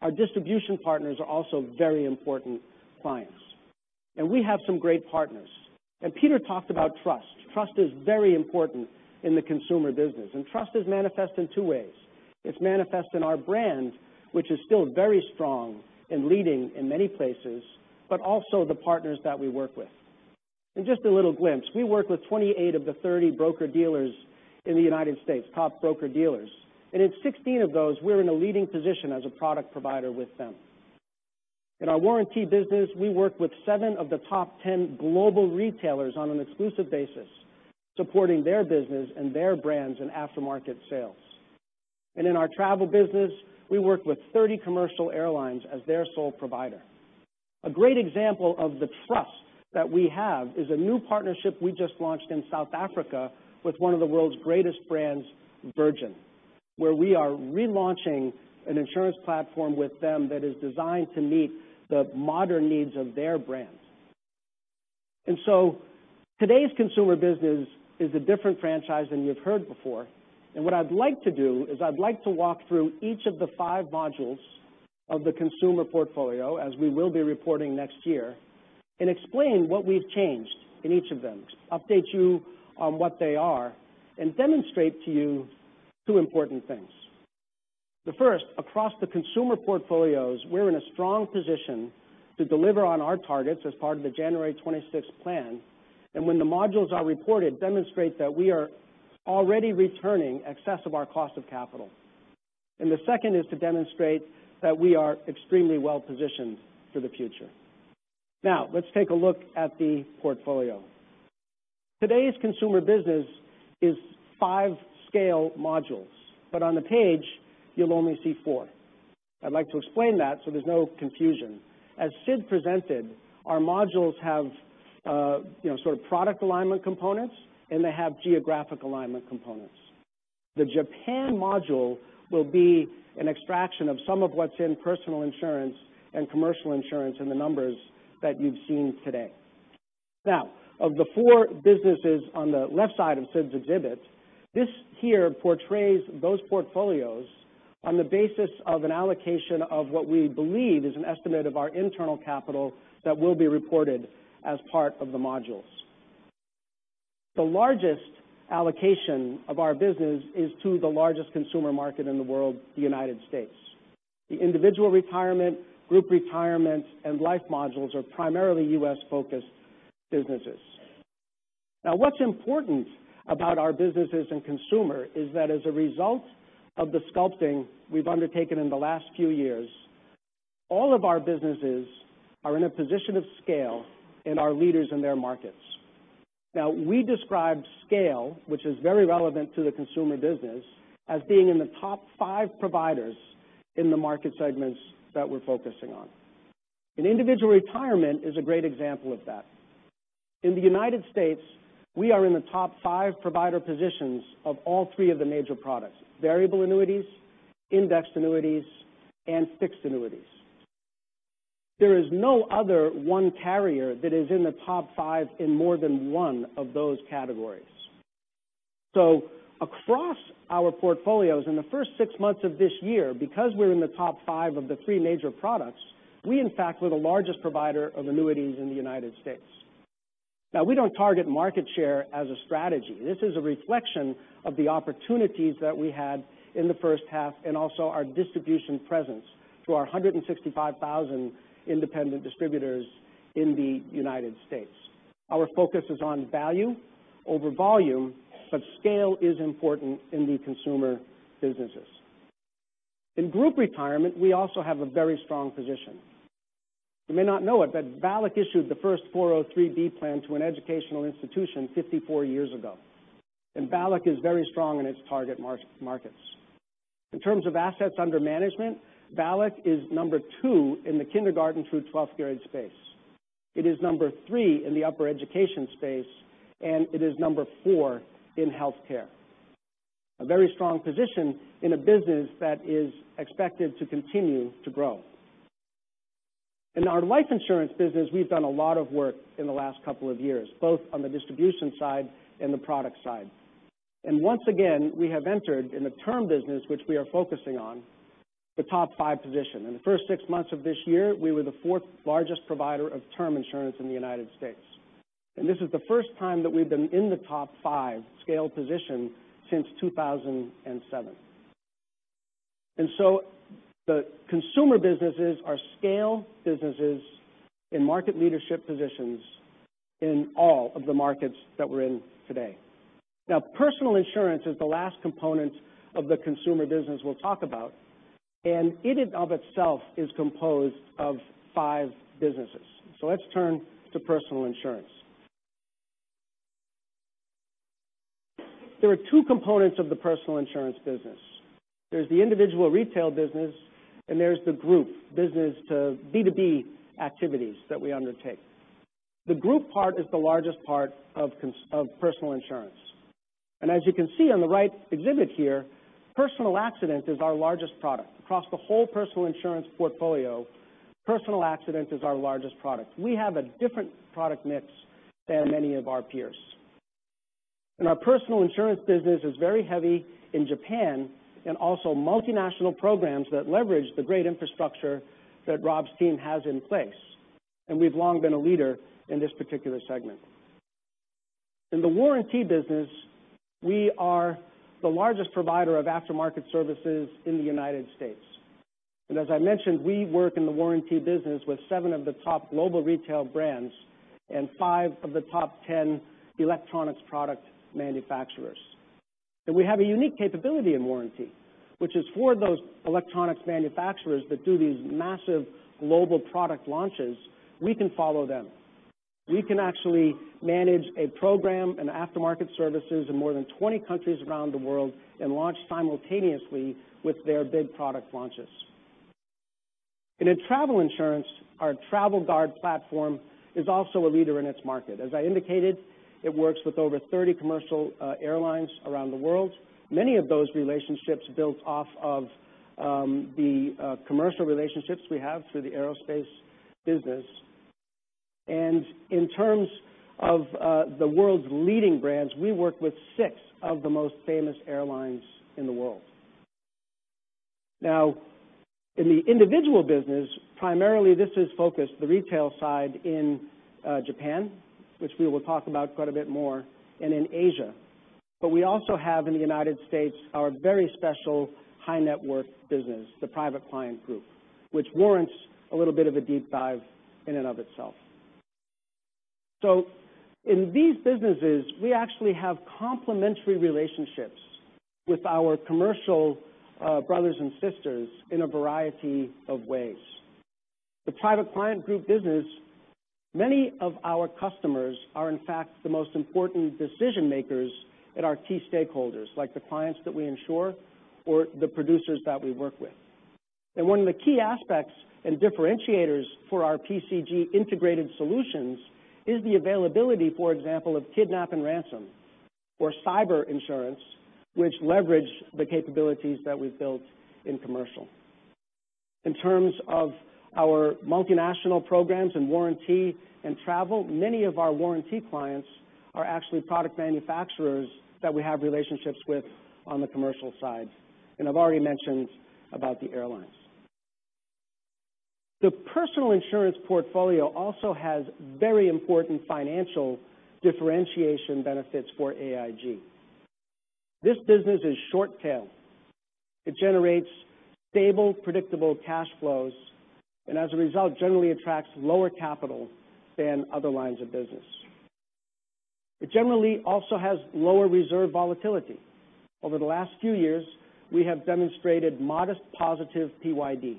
our distribution partners are also very important clients. We have some great partners. Peter talked about trust. Trust is very important in the consumer business, and trust is manifest in two ways. It's manifest in our brand, which is still very strong and leading in many places, but also the partners that we work with. In just a little glimpse, we work with 28 of the 30 broker-dealers in the U.S., top broker-dealers. In 16 of those, we're in a leading position as a product provider with them. In our warranty business, we work with seven of the top 10 global retailers on an exclusive basis, supporting their business and their brands in after-market sales. In our travel business, we work with 30 commercial airlines as their sole provider. A great example of the trust that we have is a new partnership we just launched in South Africa with one of the world's greatest brands, Virgin, where we are relaunching an insurance platform with them that is designed to meet the modern needs of their brand. Today's consumer business is a different franchise than you've heard before. What I'd like to do is I'd like to walk through each of the five modules of the consumer portfolio as we will be reporting next year and explain what we've changed in each of them, update you on what they are, and demonstrate to you two important things. The first, across the consumer portfolios, we're in a strong position to deliver on our targets as part of the January 26th plan, and when the modules are reported, demonstrate that we are already returning excess of our cost of capital. The second is to demonstrate that we are extremely well-positioned for the future. Let's take a look at the portfolio. Today's consumer business is five scale modules, but on the page, you'll only see four. I'd like to explain that so there's no confusion. As Sid presented, our modules have sort of product alignment components, and they have geographic alignment components. The Japan module will be an extraction of some of what's in personal insurance and commercial insurance in the numbers that you've seen today. Of the four businesses on the left side of Sid's exhibit, this here portrays those portfolios on the basis of an allocation of what we believe is an estimate of our internal capital that will be reported as part of the modules. The largest allocation of our business is to the largest consumer market in the world, the U.S. The individual retirement, group retirement, and life modules are primarily U.S.-focused businesses. What's important about our businesses and consumer is that as a result of the sculpting we've undertaken in the last few years, all of our businesses are in a position of scale and are leaders in their markets. We describe scale, which is very relevant to the consumer business, as being in the top five providers in the market segments that we're focusing on. Individual retirement is a great example of that. In the U.S., we are in the top five provider positions of all three of the major products, variable annuities, indexed annuities, and fixed annuities. There is no other one carrier that is in the top five in more than one of those categories. Across our portfolios in the first six months of this year, because we're in the top five of the three major products, we in fact were the largest provider of annuities in the U.S. We don't target market share as a strategy. This is a reflection of the opportunities that we had in the first half and also our distribution presence through our 165,000 independent distributors in the U.S. Our focus is on value over volume, but scale is important in the consumer businesses. In group retirement, we also have a very strong position. You may not know it, VALIC issued the first 403 plan to an educational institution 54 years ago, VALIC is very strong in its target markets. In terms of assets under management, VALIC is number 2 in the kindergarten through 12th grade space. It is number 3 in the upper education space, it is number 4 in healthcare. A very strong position in a business that is expected to continue to grow. In our life insurance business, we've done a lot of work in the last couple of years, both on the distribution side and the product side. Once again, we have entered in the term business, which we are focusing on, the top 5 position. In the first six months of this year, we were the fourth largest provider of term insurance in the U.S. This is the first time that we've been in the top 5 scale position since 2007. The consumer businesses are scale businesses in market leadership positions in all of the markets that we're in today. Now, personal insurance is the last component of the consumer business we'll talk about, it in of itself is composed of five businesses. Let's turn to personal insurance. There are two components of the personal insurance business. There's the individual retail business and there's the group business to B2B activities that we undertake. The group part is the largest part of personal insurance. As you can see on the right exhibit here, personal accident is our largest product. Across the whole personal insurance portfolio, personal accident is our largest product. We have a different product mix than many of our peers. Our personal insurance business is very heavy in Japan and also multinational programs that leverage the great infrastructure that Rob's team has in place. We've long been a leader in this particular segment. In the warranty business, we are the largest provider of aftermarket services in the U.S. As I mentioned, we work in the warranty business with 7 of the top global retail brands and 5 of the top 10 electronics product manufacturers. We have a unique capability in warranty, which is for those electronics manufacturers that do these massive global product launches, we can follow them. We can actually manage a program and aftermarket services in more than 20 countries around the world and launch simultaneously with their big product launches. In travel insurance, our Travel Guard platform is also a leader in its market. As I indicated, it works with over 30 commercial airlines around the world. Many of those relationships built off of the commercial relationships we have through the aerospace business. In terms of the world's leading brands, we work with six of the most famous airlines in the world. Now, in the individual business, primarily this is focused the retail side in Japan, which we will talk about quite a bit more, and in Asia. We also have in the U.S. our very special high net worth business, the Private Client Group, which warrants a little bit of a deep dive in and of itself. In these businesses, we actually have complementary relationships with our commercial brothers and sisters in a variety of ways. The Private Client Group business, many of our customers are in fact the most important decision makers and our key stakeholders, like the clients that we insure or the producers that we work with. One of the key aspects and differentiators for our PCG integrated solutions is the availability, for example, of kidnap and ransom or cyber insurance, which leverage the capabilities that we've built in commercial. In terms of our multinational programs in warranty and travel, many of our warranty clients are actually product manufacturers that we have relationships with on the commercial side. I've already mentioned about the airlines. The personal insurance portfolio also has very important financial differentiation benefits for AIG. This business is short tail. It generates stable, predictable cash flows, and as a result, generally attracts lower capital than other lines of business. It generally also has lower reserve volatility. Over the last few years, we have demonstrated modest positive PYD.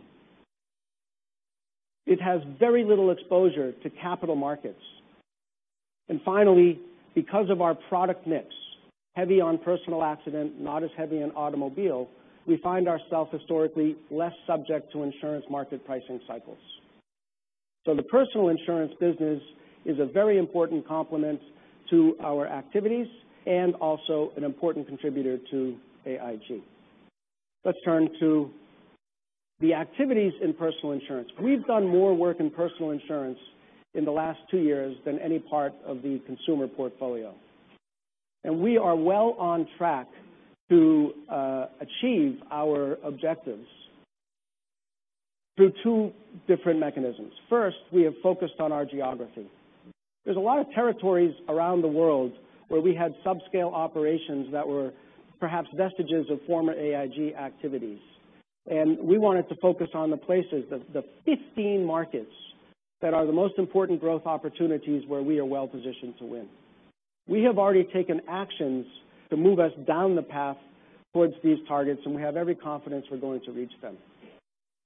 It has very little exposure to capital markets. Finally, because of our product mix, heavy on personal accident, not as heavy on automobile, we find ourselves historically less subject to insurance market pricing cycles. The personal insurance business is a very important complement to our activities and also an important contributor to AIG. Let's turn to the activities in personal insurance. We've done more work in personal insurance in the last two years than any part of the consumer portfolio. We are well on track to achieve our objectives through two different mechanisms. First, we have focused on our geography. There's a lot of territories around the world where we had sub-scale operations that were perhaps vestiges of former AIG activities. We wanted to focus on the places, the 15 markets that are the most important growth opportunities where we are well positioned to win. We have already taken actions to move us down the path towards these targets, and we have every confidence we're going to reach them.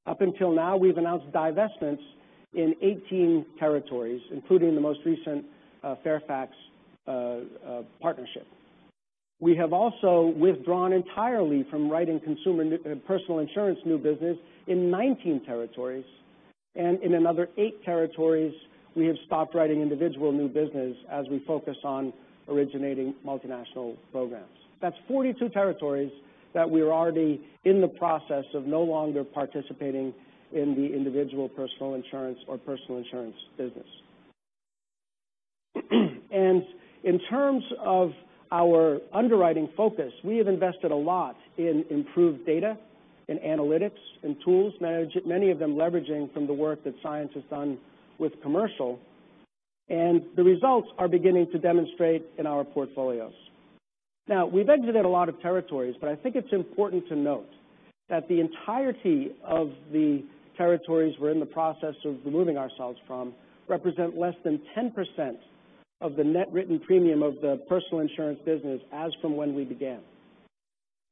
Up until now, we've announced divestments in 18 territories, including the most recent Fairfax partnership. We have also withdrawn entirely from writing personal insurance new business in 19 territories. In another eight territories, we have stopped writing individual new business as we focus on originating multinational programs. That's 42 territories that we are already in the process of no longer participating in the individual personal insurance or personal insurance business. In terms of our underwriting focus, we have invested a lot in improved data, in analytics, in tools, many of them leveraging from the work that Science has done with commercial, and the results are beginning to demonstrate in our portfolios. Now, we've exited a lot of territories, I think it's important to note that the entirety of the territories we're in the process of removing ourselves from represent less than 10% of the net written premium of the personal insurance business as from when we began.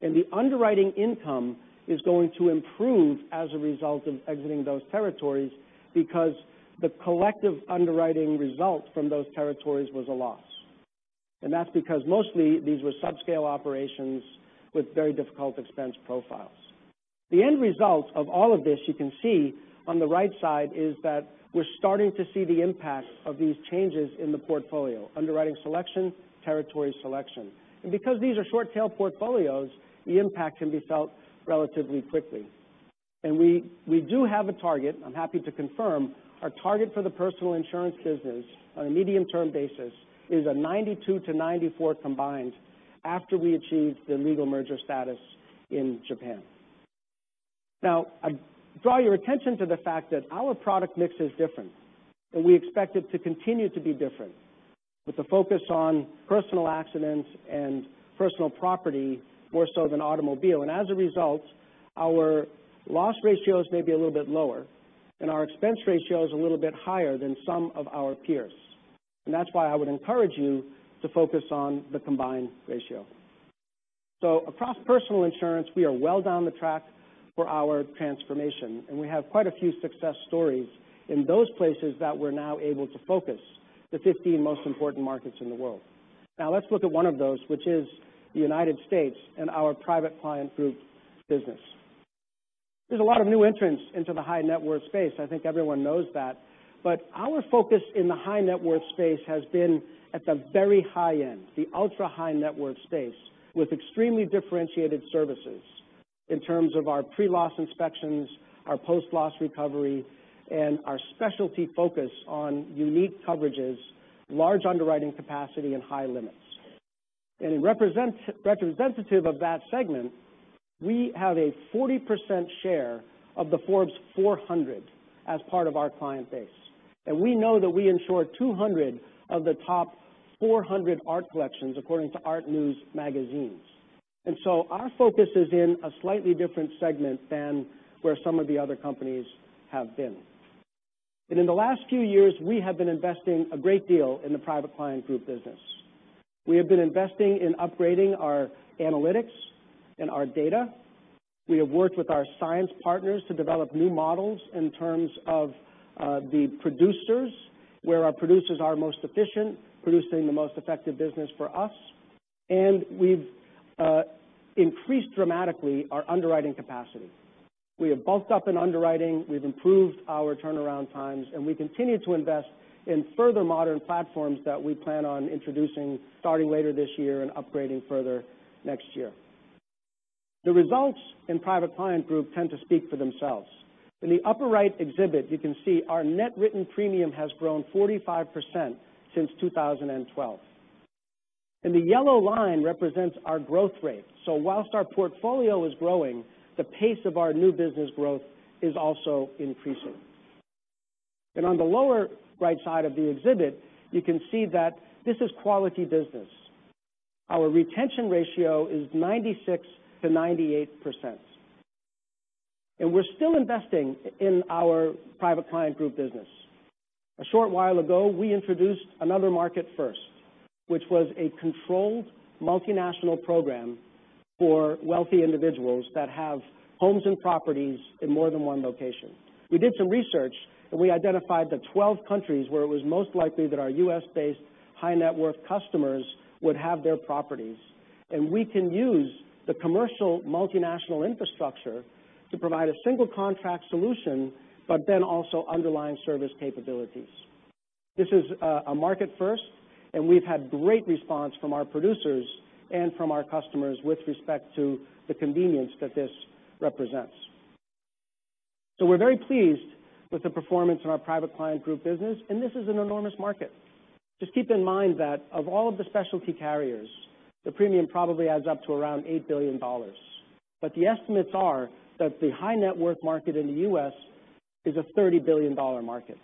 The underwriting income is going to improve as a result of exiting those territories because the collective underwriting result from those territories was a loss. That's because mostly these were sub-scale operations with very difficult expense profiles. The end result of all of this, you can see on the right side, is that we're starting to see the impact of these changes in the portfolio, underwriting selection, territory selection. Because these are short tail portfolios, the impact can be felt relatively quickly. We do have a target, I'm happy to confirm, our target for the personal insurance business on a medium-term basis is a 92%-94% combined after we achieve the legal merger status in Japan. I draw your attention to the fact that our product mix is different, and we expect it to continue to be different, with the focus on personal accidents and personal property more so than automobile. As a result, our loss ratios may be a little bit lower, and our expense ratio is a little bit higher than some of our peers. That's why I would encourage you to focus on the combined ratio. Across personal insurance, we are well down the track for our transformation, and we have quite a few success stories in those places that we're now able to focus the 15 most important markets in the world. Let's look at one of those, which is the U.S. and our Private Client Group business. There's a lot of new entrants into the high net worth space. I think everyone knows that. Our focus in the high net worth space has been at the very high end, the ultra high net worth space with extremely differentiated services in terms of our pre-loss inspections, our post-loss recovery, and our specialty focus on unique coverages, large underwriting capacity and high limits. Representative of that segment, we have a 40% share of the Forbes 400 as part of our client base. We know that we insure 200 of the top 400 art collections according to ARTnews magazines. Our focus is in a slightly different segment than where some of the other companies have been. In the last few years, we have been investing a great deal in the Private Client Group business. We have been investing in upgrading our analytics and our data. We have worked with our Science partners to develop new models in terms of the producers, where our producers are most efficient, producing the most effective business for us. We've increased dramatically our underwriting capacity. We have bulked up in underwriting, we've improved our turnaround times, and we continue to invest in further modern platforms that we plan on introducing starting later this year and upgrading further next year. The results in Private Client Group tend to speak for themselves. In the upper right exhibit, you can see our net written premium has grown 45% since 2012. The yellow line represents our growth rate. Whilst our portfolio is growing, the pace of our new business growth is also increasing. On the lower right side of the exhibit, you can see that this is quality business. Our retention ratio is 96%-98%. We're still investing in our Private Client Group business. A short while ago, we introduced another market first, which was a controlled multinational program for wealthy individuals that have homes and properties in more than one location. We did some research, and we identified the 12 countries where it was most likely that our U.S.-based high net worth customers would have their properties. We can use the commercial multinational infrastructure to provide a single contract solution, but then also underlying service capabilities. This is a market first, and we've had great response from our producers and from our customers with respect to the convenience that this represents. We're very pleased with the performance in our Private Client Group business, and this is an enormous market. Just keep in mind that of all of the specialty carriers, the premium probably adds up to around $8 billion. The estimates are that the high net worth market in the U.S. is a $30 billion market.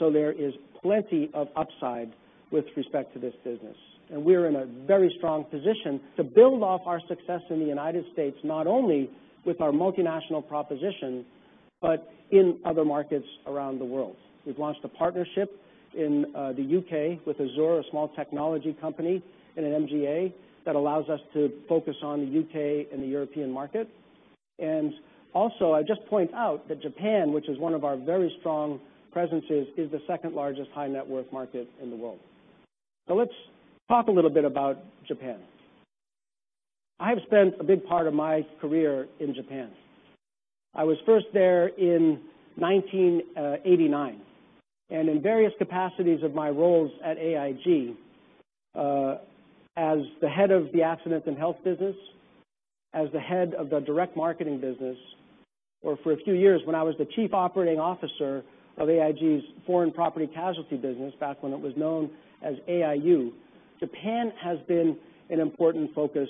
There is plenty of upside with respect to this business. We're in a very strong position to build off our success in the United States, not only with our multinational proposition, but in other markets around the world. We've launched a partnership in the U.K. with Azur, a small technology company and an MGA that allows us to focus on the U.K. and the European market. Also, I just point out that Japan, which is one of our very strong presences, is the second largest high net worth market in the world. Let's talk a little bit about Japan. I have spent a big part of my career in Japan. I was first there in 1989, and in various capacities of my roles at AIG as the head of the accidents and health business, as the head of the direct marketing business, or for a few years when I was the Chief Operating Officer of AIG's foreign property casualty business back when it was known as AIU, Japan has been an important focus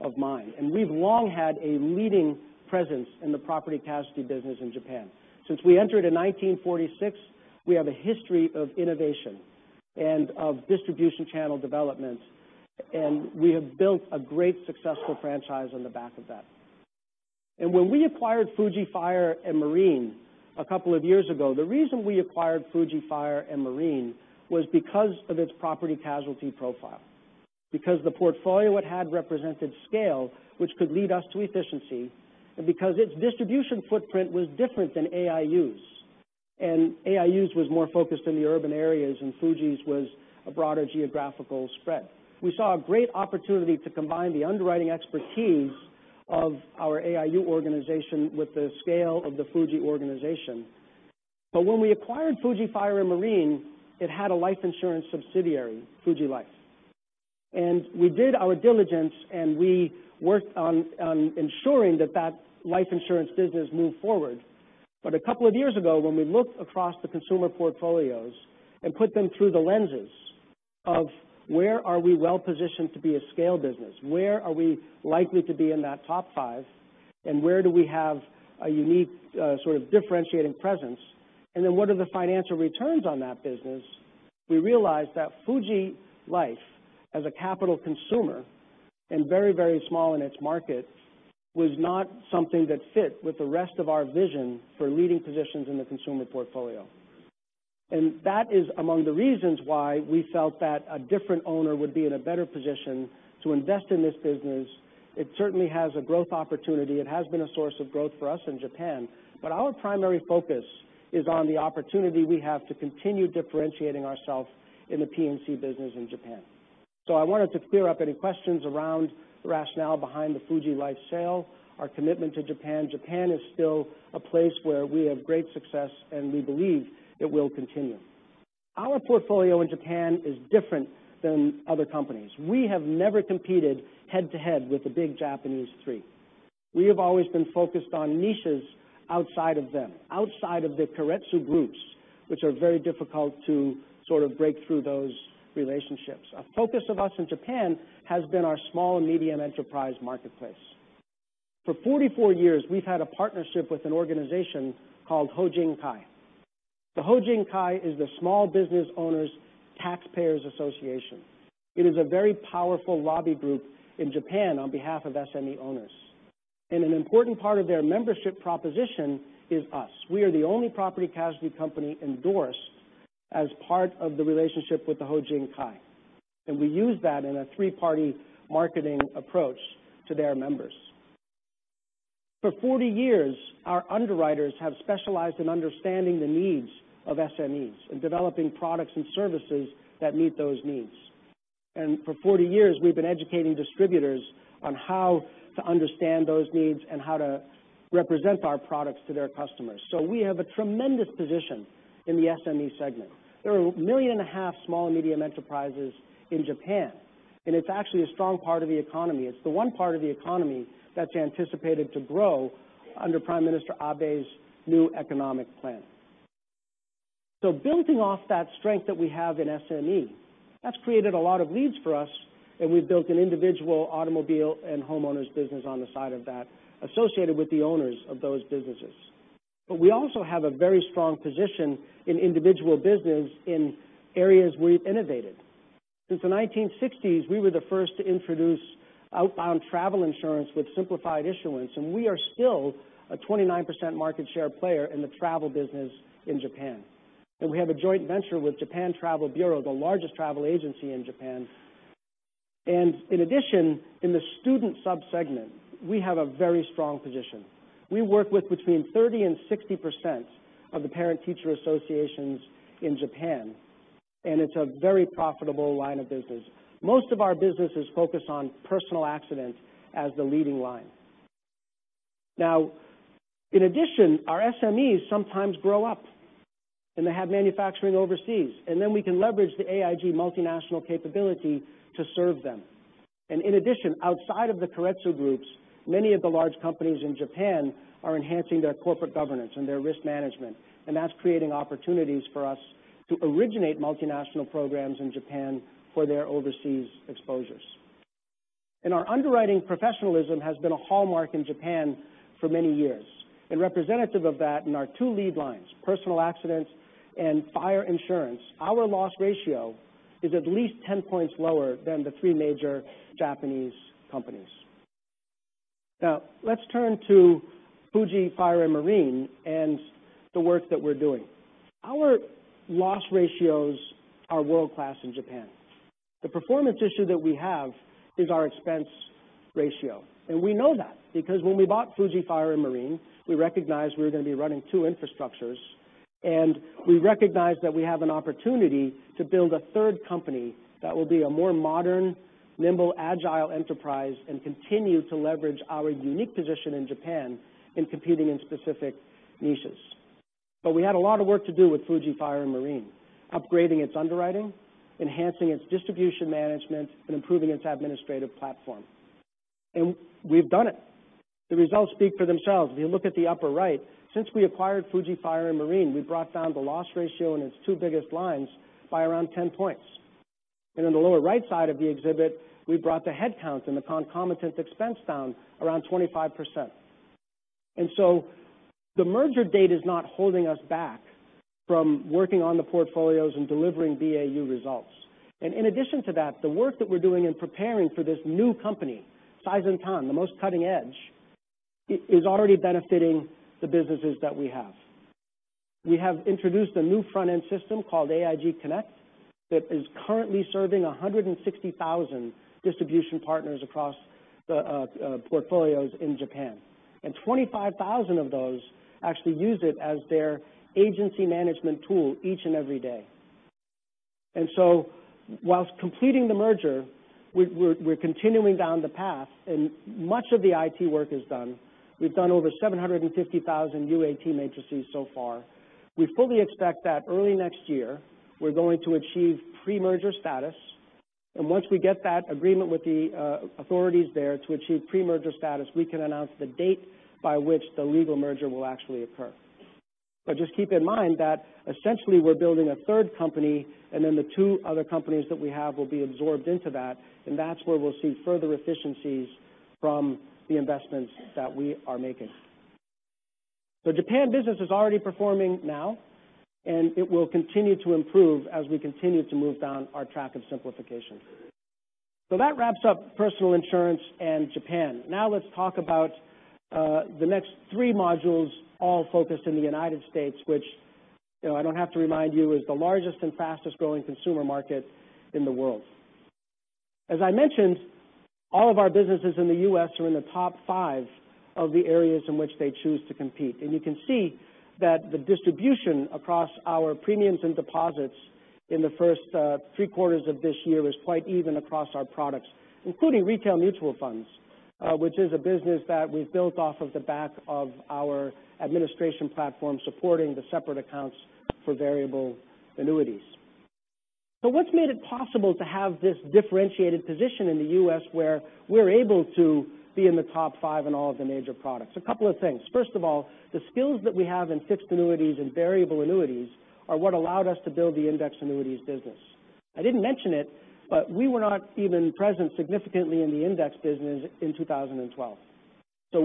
of mine, and we've long had a leading presence in the property casualty business in Japan. Since we entered in 1946, we have a history of innovation and of distribution channel development, and we have built a great successful franchise on the back of that. When we acquired Fuji Fire and Marine a couple of years ago, the reason we acquired Fuji Fire and Marine was because of its property casualty profile, because the portfolio it had represented scale, which could lead us to efficiency, and because its distribution footprint was different than AIU's. AIU's was more focused in the urban areas, and Fuji's was a broader geographical spread. We saw a great opportunity to combine the underwriting expertise of our AIU organization with the scale of the Fuji organization. When we acquired Fuji Fire and Marine, it had a life insurance subsidiary, Fuji Life. We did our diligence, and we worked on ensuring that that life insurance business moved forward. A couple of years ago, when we looked across the consumer portfolios and put them through the lenses of where are we well-positioned to be a scale business, where are we likely to be in that top five, and where do we have a unique sort of differentiating presence, and then what are the financial returns on that business, we realized that Fuji Life, as a capital consumer and very small in its market, was not something that fit with the rest of our vision for leading positions in the consumer portfolio. That is among the reasons why we felt that a different owner would be in a better position to invest in this business. It certainly has a growth opportunity. It has been a source of growth for us in Japan. Our primary focus is on the opportunity we have to continue differentiating ourselves in the P&C business in Japan. I wanted to clear up any questions around the rationale behind the Fuji Life sale, our commitment to Japan. Japan is still a place where we have great success, and we believe it will continue. Our portfolio in Japan is different than other companies. We have never competed head-to-head with the big Japanese three. We have always been focused on niches outside of them, outside of the keiretsu groups, which are very difficult to break through those relationships. A focus of us in Japan has been our small and medium enterprise marketplace. For 44 years, we've had a partnership with an organization called Hojinkai. The Hojinkai is the Small Business Owners Taxpayers Association. It is a very powerful lobby group in Japan on behalf of SME owners. An important part of their membership proposition is us. We are the only property casualty company endorsed as part of the relationship with the Hojinkai, and we use that in a three-party marketing approach to their members. For 40 years, our underwriters have specialized in understanding the needs of SMEs and developing products and services that meet those needs. For 40 years, we've been educating distributors on how to understand those needs and how to represent our products to their customers. We have a tremendous position in the SME segment. There are 1.5 million small and medium enterprises in Japan, and it's actually a strong part of the economy. It's the one part of the economy that's anticipated to grow under Prime Minister Abe's new economic plan. Building off that strength that we have in SME, that's created a lot of leads for us, and we've built an individual automobile and homeowners business on the side of that associated with the owners of those businesses. We also have a very strong position in individual business in areas we've innovated. Since the 1960s, we were the first to introduce outbound travel insurance with simplified issuance, and we are still a 29% market share player in the travel business in Japan. We have a joint venture with Japan Travel Bureau, the largest travel agency in Japan. In addition, in the student sub-segment, we have a very strong position. We work with between 30%-60% of the parent-teacher associations in Japan, and it's a very profitable line of business. Most of our business is focused on personal accidents as the leading line. In addition, our SMEs sometimes grow up and they have manufacturing overseas. We can leverage the AIG multinational capability to serve them. In addition, outside of the keiretsu groups, many of the large companies in Japan are enhancing their corporate governance and their risk management. That's creating opportunities for us to originate multinational programs in Japan for their overseas exposures. Our underwriting professionalism has been a hallmark in Japan for many years. Representative of that in our two lead lines, personal accidents and fire insurance, our loss ratio is at least 10 points lower than the three major Japanese companies. Let's turn to Fuji Fire & Marine and the work that we're doing. Our loss ratios are world-class in Japan. The performance issue that we have is our expense ratio. We know that because when we bought Fuji Fire & Marine, we recognized we were going to be running two infrastructures. We recognized that we have an opportunity to build a third company that will be a more modern, nimble, agile enterprise and continue to leverage our unique position in Japan in competing in specific niches. We had a lot of work to do with Fuji Fire & Marine, upgrading its underwriting, enhancing its distribution management, and improving its administrative platform. We've done it. The results speak for themselves. If you look at the upper right, since we acquired Fuji Fire & Marine, we brought down the loss ratio in its two biggest lines by around 10 points. In the lower right side of the exhibit, we brought the headcount and the concomitant expense down around 25%. The merger date is not holding us back from working on the portfolios and delivering BAU results. In addition to that, the work that we're doing in preparing for this new company, Saizentan, the most cutting edge, is already benefiting the businesses that we have. We have introduced a new front-end system called AIG Connext that is currently serving 160,000 distribution partners across the portfolios in Japan, and 25,000 of those actually use it as their agency management tool each and every day. Whilst completing the merger, we're continuing down the path and much of the IT work is done. We've done over 750,000 UAT matrices so far. We fully expect that early next year we're going to achieve pre-merger status. Once we get that agreement with the authorities there to achieve pre-merger status, we can announce the date by which the legal merger will actually occur. Essentially we're building a third company. The two other companies that we have will be absorbed into that. That's where we'll see further efficiencies from the investments that we are making. Japan business is already performing now. It will continue to improve as we continue to move down our track of simplification. That wraps up personal insurance and Japan. Let's talk about the next three modules, all focused in the United States, which I don't have to remind you, is the largest and fastest-growing consumer market in the world. As I mentioned, all of our businesses in the U.S. are in the top five of the areas in which they choose to compete. You can see that the distribution across our premiums and deposits in the first three quarters of this year is quite even across our products, including retail mutual funds, which is a business that we've built off of the back of our administration platform supporting the separate accounts for variable annuities. What's made it possible to have this differentiated position in the U.S., where we're able to be in the top five in all of the major products? A couple of things. First of all, the skills that we have in fixed annuities and variable annuities are what allowed us to build the index annuities business. I didn't mention it, but we were not even present significantly in the index business in 2012.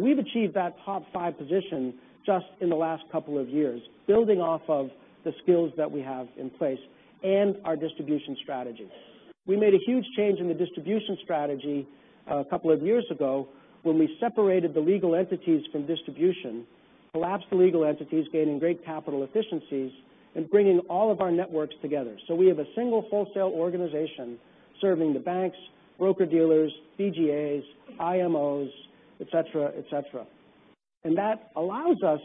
We've achieved that top five position just in the last couple of years, building off of the skills that we have in place and our distribution strategy. We made a huge change in the distribution strategy a couple of years ago when we separated the legal entities from distribution, collapsed the legal entities, gaining great capital efficiencies, and bringing all of our networks together. We have a single wholesale organization serving the banks, broker-dealers, BGAs, IMOs, et cetera. That allows us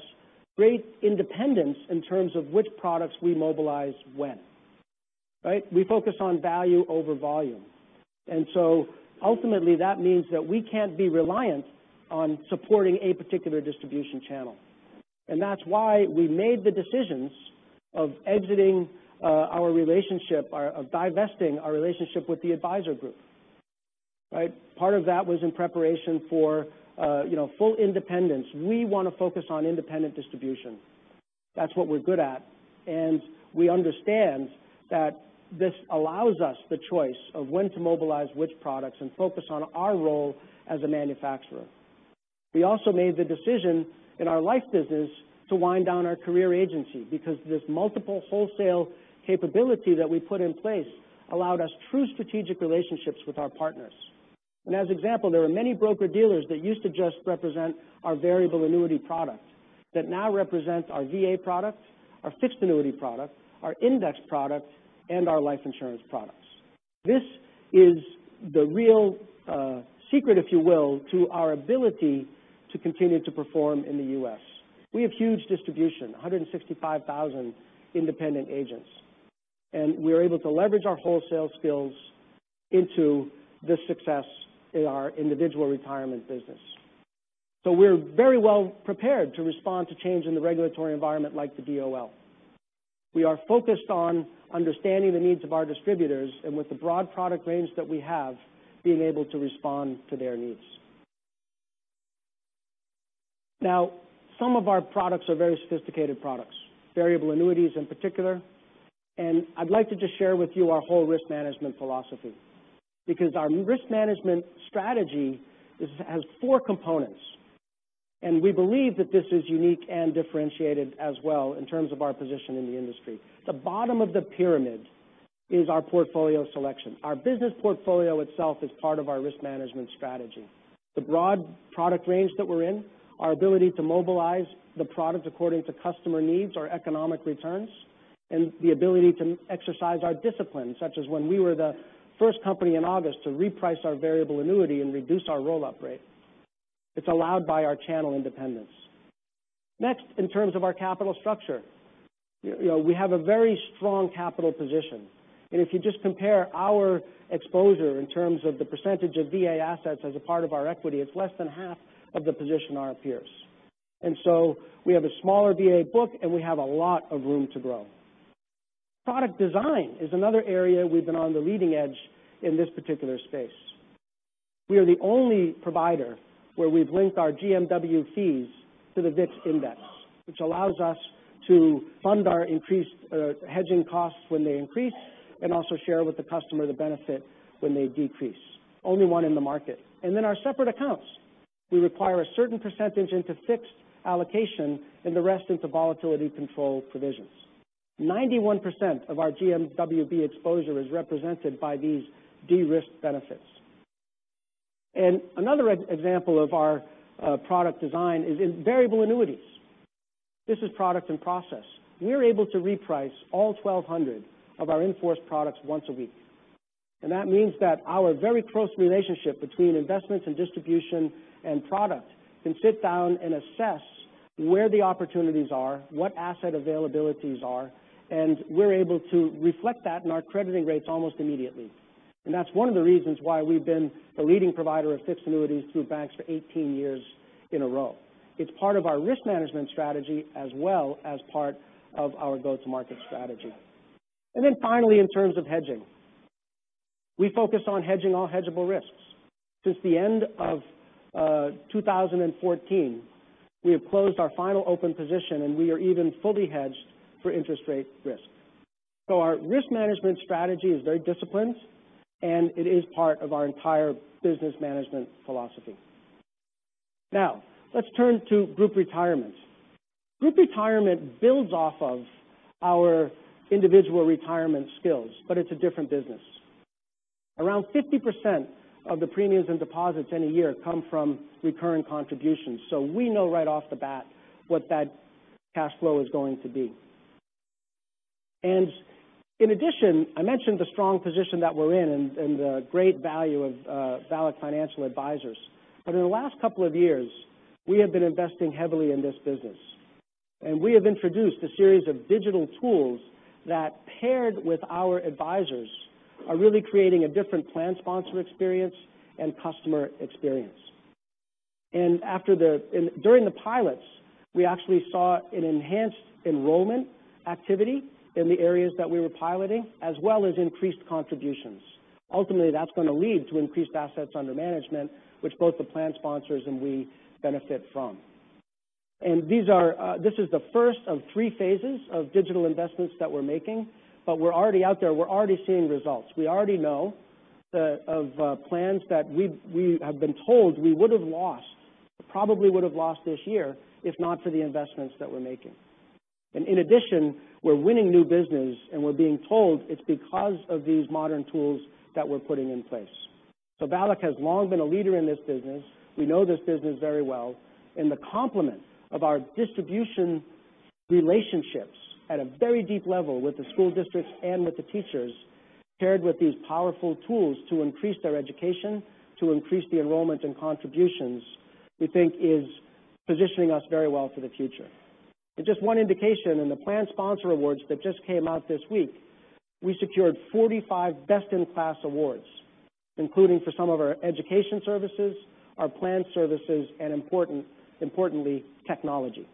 great independence in terms of which products we mobilize when. Right? We focus on value over volume. Ultimately, that means that we can't be reliant on supporting a particular distribution channel. That's why we made the decisions of exiting our relationship, of divesting our relationship with the Advisor Group. Right? Part of that was in preparation for full independence. We want to focus on independent distribution. That's what we're good at, we understand that this allows us the choice of when to mobilize which products and focus on our role as a manufacturer. We also made the decision in our life business to wind down our career agency because this multiple wholesale capability that we put in place allowed us true strategic relationships with our partners. As example, there are many broker-dealers that used to just represent our variable annuity product that now represent our VA product, our fixed annuity product, our index product, and our life insurance products. This is the real secret, if you will, to our ability to continue to perform in the U.S. We have huge distribution, 165,000 independent agents, we are able to leverage our wholesale skills into the success in our individual retirement business. We're very well prepared to respond to change in the regulatory environment like the DOL. We are focused on understanding the needs of our distributors and with the broad product range that we have, being able to respond to their needs. Now, some of our products are very sophisticated products, variable annuities in particular. I'd like to just share with you our whole risk management philosophy, because our risk management strategy has four components, we believe that this is unique and differentiated as well in terms of our position in the industry. The bottom of the pyramid is our portfolio selection. Our business portfolio itself is part of our risk management strategy. The broad product range that we're in, our ability to mobilize the product according to customer needs or economic returns, the ability to exercise our discipline, such as when we were the first company in August to reprice our variable annuity and reduce our roll-up rate. It's allowed by our channel independence. Next, in terms of our capital structure. We have a very strong capital position. If you just compare our exposure in terms of the percentage of VA assets as a part of our equity, it's less than half of the position our peers. So we have a smaller VA book, and we have a lot of room to grow. Product design is another area we've been on the leading edge in this particular space. We are the only provider where we've linked our GMWB fees to the VIX index, which allows us to fund our hedging costs when they increase and also share with the customer the benefit when they decrease. Only one in the market. Then our separate accounts. We require a certain percentage into fixed allocation and the rest into volatility control provisions. 91% of our GMWB exposure is represented by these de-risk benefits. Another example of our product design is in variable annuities. This is product and process. We are able to reprice all 1,200 of our in-force products once a week. That means that our very close relationship between investments and distribution and product can sit down and assess where the opportunities are, what asset availabilities are, and we're able to reflect that in our crediting rates almost immediately. That's one of the reasons why we've been the leading provider of fixed annuities through banks for 18 years in a row. It's part of our risk management strategy as well as part of our go-to-market strategy. Then finally, in terms of hedging, we focus on hedging all hedgeable risks. Since the end of 2014, we have closed our final open position. We are even fully hedged for interest rate risk. Our risk management strategy is very disciplined, and it is part of our entire business management philosophy. Now, let's turn to group retirement. Group retirement builds off of our individual retirement skills, but it's a different business. Around 50% of the premiums and deposits in a year come from recurring contributions. We know right off the bat what that cash flow is going to be. In addition, I mentioned the strong position that we're in and the great value of VALIC Financial Advisors. In the last couple of years, we have been investing heavily in this business. We have introduced a series of digital tools that paired with our advisors are really creating a different plan sponsor experience and customer experience. During the pilots, we actually saw an enhanced enrollment activity in the areas that we were piloting, as well as increased contributions. Ultimately, that's going to lead to increased assets under management, which both the plan sponsors and we benefit from. This is the first of 3 phases of digital investments that we're making, but we're already out there. We're already seeing results. We already know of plans that we have been told we would have lost, probably would have lost this year, if not for the investments that we're making. In addition, we're winning new business, and we're being told it's because of these modern tools that we're putting in place. VALIC has long been a leader in this business. We know this business very well. The complement of our distribution relationships at a very deep level with the school districts and with the teachers, paired with these powerful tools to increase their education, to increase the enrollment and contributions, we think is positioning us very well for the future. Just one indication, in the planned sponsor awards that just came out this week, we secured 45 best-in-class awards, including for some of our education services, our plan services, and importantly, technology.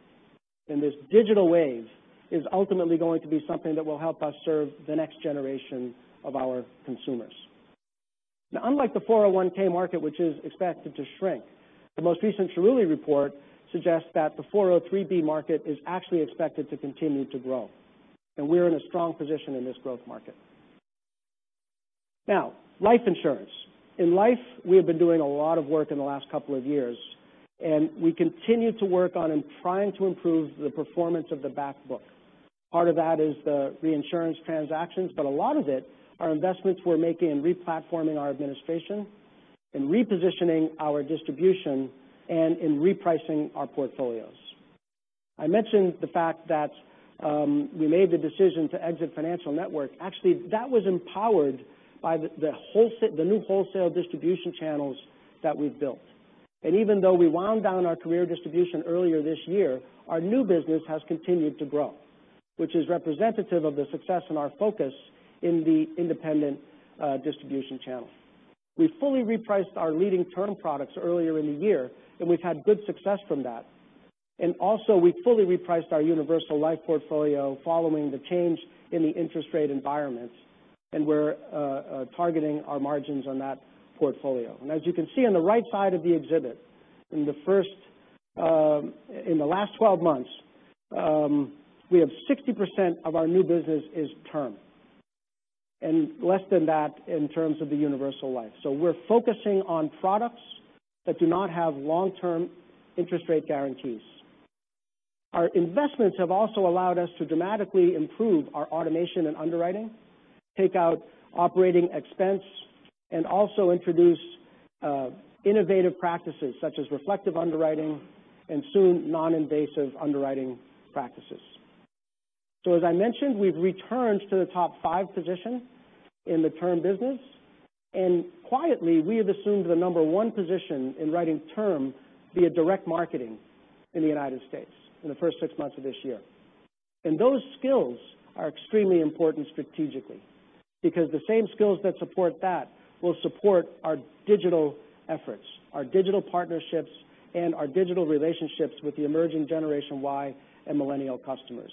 This digital wave is ultimately going to be something that will help us serve the next generation of our consumers. Unlike the 401 market, which is expected to shrink, the most recent Cerulli report suggests that the 403 market is actually expected to continue to grow, and we're in a strong position in this growth market. Life insurance. In life, we have been doing a lot of work in the last couple of years, and we continue to work on and trying to improve the performance of the back book. Part of that is the reinsurance transactions, but a lot of it are investments we're making in replatforming our administration, in repositioning our distribution, and in repricing our portfolios. I mentioned the fact that we made the decision to exit Financial Network. Actually, that was empowered by the new wholesale distribution channels that we've built. Even though we wound down our career distribution earlier this year, our new business has continued to grow, which is representative of the success and our focus in the independent distribution channel. We fully repriced our leading term products earlier in the year, and we've had good success from that. Also, we fully repriced our universal life portfolio following the change in the interest rate environment, and we're targeting our margins on that portfolio. As you can see on the right side of the exhibit, in the last 12 months, we have 60% of our new business is term, and less than that in terms of the universal life. We're focusing on products that do not have long-term interest rate guarantees. Our investments have also allowed us to dramatically improve our automation and underwriting, take out operating expense, and also introduce innovative practices such as reflective underwriting and soon, non-invasive underwriting practices. As I mentioned, we've returned to the top five position in the term business, and quietly, we have assumed the number one position in writing term via direct marketing in the U.S. in the first six months of this year. Those skills are extremely important strategically because the same skills that support that will support our digital efforts, our digital partnerships, and our digital relationships with the emerging Generation Y and Millennial customers.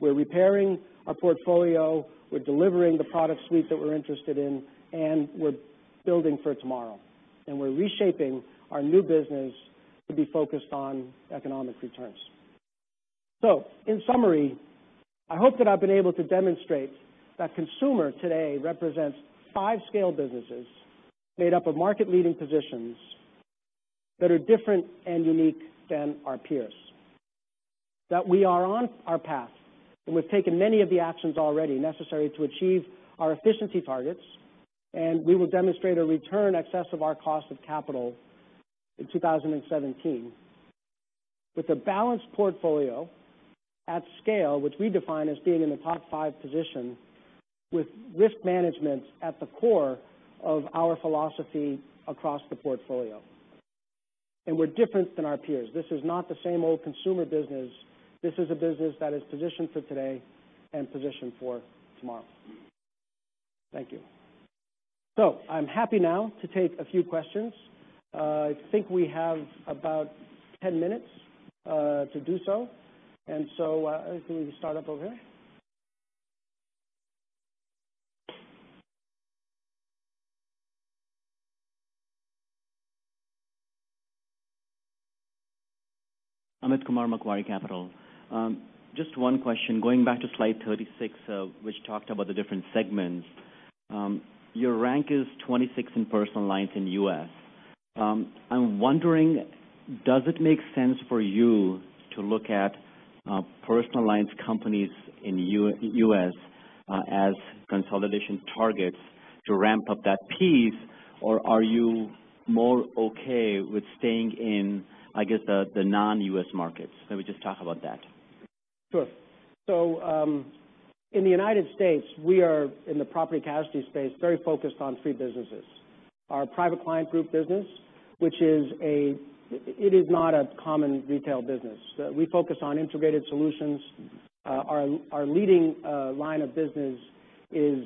We're repairing our portfolio, we're delivering the product suite that we're interested in, and we're building for tomorrow. We're reshaping our new business to be focused on economic returns. In summary, I hope that I've been able to demonstrate that consumer today represents five scale businesses made up of market-leading positions that are different and unique than our peers. That we are on our path, and we've taken many of the actions already necessary to achieve our efficiency targets, and we will demonstrate a return excess of our cost of capital in 2017 with a balanced portfolio at scale, which we define as being in the top five position with risk management at the core of our philosophy across the portfolio. And we're different than our peers. This is not the same old consumer business. This is a business that is positioned for today and positioned for tomorrow. Thank you. I'm happy now to take a few questions. I think we have about 10 minutes to do so. I think we can start up over here. Amit Kumar, Macquarie Capital. Just one question, going back to slide 36, which talked about the different segments. Your rank is 26 in personal lines in U.S. I'm wondering, does it make sense for you to look at personal lines companies in U.S. as consolidation targets to ramp up that piece? Or are you more okay with staying in, I guess, the non-U.S. markets? Maybe just talk about that. Sure. In the United States, we are, in the Property and Casualty space, very focused on three businesses. Our AIG Private Client Group business, which is not a common retail business. We focus on integrated solutions. Our leading line of business is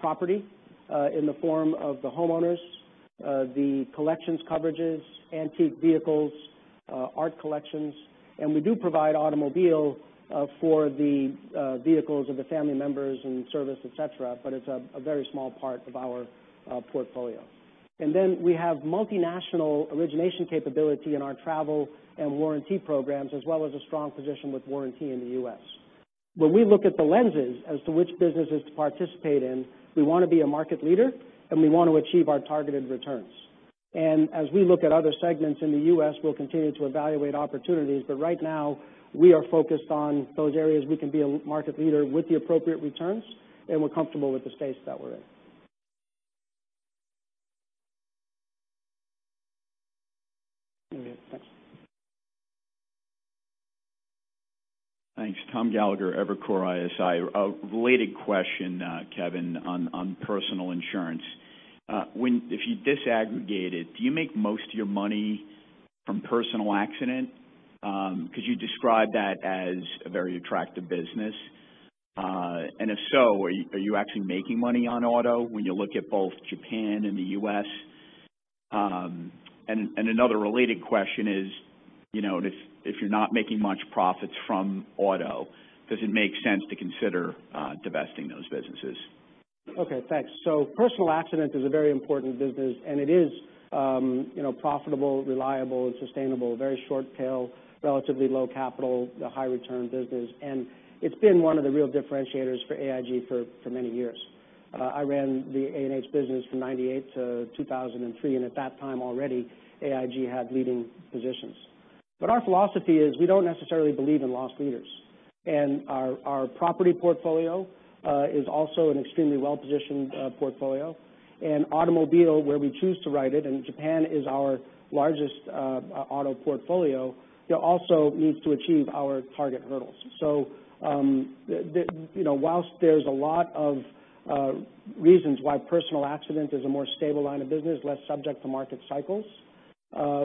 property in the form of the homeowners, the collections coverages, antique vehicles, art collections, and we do provide automobile for the vehicles of the family members in service, et cetera, but it's a very small part of our portfolio. We have multinational origination capability in our Travel Guard and warranty programs, as well as a strong position with warranty in the U.S. When we look at the lenses as to which businesses to participate in, we want to be a market leader, and we want to achieve our targeted returns. As we look at other segments in the U.S., we'll continue to evaluate opportunities, but right now we are focused on those areas we can be a market leader with the appropriate returns, and we're comfortable with the space that we're in. Thanks. Thanks. Tom Gallagher, Evercore ISI. A related question, Kevin, on personal insurance. If you disaggregate it, do you make most of your money from personal accident? You describe that as a very attractive business. If so, are you actually making money on auto when you look at both Japan and the U.S.? Another related question is, if you're not making much profits from auto, does it make sense to consider divesting those businesses? Okay, thanks. Personal accident is a very important business, and it is profitable, reliable, and sustainable. Very short tail, relatively low capital, high return business, and it's been one of the real differentiators for AIG for many years. I ran the A&H business from 1998 to 2003, and at that time already, AIG had leading positions. Our philosophy is we don't necessarily believe in lost leaders. Our property portfolio is also an extremely well-positioned portfolio. Automobile, where we choose to ride it, and Japan is our largest auto portfolio, it also needs to achieve our target hurdles. Whilst there's a lot of reasons why personal accident is a more stable line of business, less subject to market cycles,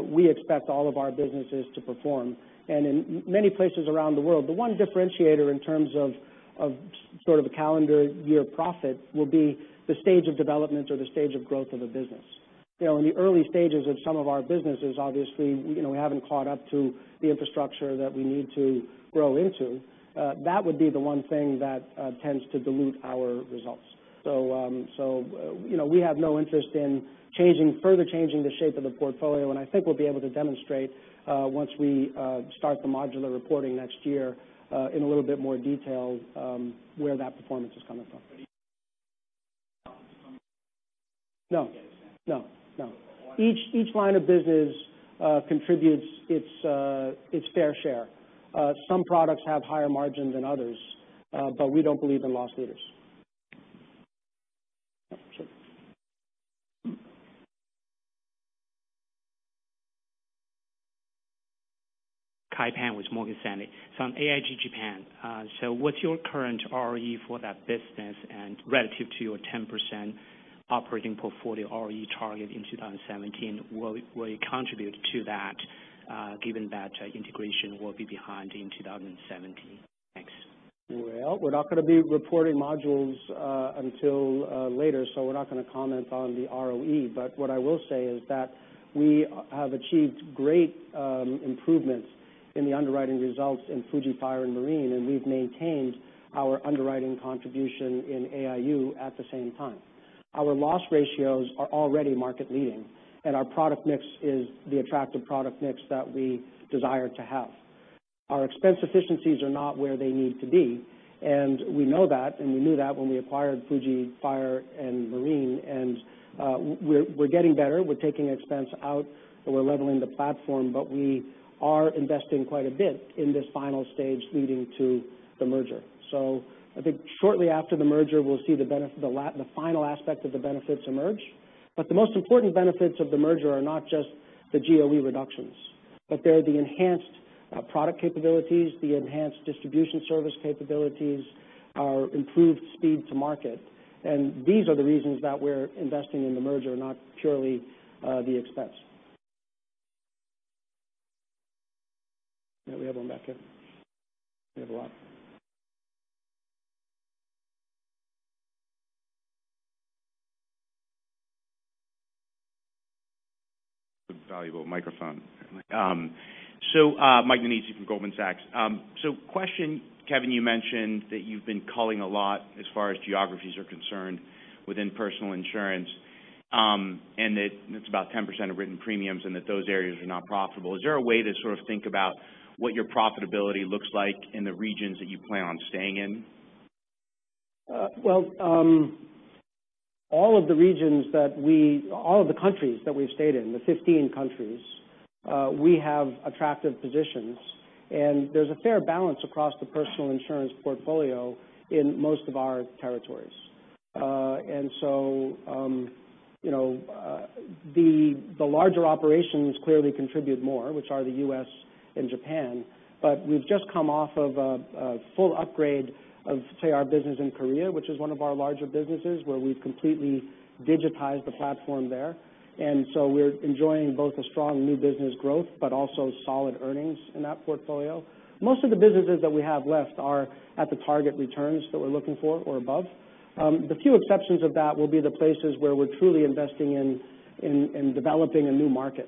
we expect all of our businesses to perform. In many places around the world, the one differentiator in terms of calendar year profit will be the stage of development or the stage of growth of a business. In the early stages of some of our businesses, obviously, we haven't caught up to the infrastructure that we need to grow into. That would be the one thing that tends to dilute our results. We have no interest in further changing the shape of the portfolio, and I think we'll be able to demonstrate once we start the modular reporting next year in a little bit more detail where that performance is coming from. do you see coming from- No. I get what you're saying. No. one- Each line of business contributes its fair share. Some products have higher margins than others, but we don't believe in loss leaders. Sure. Kai Pan with Morgan Stanley. On AIG Japan, what's your current ROE for that business? Relative to your 10% operating portfolio ROE target in 2017, will it contribute to that given that integration will be behind in 2017? Thanks. Well, we're not going to be reporting modules until later, we're not going to comment on the ROE. What I will say is that we have achieved great improvements in the underwriting results in Fuji Fire and Marine, we've maintained our underwriting contribution in AIU at the same time. Our loss ratios are already market leading, our product mix is the attractive product mix that we desire to have. Our expense efficiencies are not where they need to be, we know that, we knew that when we acquired Fuji Fire and Marine, we're getting better. We're taking expense out, we're leveling the platform. We are investing quite a bit in this final stage leading to the merger. I think shortly after the merger, we'll see the final aspect of the benefits emerge. The most important benefits of the merger are not just the GOE reductions they're the enhanced product capabilities, the enhanced distribution service capabilities, our improved speed to market. These are the reasons that we're investing in the merger, not purely the expense. We have one back here. We have a lot. Valuable microphone. Mike Nannizzi from Goldman Sachs. Question, Kevin, you mentioned that you've been culling a lot as far as geographies are concerned within personal insurance, that it's about 10% of written premiums and that those areas are not profitable. Is there a way to sort of think about what your profitability looks like in the regions that you plan on staying in? All of the countries that we've stayed in, the 15 countries, we have attractive positions, and there's a fair balance across the personal insurance portfolio in most of our territories. The larger operations clearly contribute more, which are the U.S. and Japan. We've just come off of a full upgrade of, say, our business in Korea, which is one of our larger businesses, where we've completely digitized the platform there. We're enjoying both a strong new business growth, but also solid earnings in that portfolio. Most of the businesses that we have left are at the target returns that we're looking for or above. The few exceptions of that will be the places where we're truly investing in developing a new market.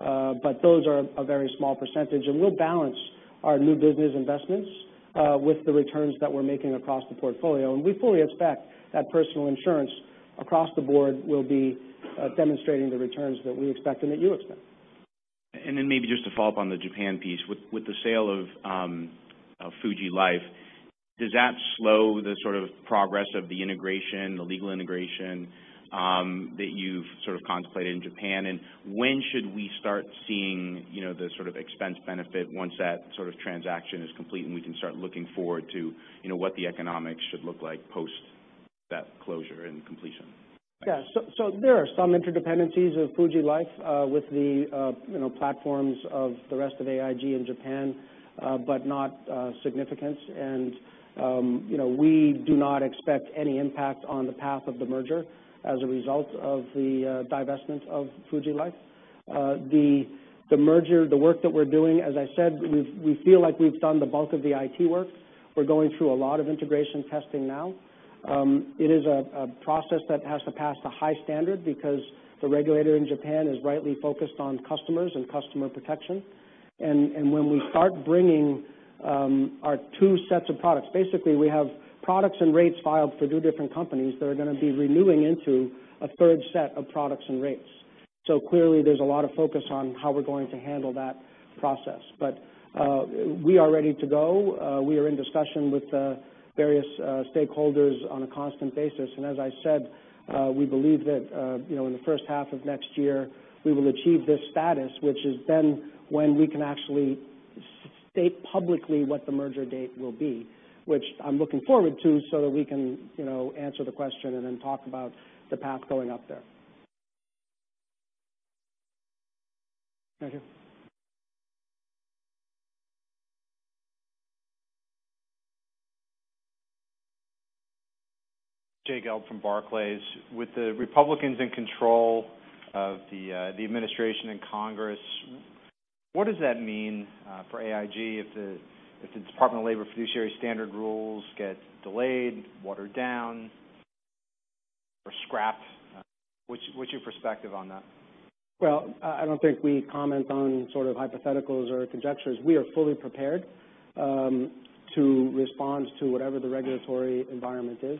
Those are a very small percentage, and we'll balance our new business investments with the returns that we're making across the portfolio. We fully expect that personal insurance across the board will be demonstrating the returns that we expect and that you expect. Maybe just to follow up on the Japan piece with the sale of Fuji Life, does that slow the sort of progress of the integration, the legal integration, that you've sort of contemplated in Japan? When should we start seeing the sort of expense benefit once that sort of transaction is complete and we can start looking forward to what the economics should look like post that closure and completion? Yeah. There are some interdependencies of Fuji Life with the platforms of the rest of AIG in Japan, but not significant. We do not expect any impact on the path of the merger as a result of the divestment of Fuji Life. The merger, the work that we're doing, as I said, we feel like we've done the bulk of the IT work. We're going through a lot of integration testing now. It is a process that has to pass a high standard because the regulator in Japan is rightly focused on customers and customer protection. When we start bringing our two sets of products, basically we have products and rates filed for two different companies that are going to be renewing into a third set of products and rates. Clearly there's a lot of focus on how we're going to handle that process. We are ready to go. We are in discussion with various stakeholders on a constant basis. As I said, we believe that in the first half of next year, we will achieve this status, which is then when we can actually state publicly what the merger date will be. I'm looking forward to so that we can answer the question and then talk about the path going up there. Thank you. Jay Gelb from Barclays. With the Republicans in control of the administration and Congress, what does that mean for AIG if the Department of Labor fiduciary standard rules get delayed, watered down, or scrapped? What's your perspective on that? I don't think we comment on sort of hypotheticals or conjectures. We are fully prepared to respond to whatever the regulatory environment is.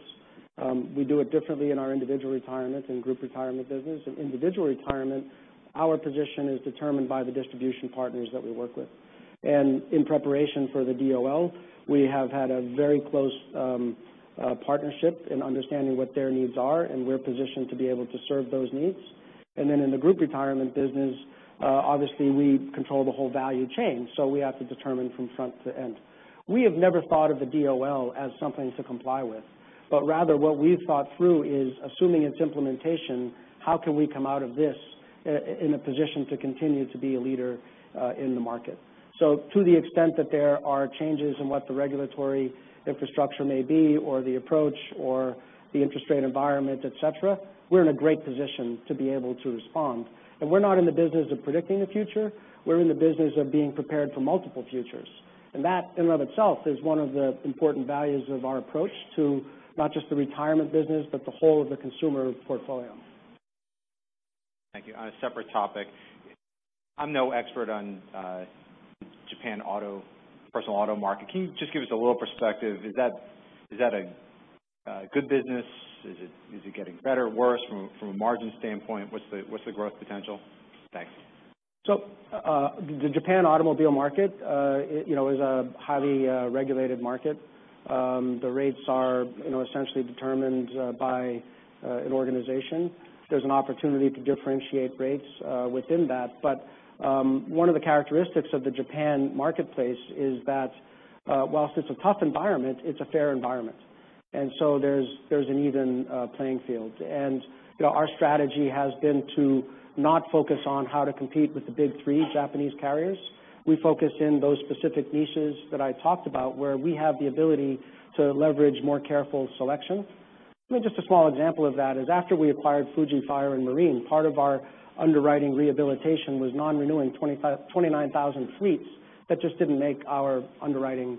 We do it differently in our individual retirement and group retirement business. In individual retirement, our position is determined by the distribution partners that we work with. In preparation for the DOL, we have had a very close partnership in understanding what their needs are, and we're positioned to be able to serve those needs. In the group retirement business, obviously we control the whole value chain, so we have to determine from front to end. We have never thought of the DOL as something to comply with, but rather what we've thought through is assuming its implementation, how can we come out of this in a position to continue to be a leader in the market? To the extent that there are changes in what the regulatory infrastructure may be or the approach or the interest rate environment, et cetera, we're in a great position to be able to respond. We're not in the business of predicting the future. We're in the business of being prepared for multiple futures. That, in and of itself, is one of the important values of our approach to not just the retirement business, but the whole of the consumer portfolio. Thank you. On a separate topic, I'm no expert on Japan personal auto market. Can you just give us a little perspective? Is that a good business? Is it getting better or worse from a margin standpoint? What's the growth potential? Thanks. The Japan automobile market is a highly regulated market. The rates are essentially determined by an organization. There's an opportunity to differentiate rates within that. One of the characteristics of the Japan marketplace is that whilst it's a tough environment, it's a fair environment. There's an even playing field. Our strategy has been to not focus on how to compete with the big three Japanese carriers. We focus in those specific niches that I talked about, where we have the ability to leverage more careful selection. Just a small example of that is after we acquired Fuji Fire and Marine, part of our underwriting rehabilitation was non-renewing 29,000 fleets that just didn't make our underwriting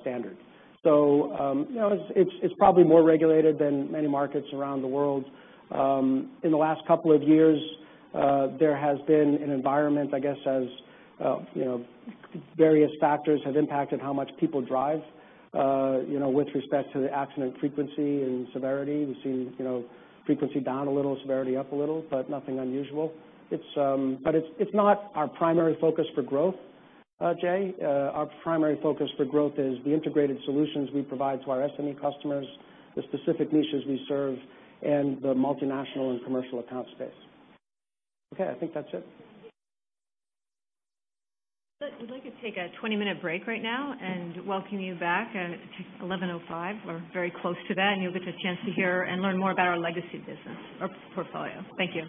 standard. It's probably more regulated than many markets around the world. In the last couple of years, there has been an environment, I guess as various factors have impacted how much people drive with respect to the accident frequency and severity. We've seen frequency down a little, severity up a little, but nothing unusual. It's not our primary focus for growth, Jay. Our primary focus for growth is the integrated solutions we provide to our SME customers, the specific niches we serve, and the multinational and commercial account space. Okay, I think that's it. We'd like to take a 20-minute break right now and welcome you back at 11:05 A.M. We're very close to that. You'll get a chance to hear and learn more about our legacy business or portfolio. Thank you.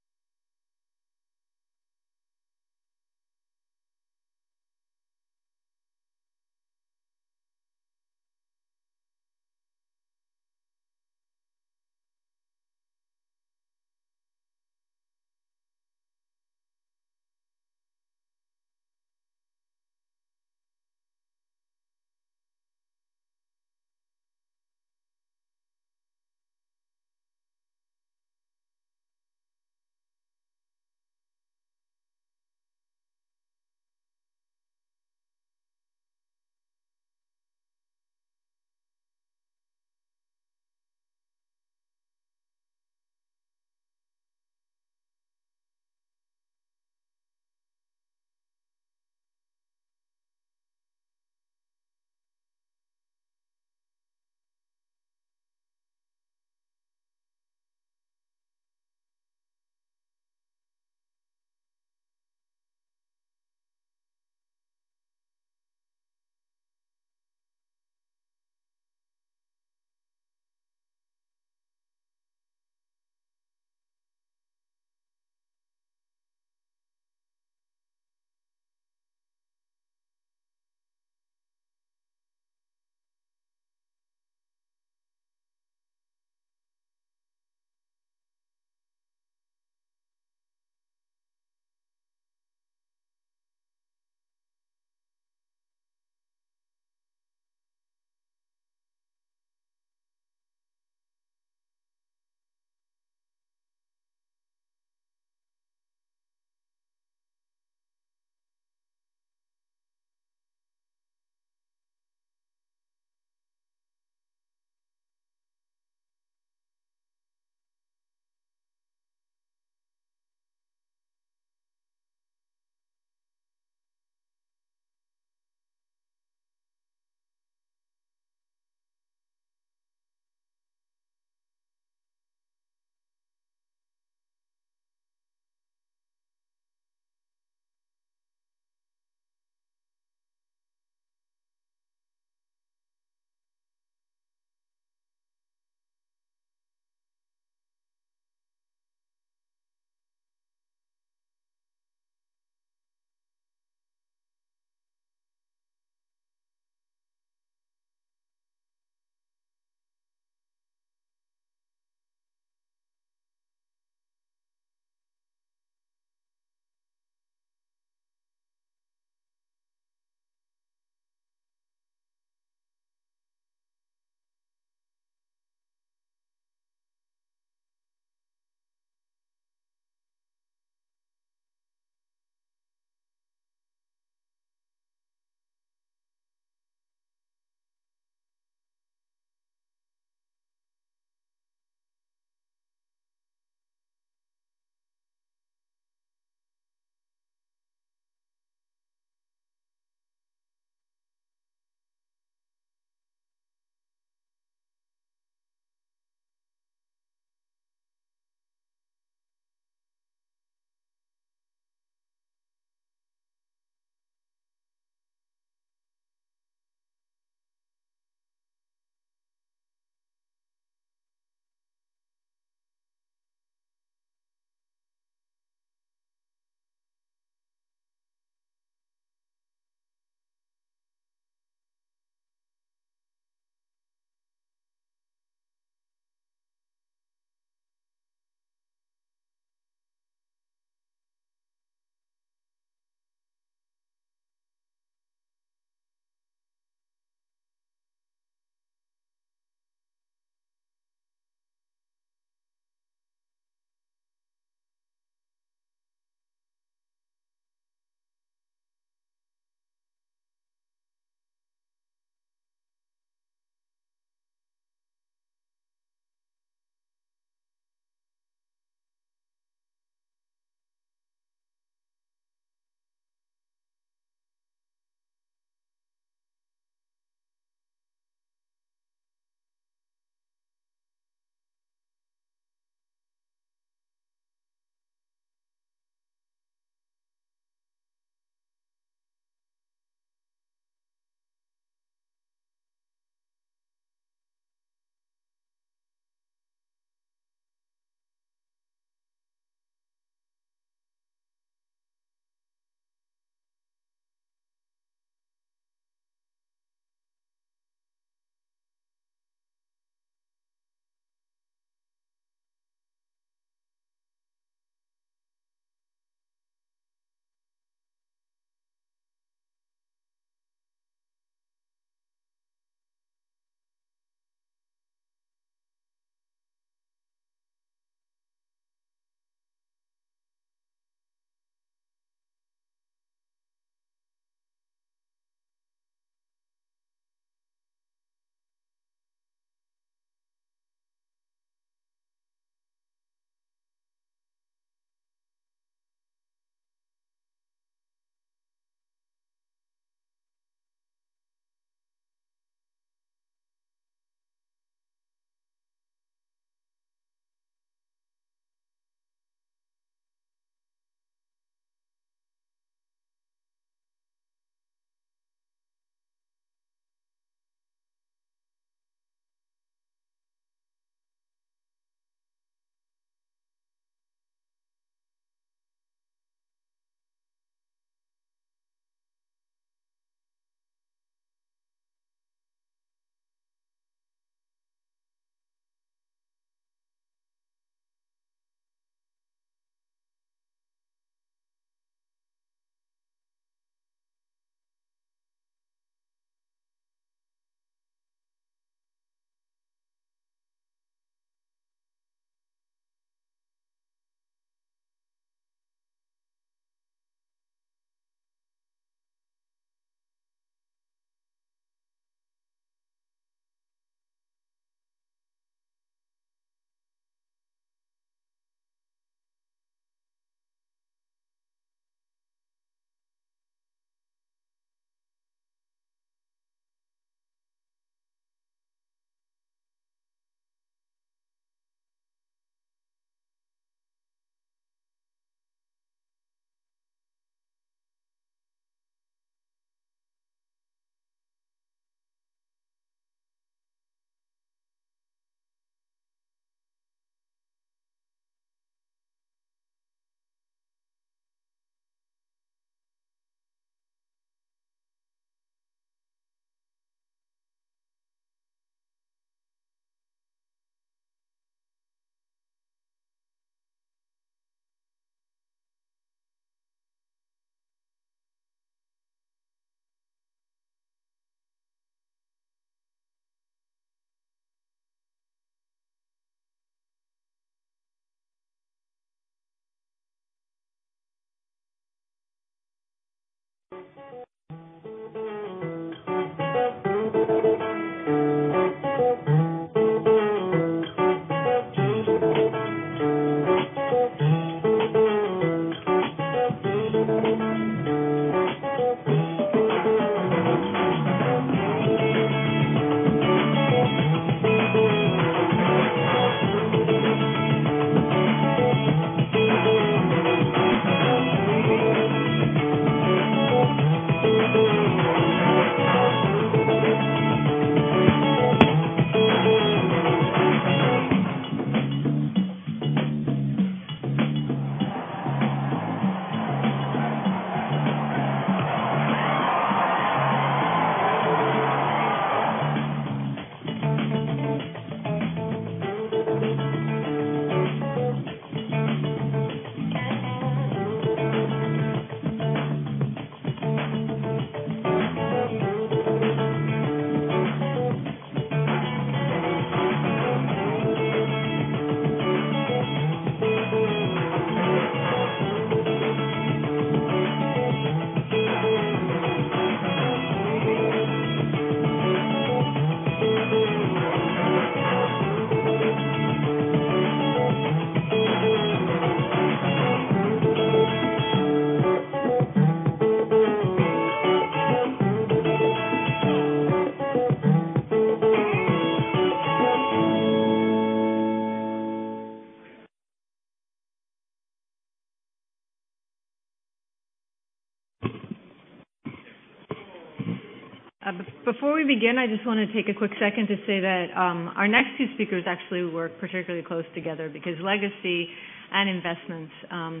Before we begin, I just want to take a quick second to say that our next two speakers actually work particularly close together because Legacy and investments, and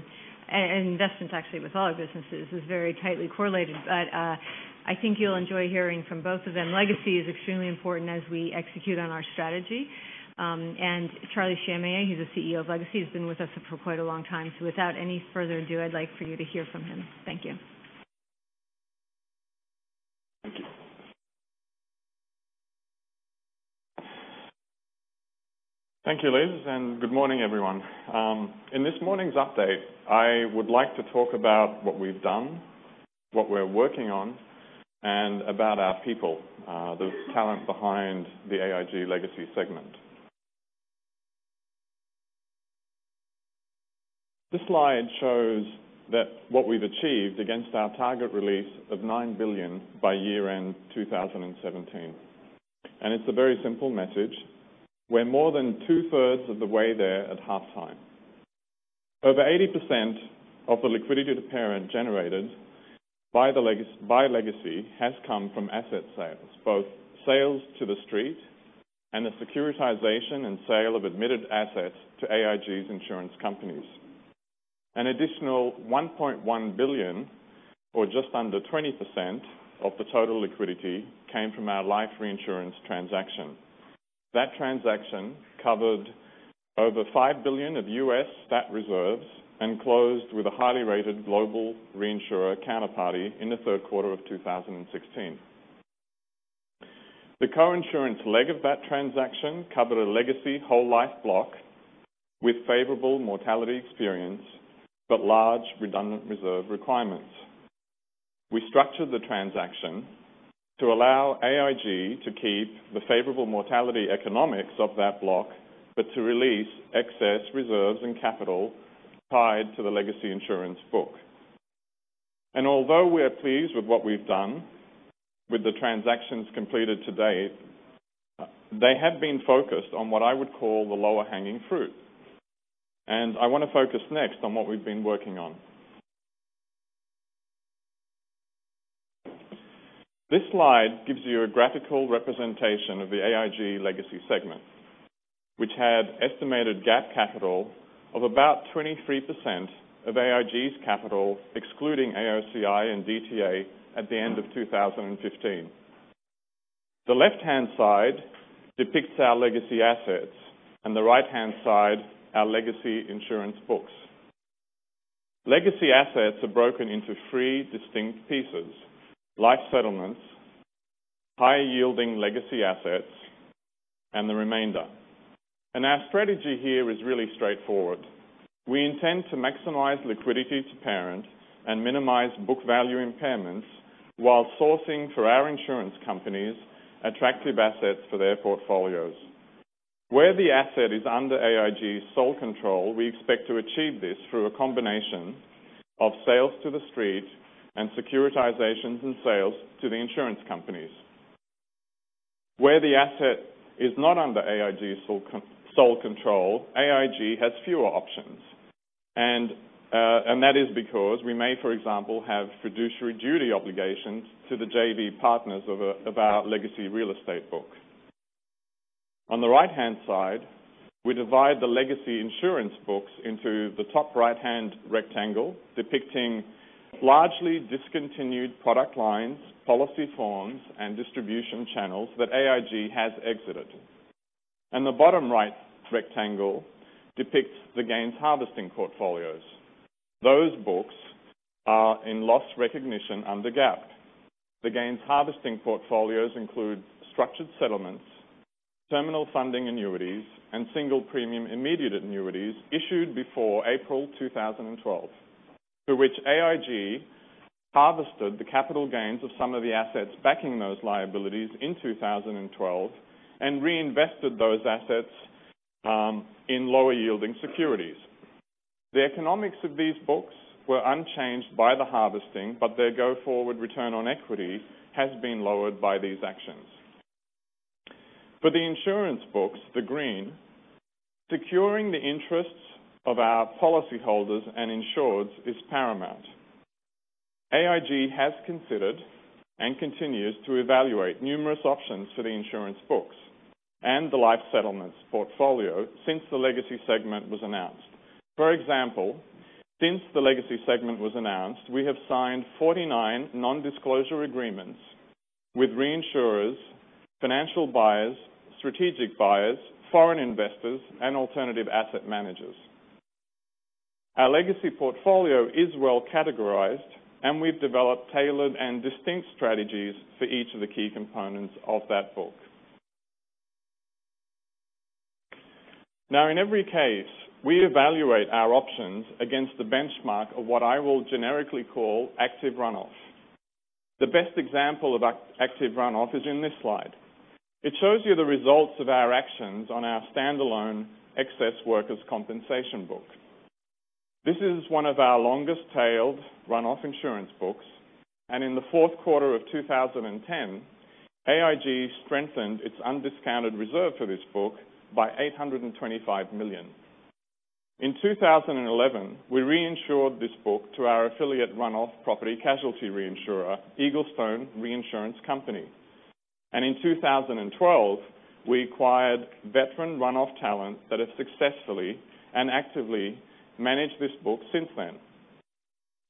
investments actually with all our businesses, is very tightly correlated. I think you'll enjoy hearing from both of them. Legacy is extremely important as we execute on our strategy. Charlie Shamieh, he's the CEO of Legacy, has been with us for quite a long time. Without any further ado, I'd like for you to hear from him. Thank you. Thank you. Thank you, Liz, and good morning, everyone. In this morning's update, I would like to talk about what we've done, what we're working on, and about our people, the talent behind the AIG Legacy segment. This slide shows what we've achieved against our target release of $9 billion by year-end 2017. It's a very simple message. We're more than two-thirds of the way there at halftime. Over 80% of the liquidity to parent generated by Legacy has come from asset sales, both sales to The Street and the securitization and sale of admitted assets to AIG's insurance companies. An additional $1.1 billion, or just under 20% of the total liquidity, came from our life reinsurance transaction. That transaction covered over $5 billion of U.S. stat reserves and closed with a highly rated global reinsurer counterparty in the third quarter of 2016. The co-insurance leg of that transaction covered a Legacy whole life block with favorable mortality experience, but large redundant reserve requirements. We structured the transaction to allow AIG to keep the favorable mortality economics of that block, but to release excess reserves and capital tied to the Legacy insurance book. Although we're pleased with what we've done with the transactions completed to date, they have been focused on what I would call the lower hanging fruit. I want to focus next on what we've been working on. This slide gives you a graphical representation of the AIG Legacy segment, which had estimated GAAP capital of about 23% of AIG's capital, excluding AOCI and DTA at the end of 2015. The left-hand side depicts our Legacy assets, and the right-hand side our Legacy insurance books. Legacy assets are broken into 3 distinct pieces, life settlements, high yielding Legacy assets, and the remainder. Our strategy here is really straightforward. We intend to maximize liquidity to parent and minimize book value impairments while sourcing for our insurance companies attractive assets for their portfolios. Where the asset is under AIG's sole control, we expect to achieve this through a combination of sales to the street and securitizations and sales to the insurance companies. Where the asset is not under AIG sole control, AIG has fewer options. That is because we may, for example, have fiduciary duty obligations to the JV partners of our Legacy real estate book. On the right-hand side, we divide the Legacy insurance books into the top right-hand rectangle, depicting largely discontinued product lines, policy forms, and distribution channels that AIG has exited. The bottom right rectangle depicts the Gains Harvesting Portfolios. Those books are in loss recognition under GAAP. The Gains Harvesting Portfolios include structured settlements, terminal funding annuities, and single premium immediate annuities issued before April 2012, for which AIG harvested the capital gains of some of the assets backing those liabilities in 2012 and reinvested those assets in lower yielding securities. The economics of these books were unchanged by the harvesting, but their go forward return on equity has been lowered by these actions. For the insurance books, the green, securing the interests of our policy holders and insureds is paramount. AIG has considered and continues to evaluate numerous options for the insurance books and the life settlements portfolio since the Legacy segment was announced. For example, since the Legacy segment was announced, we have signed 49 non-disclosure agreements with reinsurers, financial buyers, strategic buyers, foreign investors, and alternative asset managers. Our legacy portfolio is well-categorized, and we've developed tailored and distinct strategies for each of the key components of that book. In every case, we evaluate our options against the benchmark of what I will generically call active runoff. The best example of active runoff is in this slide. It shows you the results of our actions on our standalone excess workers' compensation book. This is one of our longest tailed runoff insurance books, and in the fourth quarter of 2010, AIG strengthened its undiscounted reserve for this book by $825 million. In 2011, we reinsured this book to our affiliate runoff property casualty reinsurer, Eaglestone Reinsurance Company. In 2012, we acquired veteran runoff talent that has successfully and actively managed this book since then.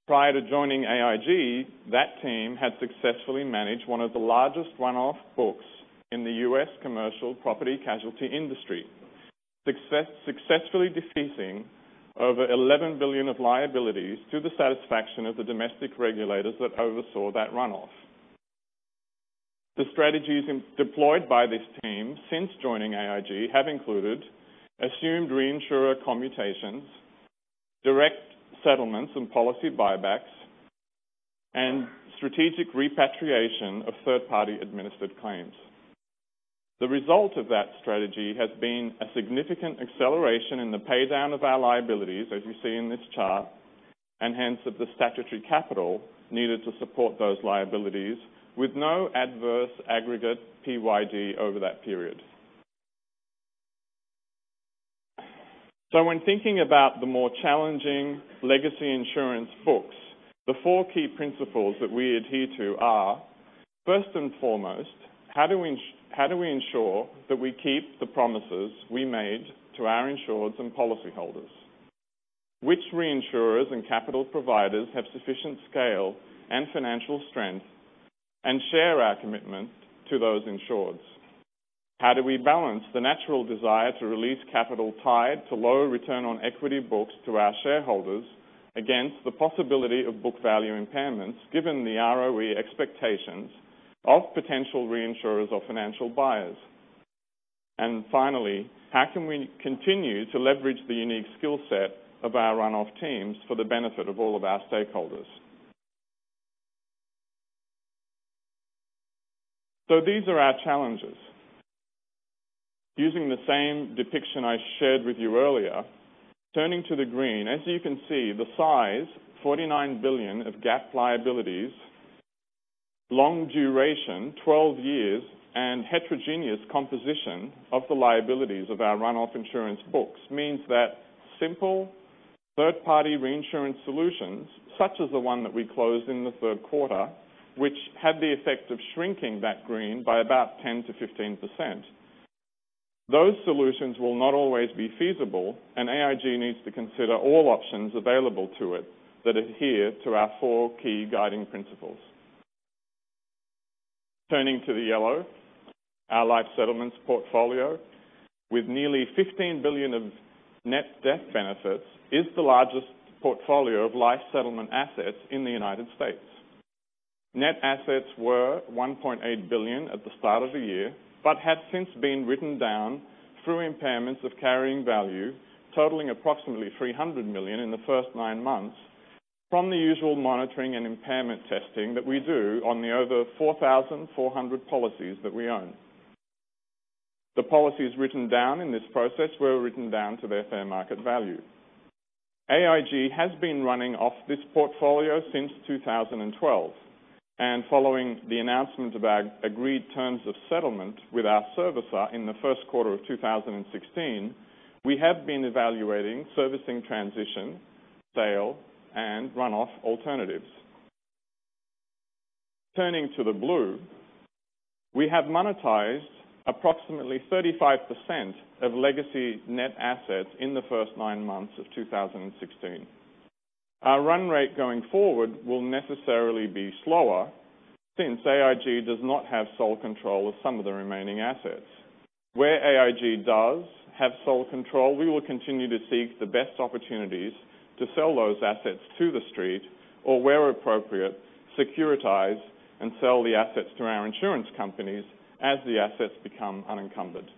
Prior to joining AIG, that team had successfully managed one of the largest runoff books in the U.S. commercial property casualty industry. Successfully defeating over $11 billion of liabilities to the satisfaction of the domestic regulators that oversaw that runoff. The strategies deployed by this team since joining AIG have included assumed reinsurer commutations, direct settlements and policy buybacks, and strategic repatriation of third-party administered claims. The result of that strategy has been a significant acceleration in the paydown of our liabilities, as you see in this chart, and hence of the statutory capital needed to support those liabilities with no adverse aggregate PYD over that period. When thinking about the more challenging legacy insurance books, the four key principles that we adhere to are, first and foremost, how do we ensure that we keep the promises we made to our insureds and policyholders? Which reinsurers and capital providers have sufficient scale and financial strength and share our commitment to those insureds? How do we balance the natural desire to release capital tied to lower return on equity books to our shareholders against the possibility of book value impairments given the ROE expectations of potential reinsurers or financial buyers? Finally, how can we continue to leverage the unique skill set of our runoff teams for the benefit of all of our stakeholders? These are our challenges. Using the same depiction I shared with you earlier, turning to the green, as you can see, the size, $49 billion of GAAP liabilities, long duration, 12 years, and heterogeneous composition of the liabilities of our runoff insurance books means that simple third-party reinsurance solutions, such as the one that we closed in the third quarter, which had the effect of shrinking that green by about 10%-15%. Those solutions will not always be feasible, and AIG needs to consider all options available to it that adhere to our four key guiding principles. Turning to the yellow, our life settlements portfolio with nearly $15 billion of net death benefits, is the largest portfolio of life settlement assets in the U.S. Net assets were $1.8 billion at the start of the year, but have since been written down through impairments of carrying value, totaling approximately $300 million in the first nine months from the usual monitoring and impairment testing that we do on the over 4,400 policies that we own. The policies written down in this process were written down to their fair market value. AIG has been running off this portfolio since 2012. Following the announcement of our agreed terms of settlement with our servicer in the first quarter of 2016, we have been evaluating servicing transition, sale, and run-off alternatives. Turning to the blue, we have monetized approximately 35% of Legacy net assets in the first nine months of 2016. Our run rate going forward will necessarily be slower since AIG does not have sole control of some of the remaining assets. Where AIG does have sole control, we will continue to seek the best opportunities to sell those assets to the street or, where appropriate, securitize and sell the assets to our insurance companies as the assets become unencumbered.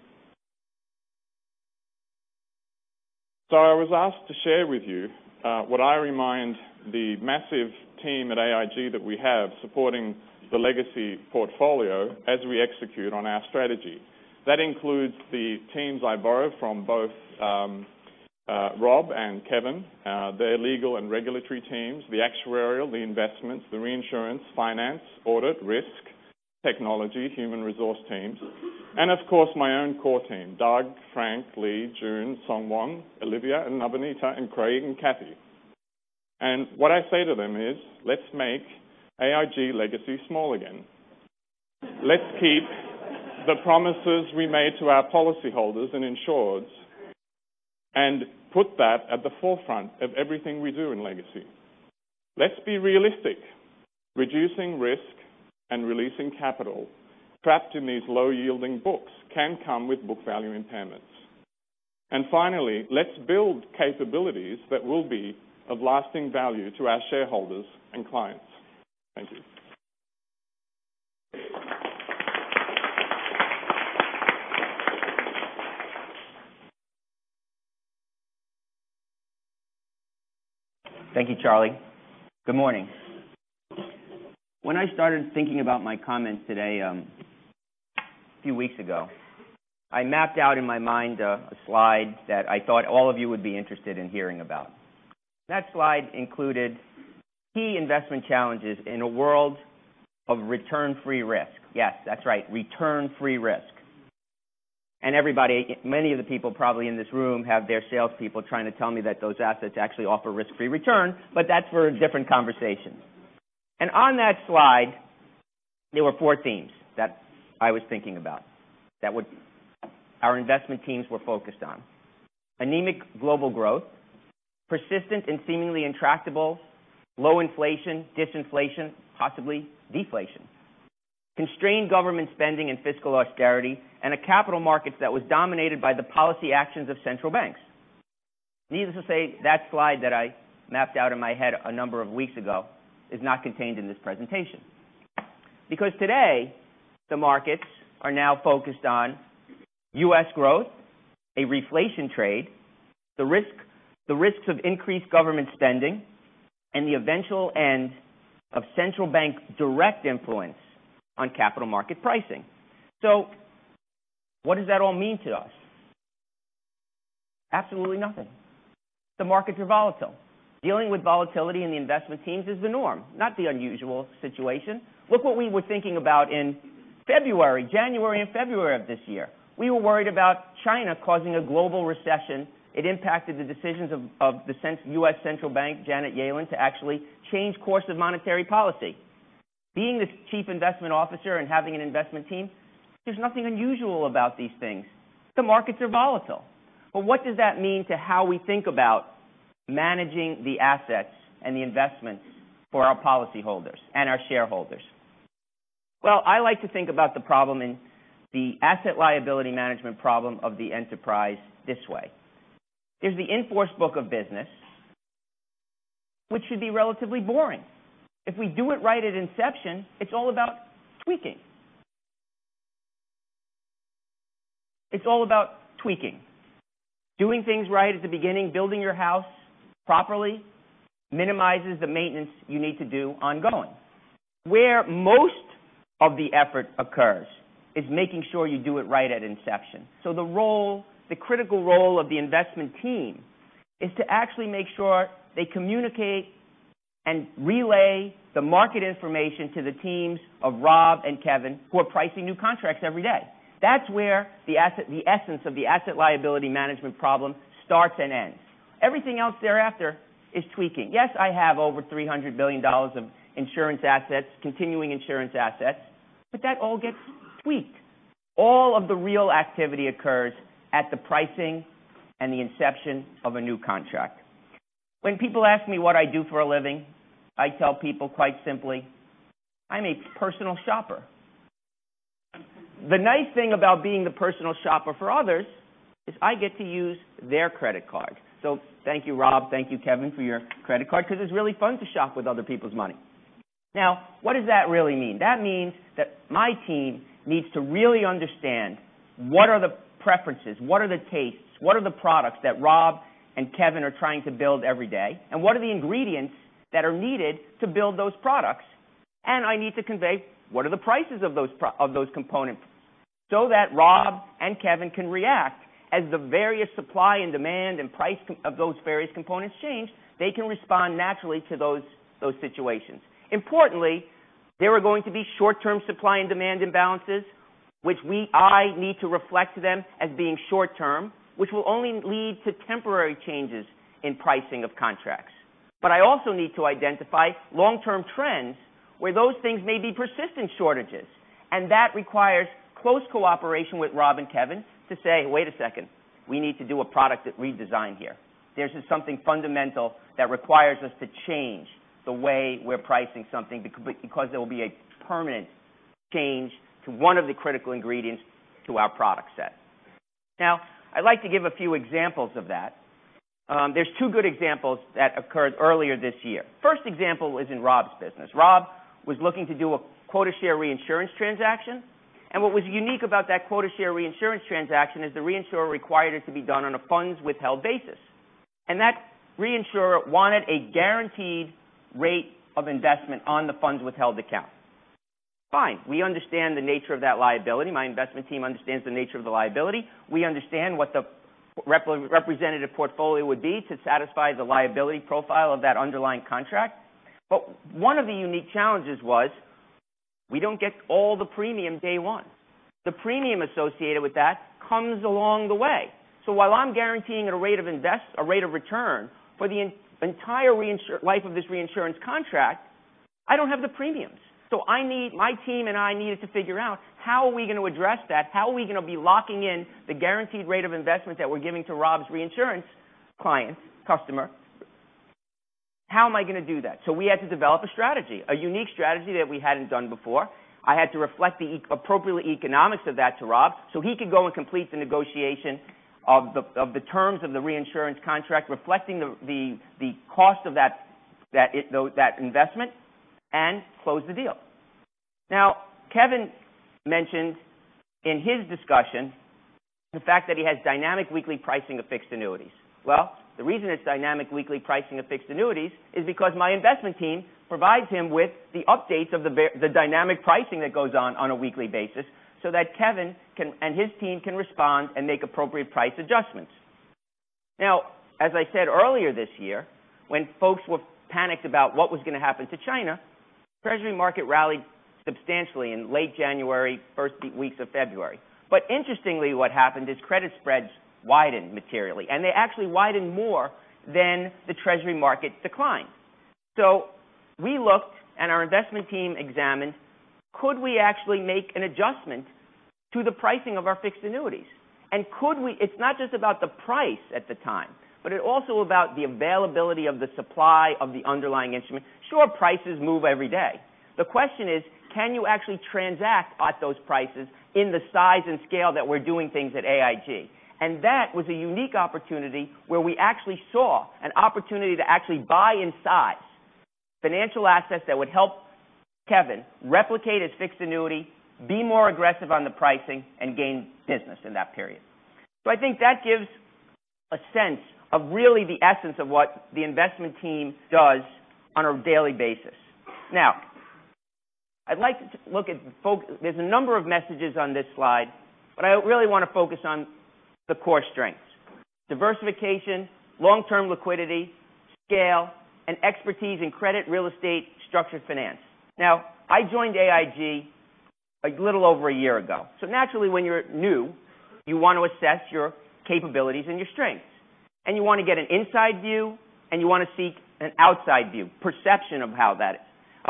I was asked to share with you what I remind the massive team at AIG that we have supporting the Legacy portfolio as we execute on our strategy. That includes the teams I borrow from both Rob and Kevin, their legal and regulatory teams, the actuarial, the investments, the reinsurance, finance, audit, risk, technology, human resource teams, and of course, my own core team, Doug, Frank, Lee, June, Song Won, Olivia, and Navanita, and Craig, and Cathy. What I say to them is, "Let's make AIG Legacy small again." Let's keep the promises we made to our policy holders and insureds and put that at the forefront of everything we do in Legacy. Let's be realistic. Reducing risk and releasing capital trapped in these low-yielding books can come with book value impairments. Finally, let's build capabilities that will be of lasting value to our shareholders and clients. Thank you. Thank you, Charlie. Good morning. When I started thinking about my comments today, a few weeks ago, I mapped out in my mind a slide that I thought all of you would be interested in hearing about. That slide included key investment challenges in a world of return-free risk. Yes, that's right, return-free risk. Many of the people probably in this room have their salespeople trying to tell me that those assets actually offer risk-free return, but that's for a different conversation. On that slide, there were four themes that I was thinking about, that our investment teams were focused on. Anemic global growth, persistent and seemingly intractable low inflation, disinflation, possibly deflation. Constrained government spending and fiscal austerity, and a capital market that was dominated by the policy actions of central banks. Needless to say, that slide that I mapped out in my head a number of weeks ago is not contained in this presentation. Today, the markets are now focused on U.S. growth, a reflation trade, the risks of increased government spending, and the eventual end of central bank direct influence on capital market pricing. What does that all mean to us? Absolutely nothing. The markets are volatile. Dealing with volatility in the investment teams is the norm, not the unusual situation. Look what we were thinking about in February, January and February of this year. We were worried about China causing a global recession. It impacted the decisions of the U.S. Central Bank, Janet Yellen, to actually change course of monetary policy. Being the chief investment officer and having an investment team, there's nothing unusual about these things. The markets are volatile. What does that mean to how we think about managing the assets and the investments for our policyholders and our shareholders? I like to think about the problem in the asset liability management problem of the enterprise this way. There's the in-force book of business, which should be relatively boring. If we do it right at inception, it's all about tweaking. Doing things right at the beginning, building your house properly, minimizes the maintenance you need to do ongoing. Where most of the effort occurs is making sure you do it right at inception. The critical role of the investment team is to actually make sure they communicate and relay the market information to the teams of Rob and Kevin, who are pricing new contracts every day. That's where the essence of the asset liability management problem starts and ends. Everything else thereafter is tweaking. I have over $300 billion of insurance assets, continuing insurance assets, that all gets tweaked. All of the real activity occurs at the pricing and the inception of a new contract. When people ask me what I do for a living, I tell people quite simply, "I'm a personal shopper." The nice thing about being the personal shopper for others is I get to use their credit card. Thank you, Rob, thank you, Kevin, for your credit card, because it's really fun to shop with other people's money. What does that really mean? That means that my team needs to really understand what are the preferences, what are the tastes, what are the products that Rob and Kevin are trying to build every day, and what are the ingredients that are needed to build those products. I need to convey what are the prices of those components so that Rob and Kevin can react. As the various supply and demand and price of those various components change, they can respond naturally to those situations. Importantly, there are going to be short-term supply and demand imbalances, which I need to reflect to them as being short-term, which will only lead to temporary changes in pricing of contracts. I also need to identify long-term trends where those things may be persistent shortages, and that requires close cooperation with Rob and Kevin to say, "Wait a second. We need to do a product redesign here." There's just something fundamental that requires us to change the way we're pricing something because there will be a permanent change to one of the critical ingredients to our product set. I'd like to give a few examples of that. There's two good examples that occurred earlier this year. First example is in Rob's business. Rob was looking to do a quota share reinsurance transaction, what was unique about that quota share reinsurance transaction is the reinsurer required it to be done on a funds withheld basis, that reinsurer wanted a guaranteed rate of investment on the funds withheld account. Fine. We understand the nature of that liability. My investment team understands the nature of the liability. We understand what the representative portfolio would be to satisfy the liability profile of that underlying contract. One of the unique challenges was we don't get all the premium day one. The premium associated with that comes along the way. While I'm guaranteeing a rate of return for the entire life of this reinsurance contract, I don't have the premiums. My team and I needed to figure out how are we going to address that? How are we going to be locking in the guaranteed rate of investment that we're giving to Rob's reinsurance client customer? How am I going to do that? We had to develop a strategy, a unique strategy that we hadn't done before. I had to reflect the appropriate economics of that to Rob so he could go and complete the negotiation of the terms of the reinsurance contract, reflecting the cost of that investment, and close the deal. Kevin mentioned in his discussion the fact that he has dynamic weekly pricing of fixed annuities. The reason it's dynamic weekly pricing of fixed annuities is because my investment team provides him with the updates of the dynamic pricing that goes on on a weekly basis so that Kevin and his team can respond and make appropriate price adjustments. As I said earlier this year, when folks were panicked about what was going to happen to China, Treasury market rallied substantially in late January, first weeks of February. Interestingly, what happened is credit spreads widened materially, and they actually widened more than the Treasury market declined. We looked, and our investment team examined, could we actually make an adjustment to the pricing of our fixed annuities? It's not just about the price at the time, but it's also about the availability of the supply of the underlying instrument. Sure, prices move every day. The question is, can you actually transact at those prices in the size and scale that we're doing things at AIG? That was a unique opportunity where we actually saw an opportunity to actually buy in size financial assets that would help Kevin replicate his fixed annuity, be more aggressive on the pricing, and gain business in that period. I think that gives a sense of really the essence of what the investment team does on a daily basis. There's a number of messages on this slide, I really want to focus on the core strengths: diversification, long-term liquidity, scale, and expertise in credit real estate structured finance. I joined AIG a little over a year ago. Naturally, when you're new, you want to assess your capabilities and your strengths, you want to get an inside view, and you want to seek an outside view, perception of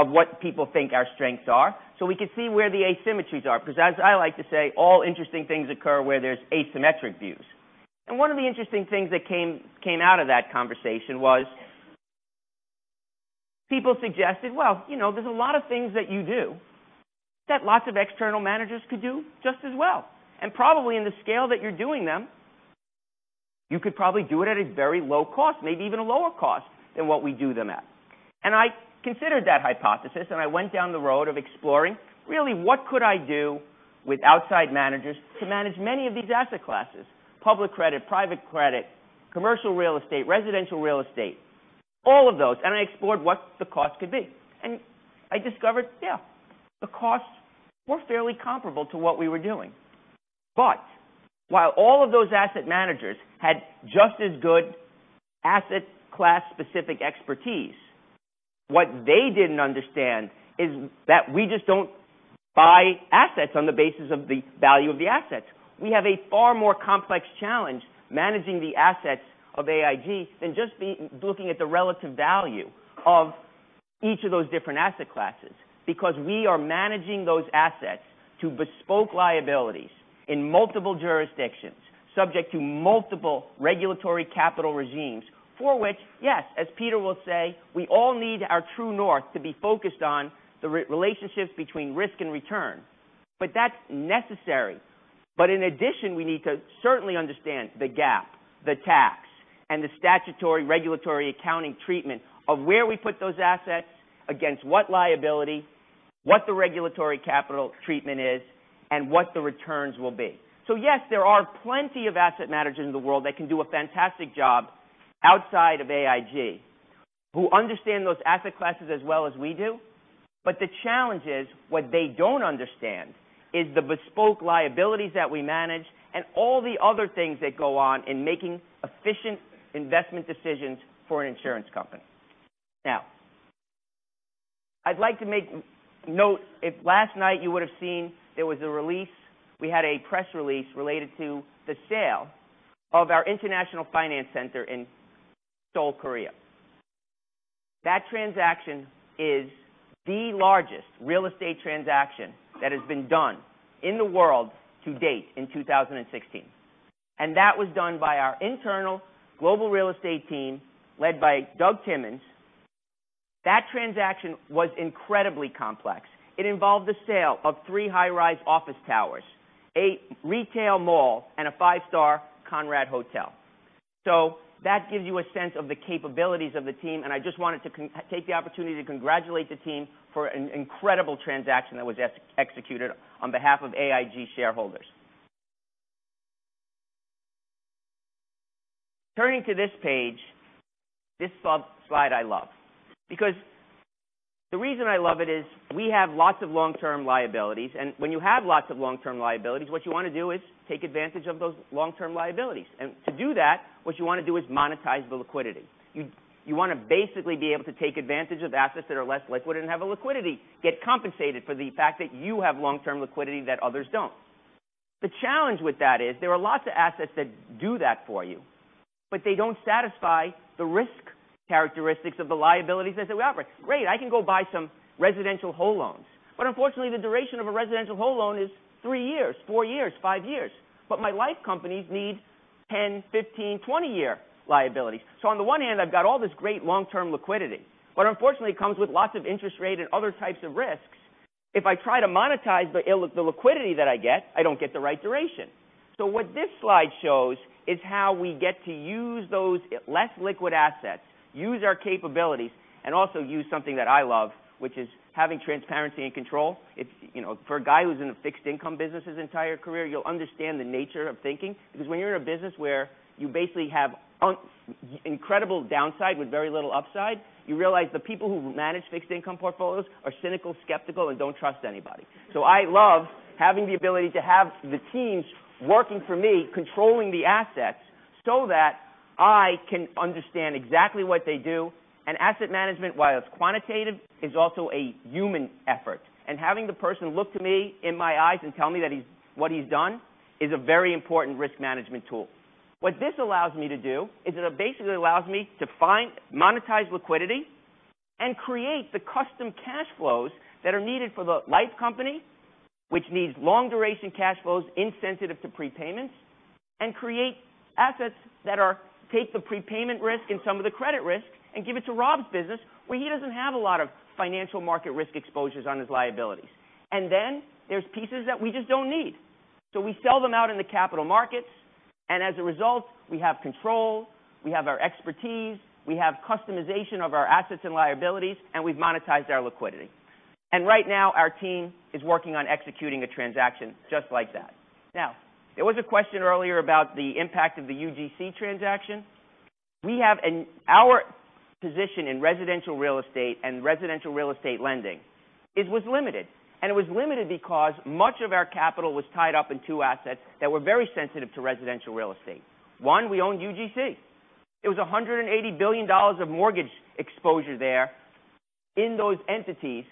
what people think our strengths are, so we can see where the asymmetries are. Because as I like to say, all interesting things occur where there's asymmetric views. One of the interesting things that came out of that conversation was people suggested, "There's a lot of things that you do that lots of external managers could do just as well. Probably in the scale that you're doing them, you could probably do it at a very low cost," maybe even a lower cost than what we do them at. I considered that hypothesis, I went down the road of exploring, really, what could I do with outside managers to manage many of these asset classes, public credit, private credit, commercial real estate, residential real estate, all of those, I explored what the cost could be. I discovered, yeah, the costs were fairly comparable to what we were doing. While all of those asset managers had just as good asset class specific expertise, what they didn't understand is that we just don't buy assets on the basis of the value of the assets. We have a far more complex challenge managing the assets of AIG than just looking at the relative value of each of those different asset classes because we are managing those assets to bespoke liabilities in multiple jurisdictions, subject to multiple regulatory capital regimes for which, yes, as Peter will say, we all need our true north to be focused on the relationships between risk and return. That's necessary. In addition, we need to certainly understand the GAAP, the tax, and the statutory regulatory accounting treatment of where we put those assets against what liability, what the regulatory capital treatment is, and what the returns will be. Yes, there are plenty of asset managers in the world that can do a fantastic job outside of AIG who understand those asset classes as well as we do. The challenge is what they don't understand is the bespoke liabilities that we manage and all the other things that go on in making efficient investment decisions for an insurance company. I'd like to make note. Last night you would have seen there was a release. We had a press release related to the sale of our International Finance Center in Seoul, Korea. That transaction is the largest real estate transaction that has been done in the world to date in 2016, That was done by our internal global real estate team led by Doug Timmons. That transaction was incredibly complex. It involved the sale of three high-rise office towers, a retail mall, and a 5-star Conrad hotel. That gives you a sense of the capabilities of the team, I just wanted to take the opportunity to congratulate the team for an incredible transaction that was executed on behalf of AIG shareholders. Turning to this page, this slide I love. The reason I love it is we have lots of long-term liabilities, when you have lots of long-term liabilities, what you want to do is take advantage of those long-term liabilities. To do that, what you want to do is monetize the liquidity. You want to basically be able to take advantage of assets that are less liquid and have a liquidity get compensated for the fact that you have long-term liquidity that others don't. The challenge with that is there are lots of assets that do that for you, they don't satisfy the risk characteristics of the liabilities as we offer. Great, I can go buy some residential whole loans, unfortunately, the duration of a residential whole loan is three years, four years, five years. My life companies need 10, 15, 20-year liabilities. On the one hand, I've got all this great long-term liquidity, but unfortunately, it comes with lots of interest rate and other types of risks. If I try to monetize the liquidity that I get, I don't get the right duration. What this slide shows is how we get to use those less liquid assets, use our capabilities, and also use something that I love, which is having transparency and control. For a guy who's in a fixed income business his entire career, you'll understand the nature of thinking, because when you're in a business where you basically have incredible downside with very little upside, you realize the people who manage fixed income portfolios are cynical, skeptical, and don't trust anybody. I love having the ability to have the teams working for me, controlling the assets so that I can understand exactly what they do. Asset management, while it's quantitative, is also a human effort. Having the person look to me in my eyes and tell me what he's done is a very important risk management tool. What this allows me to do is it basically allows me to monetize liquidity and create the custom cash flows that are needed for the life company, which needs long duration cash flows insensitive to prepayments, and create assets that take the prepayment risk and some of the credit risk and give it to Rob's business, where he doesn't have a lot of financial market risk exposures on his liabilities. There's pieces that we just don't need. We sell them out in the capital markets, and as a result, we have control, we have our expertise, we have customization of our assets and liabilities, and we've monetized our liquidity. Right now, our team is working on executing a transaction just like that. Now, there was a question earlier about the impact of the UGC transaction. Our position in residential real estate and residential real estate lending, it was limited, and it was limited because much of our capital was tied up in two assets that were very sensitive to residential real estate. One, we owned UGC. It was $180 billion of mortgage exposure there in those entities.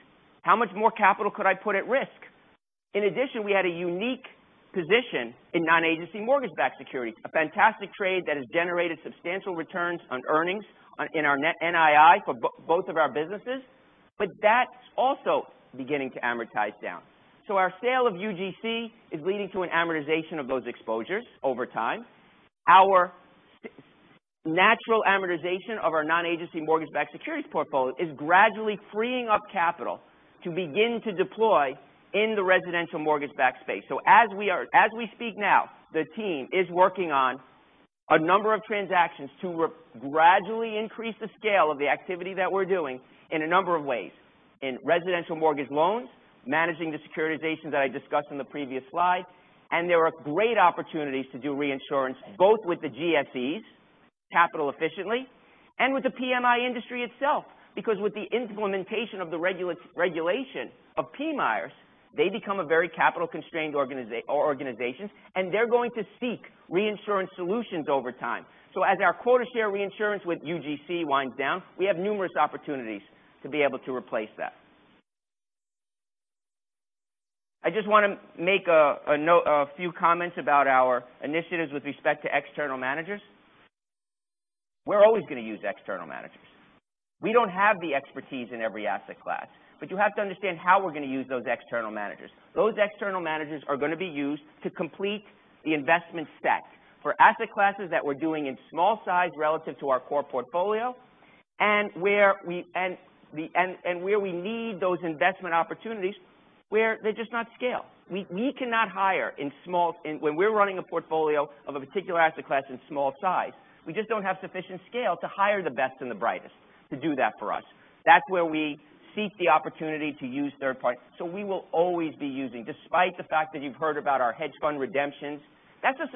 How much more capital could I put at risk? In addition, we had a unique position in non-agency mortgage-backed securities, a fantastic trade that has generated substantial returns on earnings in our net NII for both of our businesses, but that's also beginning to amortize down. Our sale of UGC is leading to an amortization of those exposures over time. Our natural amortization of our non-agency mortgage-backed securities portfolio is gradually freeing up capital to begin to deploy in the residential mortgage backed space. As we speak now, the team is working on a number of transactions to gradually increase the scale of the activity that we're doing in a number of ways. In residential mortgage loans, managing the securitization that I discussed in the previous slide. There are great opportunities to do reinsurance, both with the GSEs, capital efficiently, and with the PMI industry itself. Because with the implementation of the regulation of PMIERs, they become a very capital-constrained organization, and they're going to seek reinsurance solutions over time. As our quota share reinsurance with UGC winds down, we have numerous opportunities to be able to replace that. I just want to make a few comments about our initiatives with respect to external managers. We're always going to use external managers. We don't have the expertise in every asset class, you have to understand how we're going to use those external managers. Those external managers are going to be used to complete the investment stack for asset classes that we're doing in small size relative to our core portfolio. Where we need those investment opportunities, where they just not scale. When we're running a portfolio of a particular asset class in small size, we just don't have sufficient scale to hire the best and the brightest to do that for us. That's where we seek the opportunity to use third party. We will always be using, despite the fact that you've heard about our hedge fund redemptions, that's just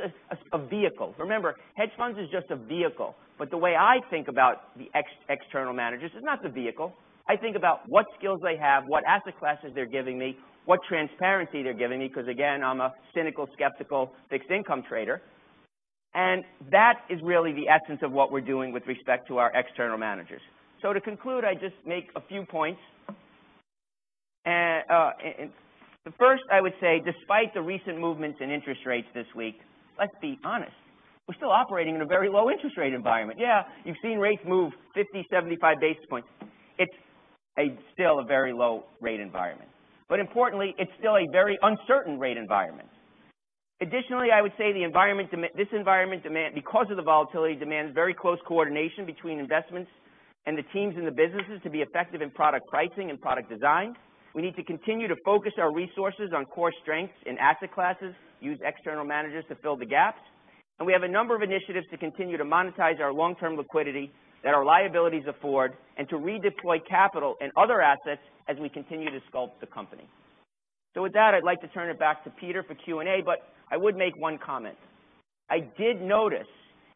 a vehicle. Remember, hedge funds is just a vehicle. The way I think about the external managers is not the vehicle. I think about what skills they have, what asset classes they're giving me, what transparency they're giving me because again, I'm a cynical, skeptical fixed income trader. That is really the essence of what we're doing with respect to our external managers. To conclude, I just make a few points. The first, I would say despite the recent movements in interest rates this week, let's be honest, we're still operating in a very low interest rate environment. Yeah, you've seen rates move 50, 75 basis points. It's still a very low rate environment. Importantly, it's still a very uncertain rate environment. Additionally, I would say this environment, because of the volatility, demands very close coordination between investments and the teams in the businesses to be effective in product pricing and product design. We need to continue to focus our resources on core strengths in asset classes, use external managers to fill the gaps. We have a number of initiatives to continue to monetize our long-term liquidity that our liabilities afford and to redeploy capital and other assets as we continue to sculpt the company. With that, I'd like to turn it back to Peter for Q&A, I would make one comment. I did notice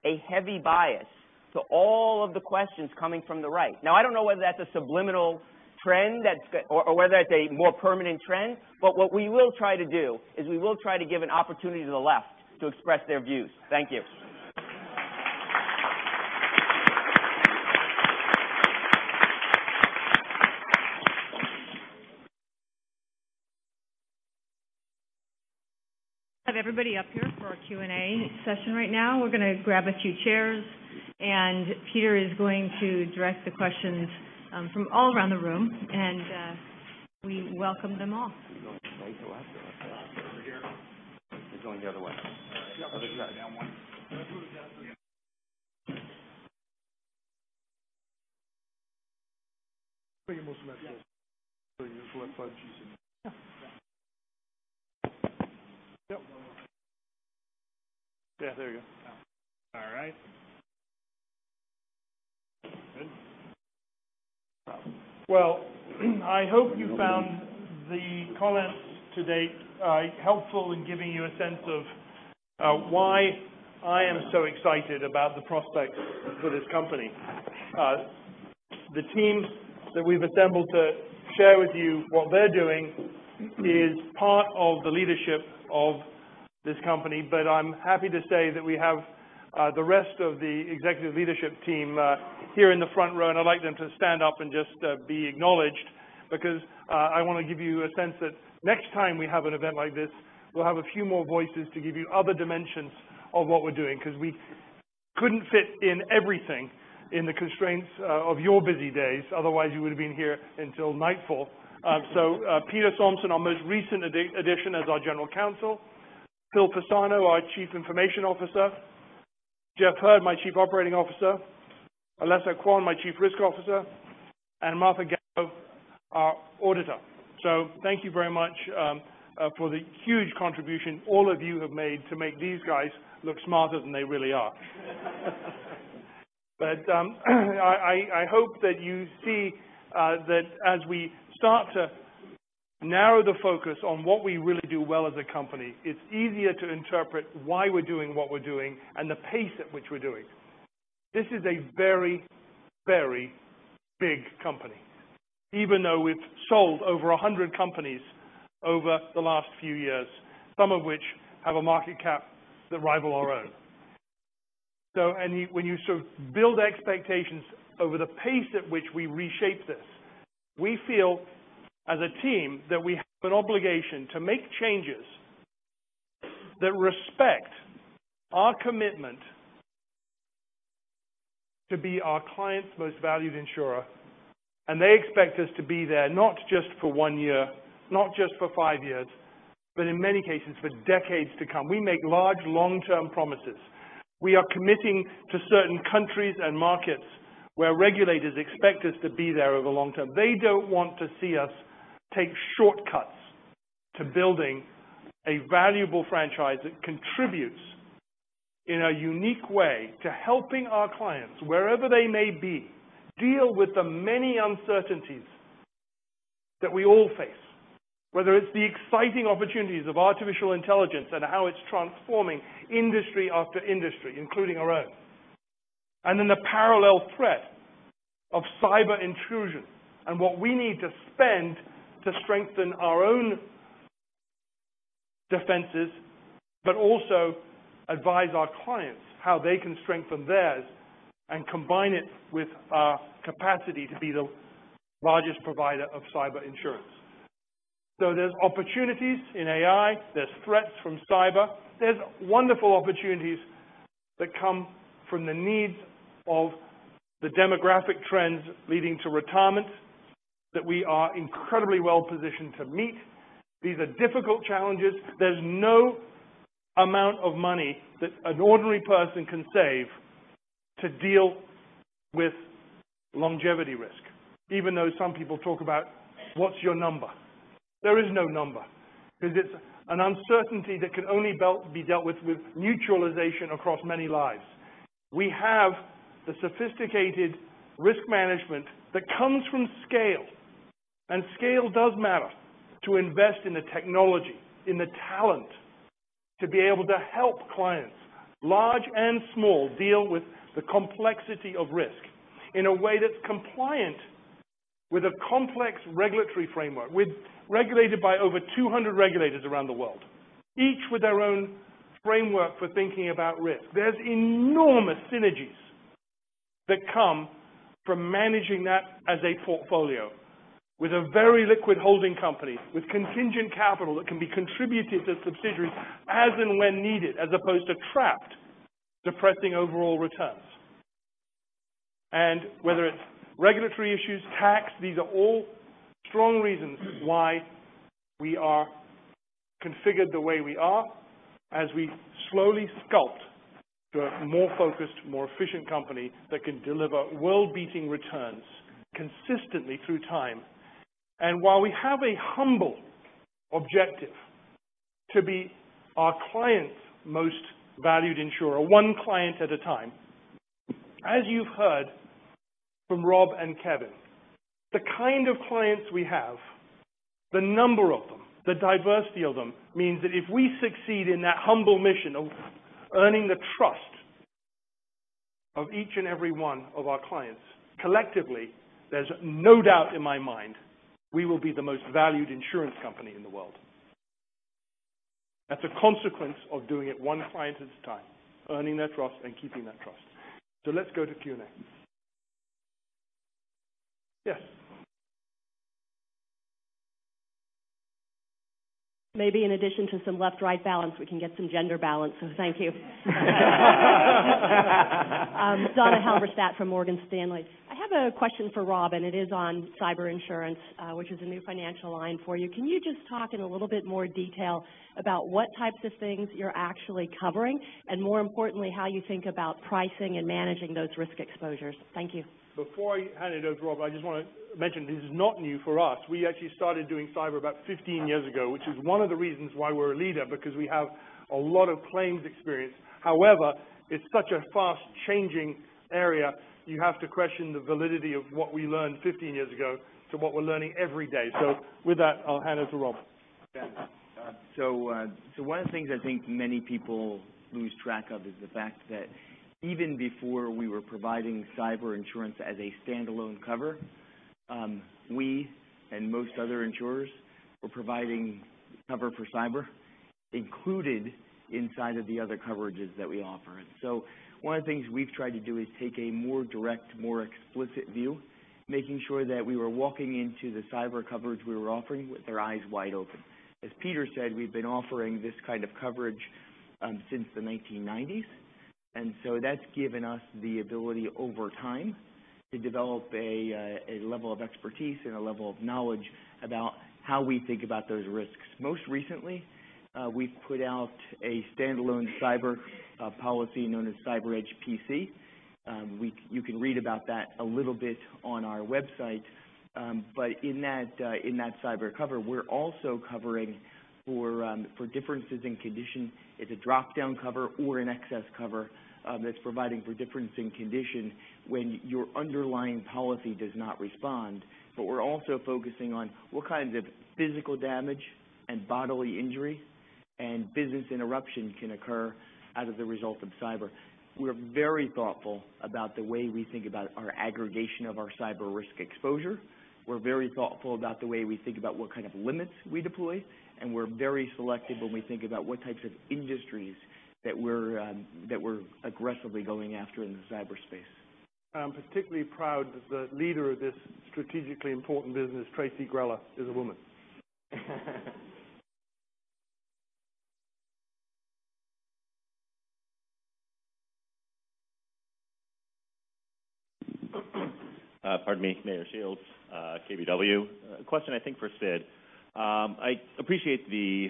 a heavy bias to all of the questions coming from the right. I don't know whether that's a subliminal trend or whether that's a more permanent trend, what we will try to do is we will try to give an opportunity to the left to express their views. Thank you. Have everybody up here for our Q&A session right now. We're going to grab a few chairs. Peter is going to direct the questions from all around the room. We welcome them all. Well, I hope you found the comments today helpful in giving you a sense of why I am so excited about the prospects for this company. The teams that we've assembled to share with you what they're doing is part of the leadership of this company. I'm happy to say that we have the rest of the executive leadership team here in the front row. I'd like them to stand up and just be acknowledged because I want to give you a sense that next time we have an event like this, we'll have a few more voices to give you other dimensions of what we're doing because we couldn't fit in everything in the constraints of your busy days. Otherwise, you would have been here until nightfall. Peter Zaffino, our most recent addition as our General Counsel. Roshan Navagamuwa, our Chief Information Officer. Jeffrey Hurd, my Chief Operating Officer. Alessa Quane, my Chief Risk Officer. Martha Gallo, our auditor. Thank you very much for the huge contribution all of you have made to make these guys look smarter than they really are. I hope that you see that as we start to narrow the focus on what we really do well as a company, it's easier to interpret why we're doing what we're doing and the pace at which we're doing it. This is a very, very big company. Even though we've sold over 100 companies over the last few years, some of which have a market cap that rival our own. When you sort of build expectations over the pace at which we reshape this, we feel as a team that we have an obligation to make changes that respect our commitment to be our clients' most valued insurer. They expect us to be there not just for one year, not just for five years, but in many cases for decades to come. We make large long-term promises. We are committing to certain countries and markets where regulators expect us to be there over the long term. They don't want to see us take shortcuts to building a valuable franchise that contributes in a unique way to helping our clients, wherever they may be, deal with the many uncertainties that we all face. Whether it's the exciting opportunities of artificial intelligence and how it's transforming industry after industry, including our own. the parallel threat of cyber intrusion and what we need to spend to strengthen our own defenses, but also advise our clients how they can strengthen theirs and combine it with our capacity to be the largest provider of cyber insurance. There's opportunities in AI, there's threats from cyber. There's wonderful opportunities that come from the needs of the demographic trends leading to retirements that we are incredibly well positioned to meet. These are difficult challenges. There's no amount of money that an ordinary person can save to deal with longevity risk, even though some people talk about, what's your number? There is no number because it's an uncertainty that can only be dealt with mutualization across many lives. We have the sophisticated risk management that comes from scale. Scale does matter to invest in the technology, in the talent to be able to help clients, large and small, deal with the complexity of risk in a way that's compliant with a complex regulatory framework, regulated by over 200 regulators around the world, each with their own framework for thinking about risk. There's enormous synergies that come from managing that as a portfolio with a very liquid holding company, with contingent capital that can be contributed to subsidiaries as and when needed, as opposed to trapped, depressing overall returns. Whether it's regulatory issues, tax, these are all strong reasons why we are configured the way we are as we slowly sculpt to a more focused, more efficient company that can deliver world-beating returns consistently through time. While we have a humble objective to be our client's most valued insurer, one client at a time, as you've heard from Rob and Kevin, the kind of clients we have, the number of them, the diversity of them means that if we succeed in that humble mission of earning the trust of each and every one of our clients, collectively, there's no doubt in my mind we will be the most valued insurance company in the world. That's a consequence of doing it one client at a time, earning their trust and keeping that trust. Let's go to Q&A. Yes. Maybe in addition to some left-right balance, we can get some gender balance. Thank you. Donna Halverstadt from Morgan Stanley. I have a question for Rob, and it is on cyber insurance, which is a new financial line for you. Can you just talk in a little bit more detail about what types of things you're actually covering, and more importantly, how you think about pricing and managing those risk exposures? Thank you. Before I hand it over, Rob, I just want to mention this is not new for us. We actually started doing cyber about 15 years ago, which is one of the reasons why we're a leader, because we have a lot of claims experience. However, it's such a fast-changing area, you have to question the validity of what we learned 15 years ago to what we're learning every day. With that, I'll hand it to Rob. Thanks. One of the things I think many people lose track of is the fact that even before we were providing cyber insurance as a standalone cover, we and most other insurers were providing cover for cyber included inside of the other coverages that we offer. One of the things we've tried to do is take a more direct, more explicit view, making sure that we were walking into the cyber coverage we were offering with our eyes wide open. As Peter said, we've been offering this kind of coverage since the 1990s, that's given us the ability over time to develop a level of expertise and a level of knowledge about how we think about those risks. Most recently, we've put out a standalone cyber policy known as CyberEdge PC. You can read about that a little bit on our website. In that cyber cover, we're also covering for differences in condition. It's a drop-down cover or an excess cover that's providing for difference in condition when your underlying policy does not respond. We're also focusing on what kinds of physical damage and bodily injury and business interruption can occur out of the result of cyber. We're very thoughtful about the way we think about our aggregation of our cyber risk exposure. We're very thoughtful about the way we think about what kind of limits we deploy, and we're very selective when we think about what types of industries that we're aggressively going after in the cyber space. I'm particularly proud that the leader of this strategically important business, Tracie Grella, is a woman. Pardon me. Meyer Shields, KBW. A question, I think, for Sid. I appreciate the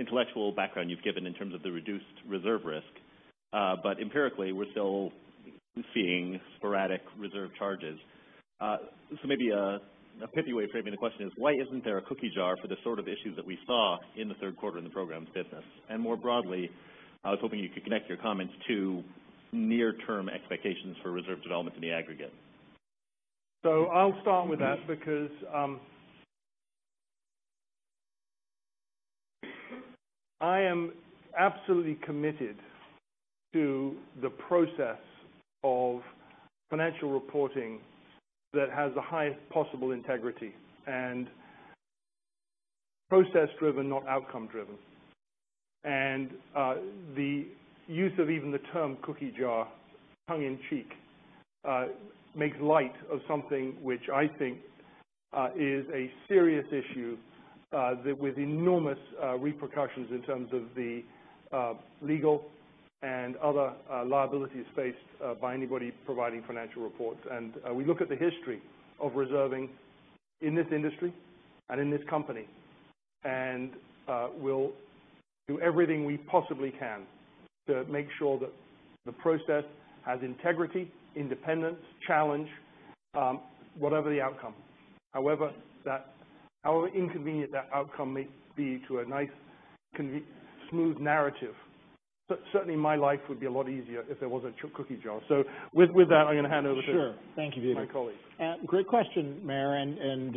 intellectual background you've given in terms of the reduced reserve risk. Empirically, we're still seeing sporadic reserve charges. Maybe a pithy way of framing the question is why isn't there a cookie jar for the sort of issues that we saw in the third quarter in the programs business? More broadly, I was hoping you could connect your comments to near-term expectations for reserve development in the aggregate. I'll start with that because I am absolutely committed to the process of financial reporting that has the highest possible integrity and process driven, not outcome driven. The use of even the term cookie jar, tongue in cheek, makes light of something which I think is a serious issue with enormous repercussions in terms of the legal and other liabilities faced by anybody providing financial reports. We look at the history of reserving in this industry and in this company, and we'll do everything we possibly can to make sure that the process has integrity, independence, challenge, whatever the outcome. However inconvenient that outcome may be to a nice, smooth narrative. Certainly, my life would be a lot easier if there was a cookie jar. With that, I'm going to hand over to- Sure. Thank you, Peter. my colleague. Great question, Meyer Shields.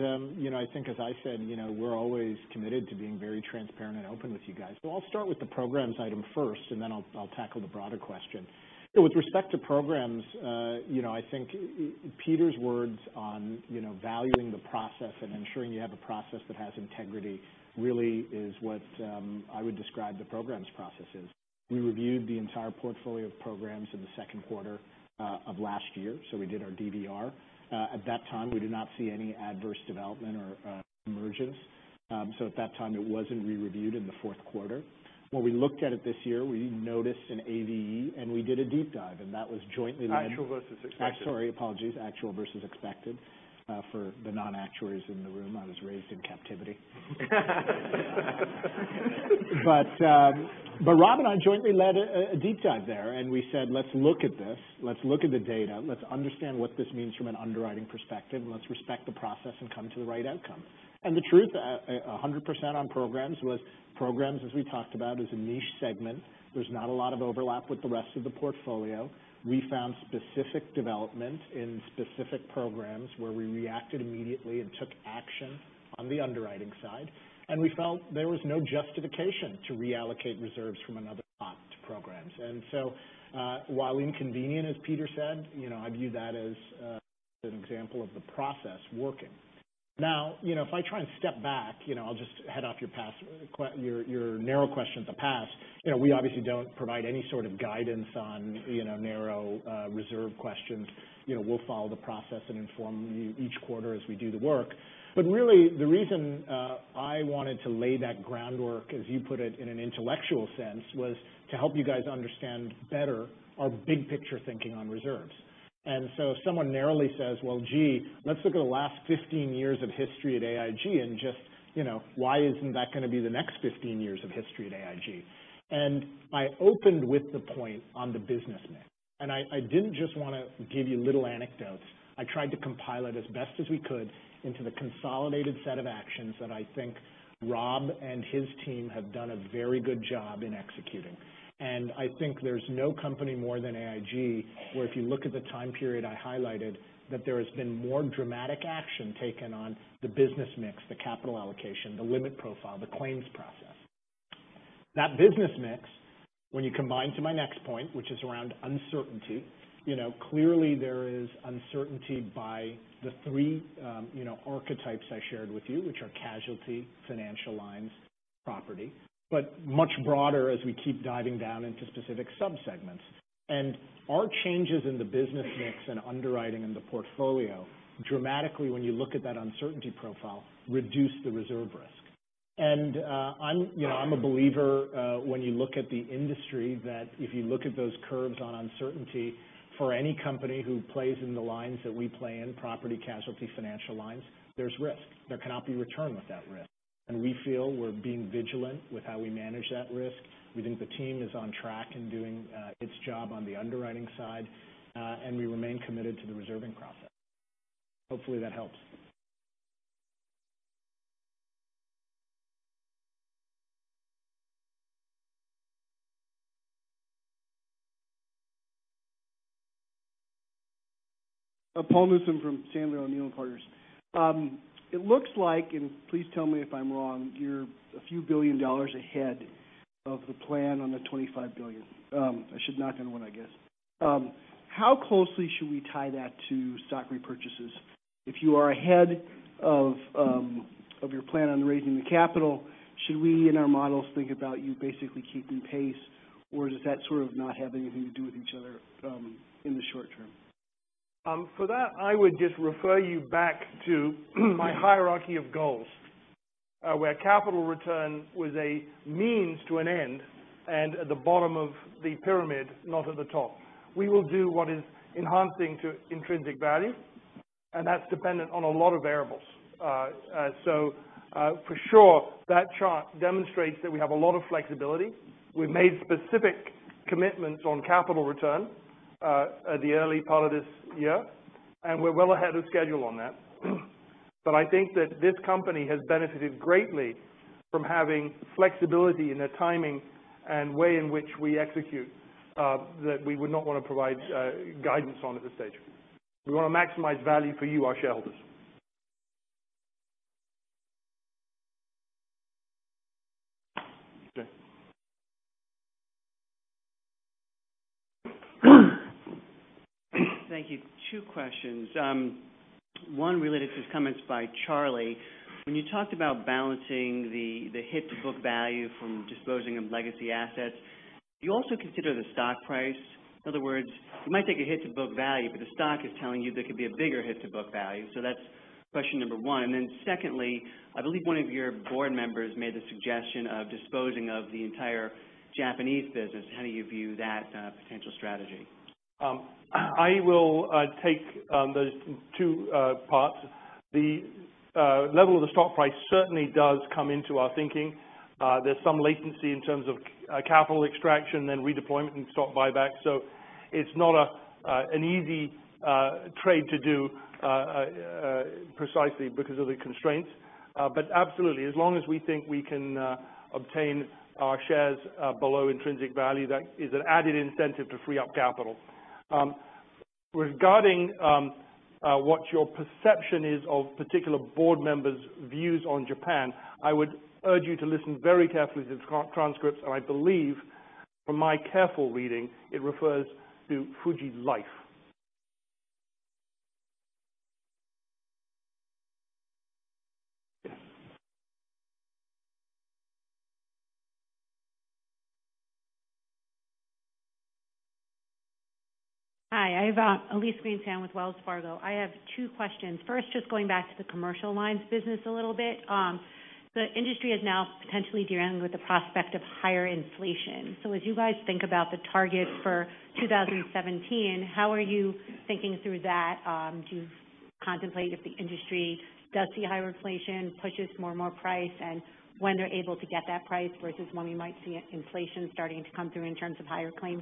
I think as I said, we're always committed to being very transparent and open with you guys. I'll start with the programs item first, and then I'll tackle the broader question. With respect to programs, I think Peter Hancock's words on valuing the process and ensuring you have a process that has integrity really is what I would describe the programs process is. We reviewed the entire portfolio of programs in the second quarter of last year, so we did our DDR. At that time, we did not see any adverse development or emergence. At that time, it wasn't re-reviewed in the fourth quarter. When we looked at it this year, we noticed an AvE, and we did a deep dive, and that was jointly- Actual versus expected. Sorry, apologies. Actual versus expected. For the non-actuaries in the room, I was raised in captivity. Rob Schimek and I jointly led a deep dive there, and we said, "Let's look at this. Let's look at the data. Let's understand what this means from an underwriting perspective, and let's respect the process and come to the right outcome." The truth, 100% on programs, was programs, as we talked about, is a niche segment. There's not a lot of overlap with the rest of the portfolio. We found specific developments in specific programs where we reacted immediately and took action on the underwriting side. We felt there was no justification to reallocate reserves from another pot to programs. While inconvenient, as Peter Hancock said, I view that as an example of the process working. If I try and step back, I'll just head off your narrow question at the pass. We obviously don't provide any sort of guidance on narrow reserve questions. We'll follow the process and inform you each quarter as we do the work. Really, the reason I wanted to lay that groundwork, as you put it, in an intellectual sense, was to help you guys understand better our big-picture thinking on reserves. If someone narrowly says, "Let's look at the last 15 years of history at AIG, and just why isn't that going to be the next 15 years of history at AIG?" I opened with the point on the business mix. I didn't just want to give you little anecdotes. I tried to compile it as best as we could into the consolidated set of actions that I think Rob and his team have done a very good job in executing. I think there's no company more than AIG, where if you look at the time period I highlighted, that there has been more dramatic action taken on the business mix, the capital allocation, the limit profile, the claims process. That business mix, when you combine to my next point, which is around uncertainty. Clearly there is uncertainty by the three archetypes I shared with you, which are casualty, financial lines, property, but much broader as we keep diving down into specific sub-segments. Our changes in the business mix and underwriting in the portfolio dramatically, when you look at that uncertainty profile, reduce the reserve risk. I'm a believer when you look at the industry, that if you look at those curves on uncertainty, for any company who plays in the lines that we play in, property, casualty, financial lines, there's risk. There cannot be return without risk. We feel we're being vigilant with how we manage that risk. We think the team is on track in doing its job on the underwriting side. We remain committed to the reserving process. Hopefully, that helps. Paul Newsome from Sandler O'Neill + Partners. It looks like, and please tell me if I'm wrong, you're a few billion dollars ahead of the plan on the $25 billion. I should knock on wood, I guess. How closely should we tie that to stock repurchases? If you are ahead of your plan on raising the capital, should we, in our models, think about you basically keeping pace, or does that sort of not have anything to do with each other in the short term? For that, I would just refer you back to my hierarchy of goals. Where capital return was a means to an end and at the bottom of the pyramid, not at the top. We will do what is enhancing to intrinsic value, that's dependent on a lot of variables. For sure, that chart demonstrates that we have a lot of flexibility. We've made specific commitments on capital return at the early part of this year, we're well ahead of schedule on that. I think that this company has benefited greatly from having flexibility in the timing and way in which we execute, that we would not want to provide guidance on at this stage. We want to maximize value for you, our shareholders. Jay. Thank you. Two questions. One related to comments by Charlie. When you talked about balancing the hit to book value from disposing of legacy assets, do you also consider the stock price? In other words, you might take a hit to book value, but the stock is telling you there could be a bigger hit to book value. That's question number 1. Secondly, I believe one of your board members made the suggestion of disposing of the entire Japanese business. How do you view that potential strategy? I will take those two parts. The level of the stock price certainly does come into our thinking. There's some latency in terms of capital extraction, then redeployment and stock buyback. It's not an easy trade to do precisely because of the constraints. Absolutely, as long as we think we can obtain our shares below intrinsic value, that is an added incentive to free up capital. Regarding what your perception is of particular board members' views on Japan, I would urge you to listen very carefully to the transcripts, and I believe from my careful reading, it refers to Fuji Life. Hi, I have Elyse Greenspan with Wells Fargo. I have two questions. First, just going back to the commercial lines business a little bit. The industry is now potentially dealing with the prospect of higher inflation. As you guys think about the target for 2017, how are you thinking through that? Do you contemplate if the industry does see higher inflation, pushes for more price, and when they're able to get that price versus when we might see inflation starting to come through in terms of higher claims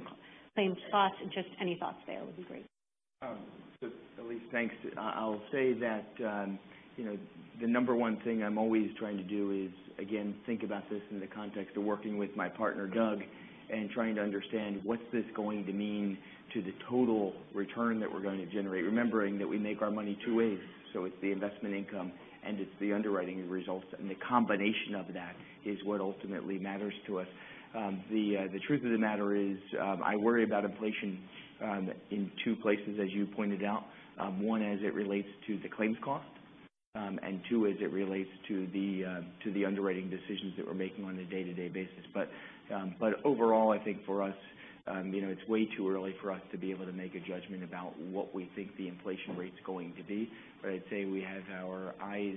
costs? Just any thoughts there would be great. Elyse, thanks. I'll say that the number 1 thing I'm always trying to do is, again, think about this in the context of working with my partner, Doug, and trying to understand what's this going to mean to the total return that we're going to generate, remembering that we make our money two ways. It's the investment income and it's the underwriting results, and the combination of that is what ultimately matters to us. The truth of the matter is, I worry about inflation in two places, as you pointed out. One, as it relates to the claims cost, and two, as it relates to the underwriting decisions that we're making on a day-to-day basis. Overall, I think for us, it's way too early for us to be able to make a judgment about what we think the inflation rate's going to be. I'd say we have our eyes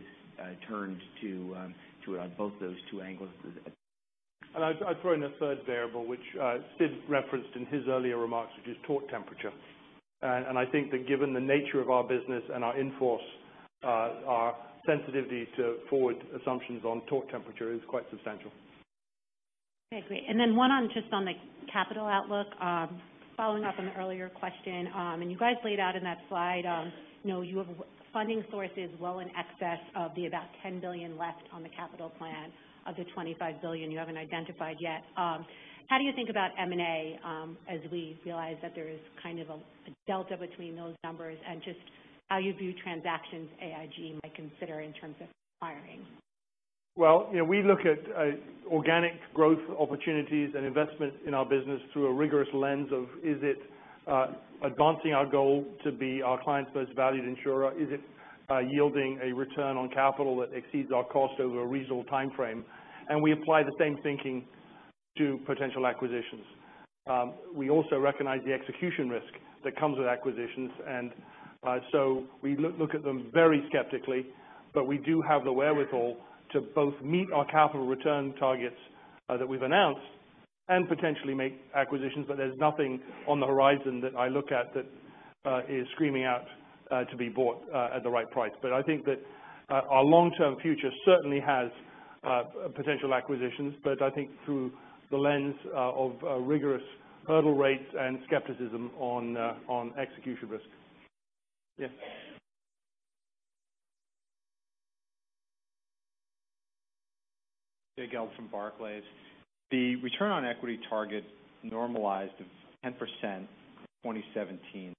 turned to both those two angles. I'd throw in a third variable, which Sid referenced in his earlier remarks, which is tort temperature. I think that given the nature of our business and our in force, our sensitivity to forward assumptions on tort temperature is quite substantial. Okay, great. One just on the capital outlook. Following up on the earlier question, you guys laid out in that slide, you have funding sources well in excess of the about $10 billion left on the capital plan of the $25 billion you haven't identified yet. How do you think about M&A as we realize that there is a delta between those numbers and just how you view transactions AIG might consider in terms of acquiring? Well, we look at organic growth opportunities and investment in our business through a rigorous lens of, is it advancing our goal to be our client's most valued insurer? Is it yielding a return on capital that exceeds our cost over a reasonable timeframe? We apply the same thinking to potential acquisitions. We also recognize the execution risk that comes with acquisitions, we look at them very skeptically, we do have the wherewithal to both meet our capital return targets that we've announced and potentially make acquisitions. There's nothing on the horizon that I look at that is screaming out to be bought at the right price. I think that our long-term future certainly has potential acquisitions, I think through the lens of rigorous hurdle rates and skepticism on execution risk. Yes. Jay Gelb from Barclays. The return on equity target normalized of 10% in 2017.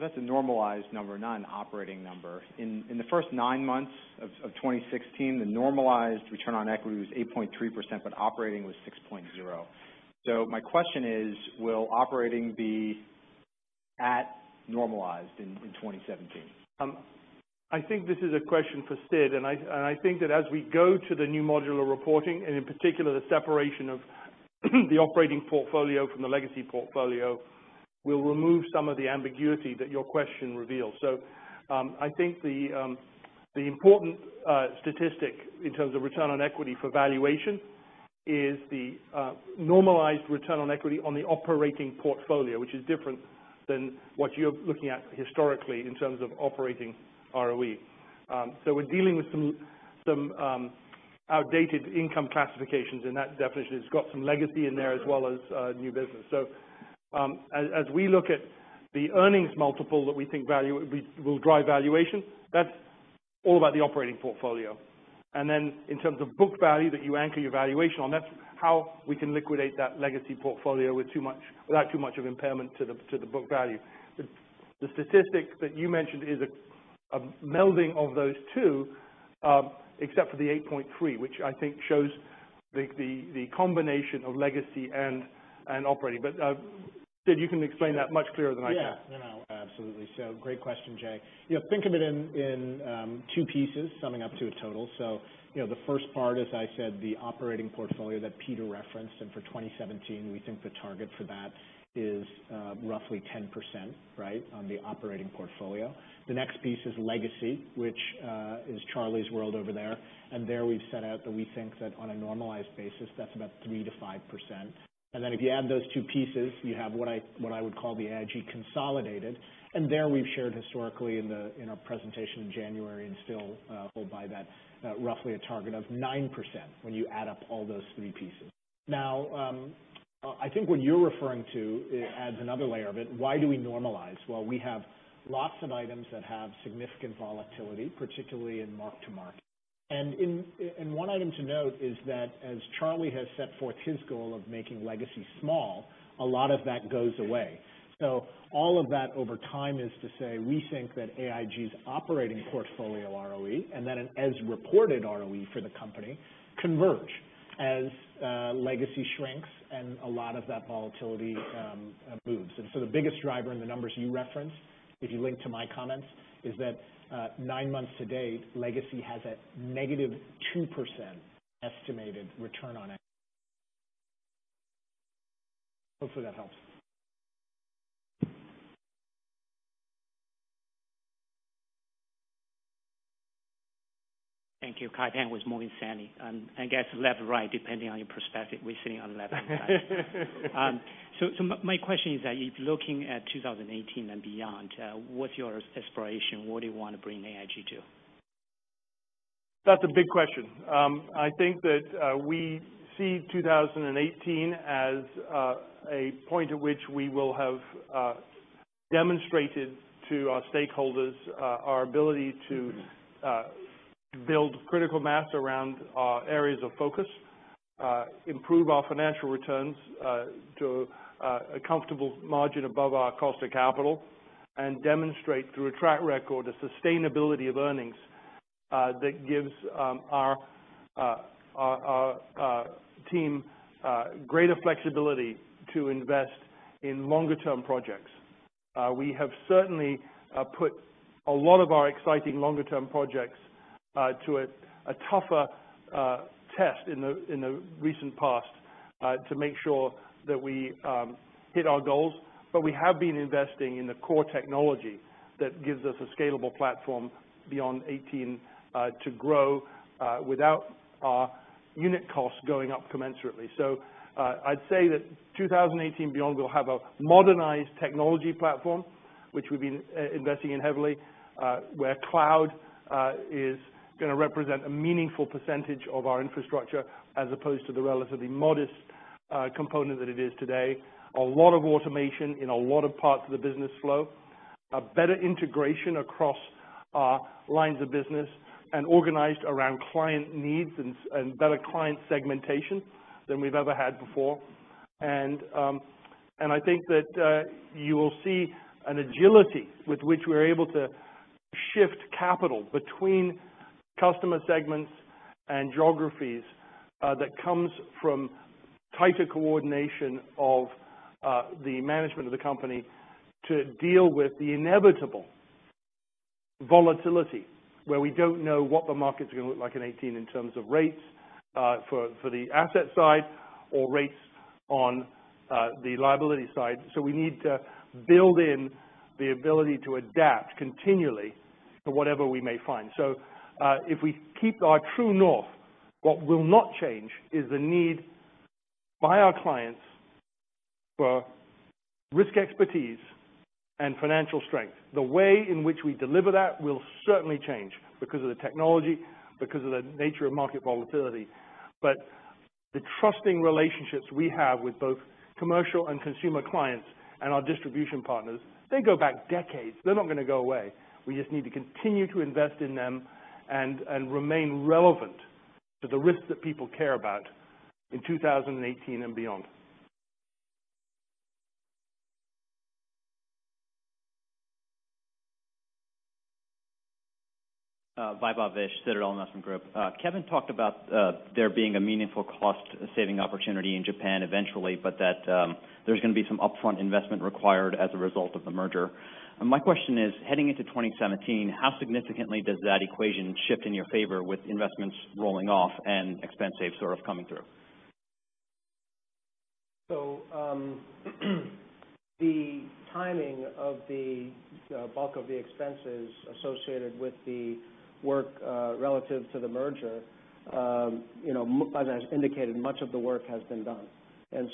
That's a normalized number, not an operating number. In the first nine months of 2016, the normalized return on equity was 8.3%, but operating was 6.0. My question is, will operating be at normalized in 2017? I think this is a question for Sid, and I think that as we go to the new modular reporting, and in particular, the separation of the operating portfolio from the legacy portfolio will remove some of the ambiguity that your question reveals. I think the important statistic in terms of return on equity for valuation is the normalized return on equity on the operating portfolio, which is different than what you're looking at historically in terms of operating ROE. We're dealing with some outdated income classifications in that definition. It's got some legacy in there as well as new business. As we look at the earnings multiple that we think will drive valuation, that's all about the operating portfolio. In terms of book value that you anchor your valuation on, that's how we can liquidate that legacy portfolio without too much of impairment to the book value. The statistic that you mentioned is a melding of those two. Except for the 8.3, which I think shows the combination of legacy and operating. Sid, you can explain that much clearer than I can. Yeah. No, absolutely. Great question, Jay. Think of it in two pieces summing up to a total. The first part, as I said, the operating portfolio that Peter referenced, and for 2017, we think the target for that is roughly 10% on the operating portfolio. The next piece is legacy, which is Charlie's world over there. There we've set out that we think that on a normalized basis, that's about 3%-5%. If you add those two pieces, you have what I would call the AIG consolidated. There we've shared historically in our presentation in January and still hold by that, roughly a target of 9% when you add up all those three pieces. Now, I think what you're referring to adds another layer of it. Why do we normalize? Well, we have lots of items that have significant volatility, particularly in mark-to-market. One item to note is that as Charlie has set forth his goal of making legacy small, a lot of that goes away. All of that over time is to say, we think that AIG's operating portfolio ROE and then an as-reported ROE for the company converge as legacy shrinks and a lot of that volatility moves. The biggest driver in the numbers you reference, if you link to my comments, is that nine months to date, legacy has a negative 2% estimated return on equity. Hopefully that helps. Thank you. Kai Pan with Morgan Stanley. I guess left, right, depending on your perspective. We're sitting on the left-hand side. My question is that if looking at 2018 and beyond, what's your aspiration? Where do you want to bring AIG to? That's a big question. I think that we see 2018 as a point at which we will have demonstrated to our stakeholders our ability to build critical mass around our areas of focus, improve our financial returns to a comfortable margin above our cost of capital. Demonstrate through a track record a sustainability of earnings that gives our team greater flexibility to invest in longer-term projects. We have certainly put a lot of our exciting longer-term projects to a tougher test in the recent past to make sure that we hit our goals. We have been investing in the core technology that gives us a scalable platform beyond 2018 to grow without our unit costs going up commensurately. I'd say that 2018 and beyond, we'll have a modernized technology platform which we've been investing in heavily where cloud is going to represent a meaningful % of our infrastructure as opposed to the relatively modest component that it is today. A lot of automation in a lot of parts of the business flow. A better integration across our lines of business and organized around client needs and better client segmentation than we've ever had before. I think that you will see an agility with which we're able to shift capital between customer segments and geographies that comes from tighter coordination of the management of the company to deal with the inevitable volatility where we don't know what the market's going to look like in 2018 in terms of rates for the asset side or rates on the liability side. We need to build in the ability to adapt continually to whatever we may find. If we keep our true north, what will not change is the need by our clients for risk expertise and financial strength. The way in which we deliver that will certainly change because of the technology, because of the nature of market volatility. The trusting relationships we have with both commercial and consumer clients and our distribution partners, they go back decades. They're not going to go away. We just need to continue to invest in them and remain relevant to the risks that people care about in 2018 and beyond. Vaibhav Vish, Citadel Investment Group. Kevin talked about there being a meaningful cost-saving opportunity in Japan eventually, that there's going to be some upfront investment required as a result of the merger. My question is, heading into 2017, how significantly does that equation shift in your favor with investments rolling off and expense saves sort of coming through? The timing of the bulk of the expenses associated with the work relative to the merger, as indicated, much of the work has been done. It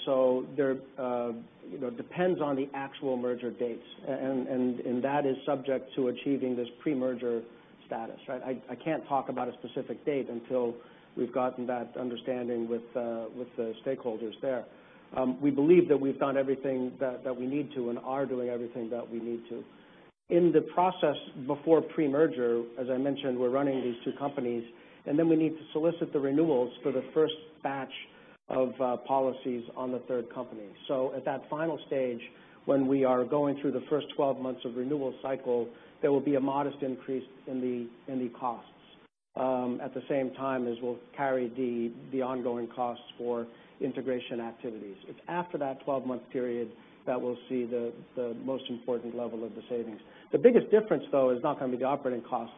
depends on the actual merger dates, and that is subject to achieving this pre-merger status, right? I can't talk about a specific date until we've gotten that understanding with the stakeholders there. We believe that we've done everything that we need to and are doing everything that we need to. In the process before pre-merger, as I mentioned, we're running these two companies, then we need to solicit the renewals for the first batch of policies on the third company. At that final stage, when we are going through the first 12 months of renewal cycle, there will be a modest increase in the costs. At the same time as we'll carry the ongoing costs for integration activities. It's after that 12-month period that we'll see the most important level of the savings. The biggest difference, though, is not going to be the operating cost.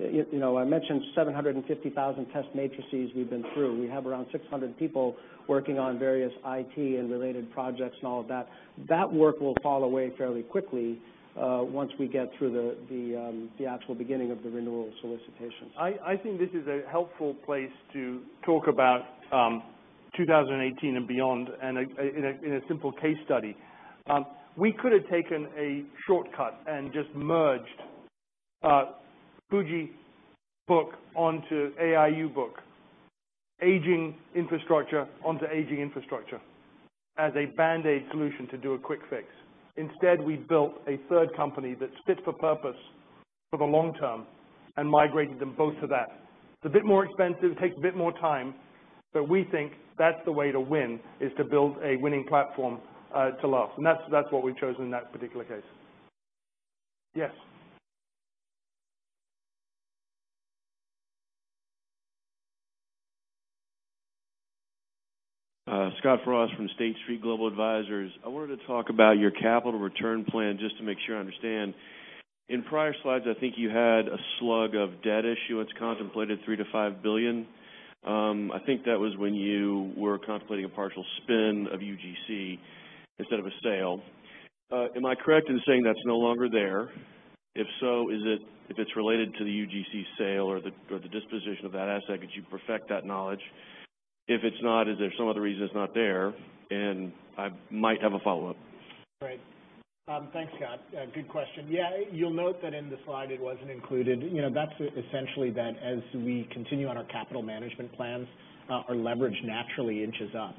I mentioned 750,000 test matrices we've been through. We have around 600 people working on various IT and related projects and all of that. That work will fall away fairly quickly once we get through the actual beginning of the renewal solicitations. I think this is a helpful place to talk about 2018 and beyond in a simple case study. We could have taken a shortcut and just merged Fuji book onto AIU book. Aging infrastructure onto aging infrastructure as a band-aid solution to do a quick fix. Instead, we built a third company that fits for purpose for the long term and migrated them both to that. It's a bit more expensive, takes a bit more time, but we think that's the way to win, is to build a winning platform to last. That's what we've chosen in that particular case. Yes. Scott Frost from State Street Global Advisors. I wanted to talk about your capital return plan, just to make sure I understand. In prior slides, I think you had a slug of debt issuance contemplated $3 billion to $5 billion. I think that was when you were contemplating a partial spin of UGC instead of a sale. Am I correct in saying that's no longer there? If so, if it's related to the UGC sale or the disposition of that asset, could you perfect that knowledge? If it's not, is there some other reason it's not there? I might have a follow-up. Great. Thanks, Scott. Good question. Yeah, you'll note that in the slide it wasn't included. That's essentially that as we continue on our capital management plans, our leverage naturally inches up.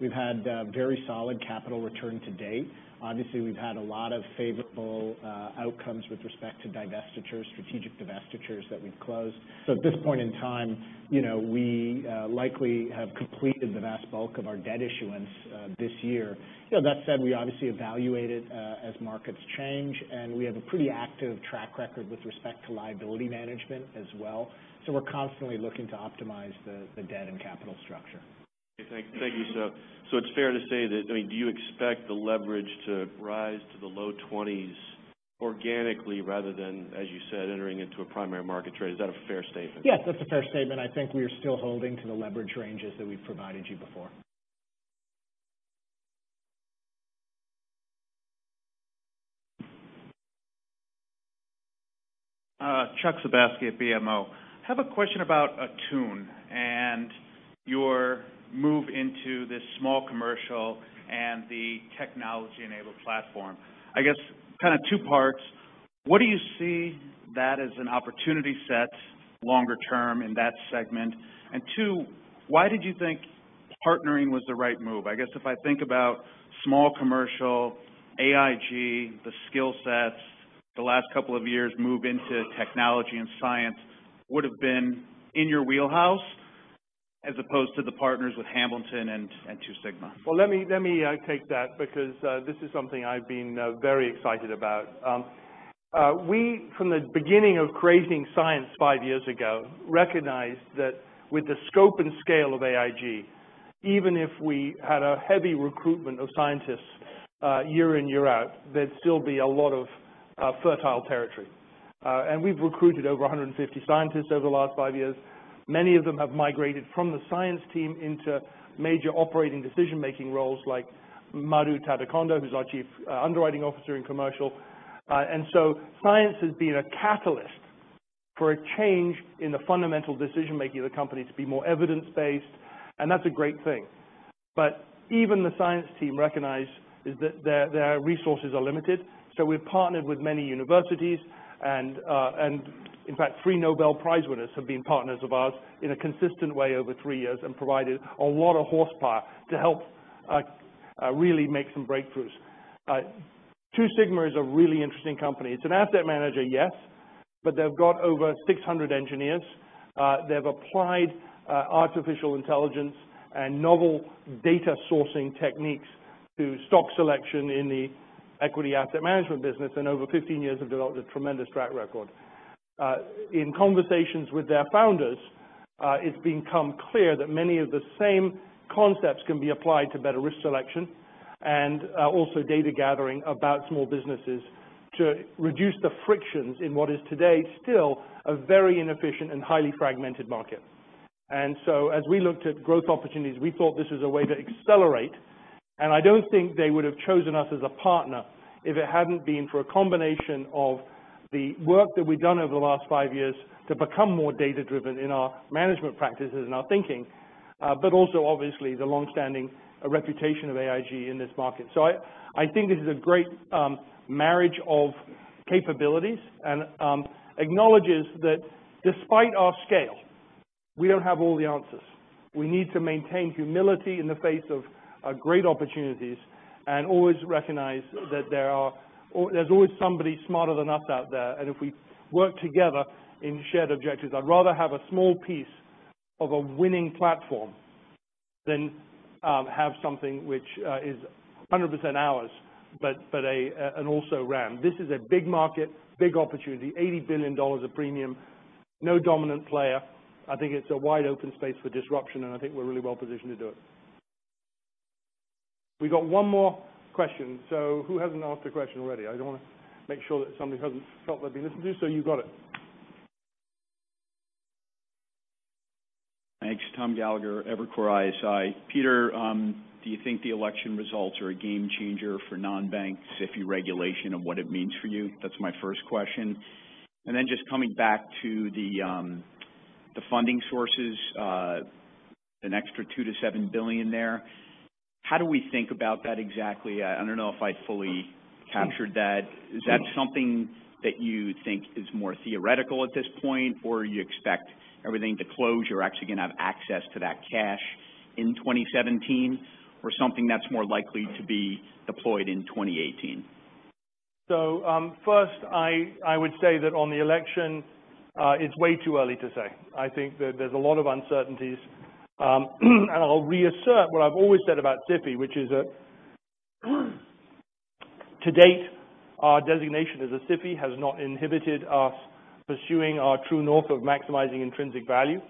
We've had very solid capital return to date. Obviously, we've had a lot of favorable outcomes with respect to divestitures, strategic divestitures that we've closed. At this point in time, we likely have completed the vast bulk of our debt issuance this year. That said, we obviously evaluate it as markets change, and we have a pretty active track record with respect to liability management as well. We're constantly looking to optimize the debt and capital structure. Okay, thank you. It's fair to say that, do you expect the leverage to rise to the low 20s organically rather than, as you said, entering into a primary market trade? Is that a fair statement? Yes, that's a fair statement. I think we are still holding to the leverage ranges that we've provided you before. Charles Sebaski at BMO. I have a question about Attune and your move into this small commercial and the technology-enabled platform. I guess, kind of two parts. What do you see that as an opportunity set longer term in that segment? Why did you think partnering was the right move? I guess if I think about small commercial, AIG, the skill sets, the last couple of years move into technology and Science would have been in your wheelhouse as opposed to the partners with Hamilton and Two Sigma. Let me take that because this is something I've been very excited about. We, from the beginning of creating Science five years ago, recognized that with the scope and scale of AIG, even if we had a heavy recruitment of scientists year in, year out, there'd still be a lot of fertile territory. We've recruited over 150 scientists over the last five years. Many of them have migrated from the Science team into major operating decision-making roles like Madhu Tadikonda, who's our Chief Underwriting Officer in commercial. Science has been a catalyst for a change in the fundamental decision making of the company to be more evidence-based, and that's a great thing. Even the Science team recognized is that their resources are limited. We've partnered with many universities, and in fact, three Nobel Prize winners have been partners of ours in a consistent way over three years and provided a lot of horsepower to help really make some breakthroughs. Two Sigma is a really interesting company. It's an asset manager, yes, but they've got over 600 engineers. They've applied artificial intelligence and novel data sourcing techniques to stock selection in the equity asset management business and over 15 years have developed a tremendous track record. In conversations with their founders, it's become clear that many of the same concepts can be applied to better risk selection and also data gathering about small businesses to reduce the frictions in what is today still a very inefficient and highly fragmented market. As we looked at growth opportunities, we thought this was a way to accelerate, and I don't think they would have chosen us as a partner if it hadn't been for a combination of the work that we've done over the last five years to become more data-driven in our management practices and our thinking. Also, obviously, the long-standing reputation of AIG in this market. I think this is a great marriage of capabilities and acknowledges that despite our scale, we don't have all the answers. We need to maintain humility in the face of great opportunities and always recognize that there's always somebody smarter than us out there, and if we work together in shared objectives, I'd rather have a small piece of a winning platform than have something which is 100% ours, but an also-ran. This is a big market, big opportunity, $80 billion of premium, no dominant player. I think it's a wide-open space for disruption, and I think we're really well-positioned to do it. We've got one more question. Who hasn't asked a question already? I want to make sure that somebody hasn't felt they've been listened to. You've got it. Thanks. Thomas Gallagher, Evercore ISI. Peter, do you think the election results are a game changer for non-bank SIFI regulation and what it means for you? That's my first question. Then just coming back to the funding sources an extra $2 billion-$7 billion there. How do we think about that exactly? I don't know if I fully captured that. Is that something that you think is more theoretical at this point, or you expect everything to close, you're actually going to have access to that cash in 2017, or something that's more likely to be deployed in 2018? First I would say that on the election it's way too early to say. I think that there's a lot of uncertainties. I'll reassert what I've always said about SIFI, which is that to date, our designation as a SIFI has not inhibited us pursuing our true north of maximizing intrinsic value,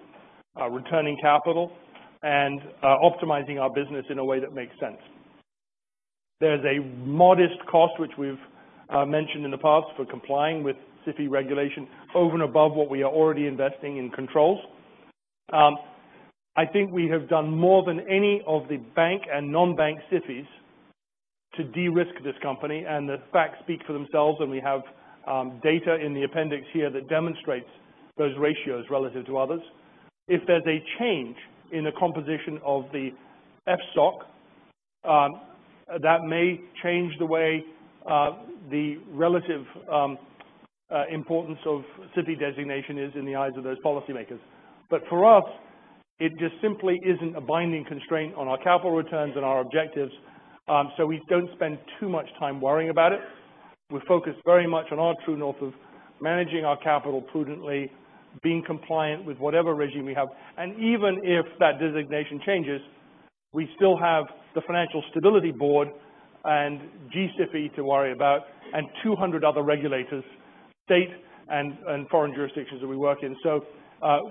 returning capital, and optimizing our business in a way that makes sense. There's a modest cost, which we've mentioned in the past, for complying with SIFI regulation over and above what we are already investing in controls. I think we have done more than any of the bank and non-bank SIFIs to de-risk this company and the facts speak for themselves, and we have data in the appendix here that demonstrates those ratios relative to others. If there's a change in the composition of the FSOC that may change the way the relative importance of SIFI designation is in the eyes of those policymakers. For us, it just simply isn't a binding constraint on our capital returns and our objectives, we don't spend too much time worrying about it. We focus very much on our true north of managing our capital prudently, being compliant with whatever regime we have. Even if that designation changes, we still have the Financial Stability Board and G-SIFI to worry about, and 200 other regulators, state and foreign jurisdictions that we work in.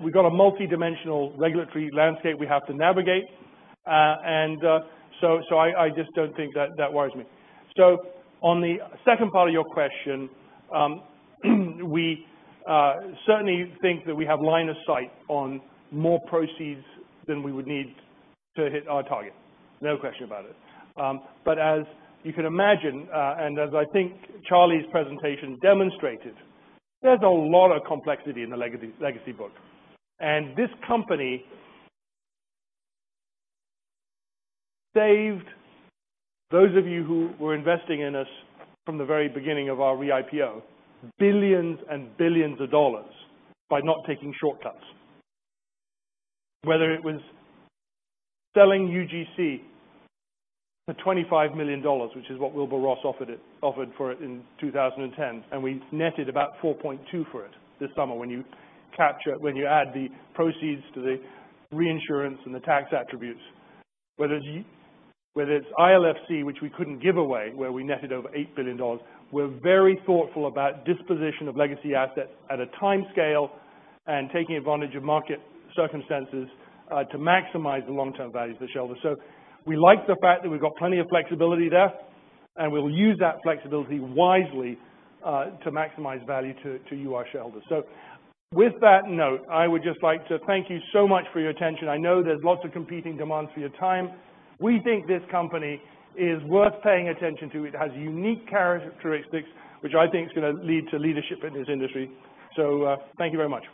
We've got a multidimensional regulatory landscape we have to navigate. I just don't think that that worries me. On the second part of your question, we certainly think that we have line of sight on more proceeds than we would need to hit our target. No question about it. As you can imagine, and as I think Charlie's presentation demonstrated, there's a lot of complexity in the legacy book. This company saved those of you who were investing in us from the very beginning of our re-IPO, billions and billions of dollars by not taking shortcuts. Whether it was selling UGC for $25 million, which is what Wilbur Ross offered for it in 2010, and we netted about $4.2 for it this summer when you add the proceeds to the reinsurance and the tax attributes. Whether it's ILFC, which we couldn't give away, where we netted over $8 billion. We're very thoughtful about disposition of legacy assets at a timescale and taking advantage of market circumstances to maximize the long-term value for shareholders. We like the fact that we've got plenty of flexibility there, and we'll use that flexibility wisely to maximize value to you, our shareholders. With that note, I would just like to thank you so much for your attention. I know there's lots of competing demands for your time. We think this company is worth paying attention to. It has unique characteristics, which I think is going to lead to leadership in this industry. Thank you very much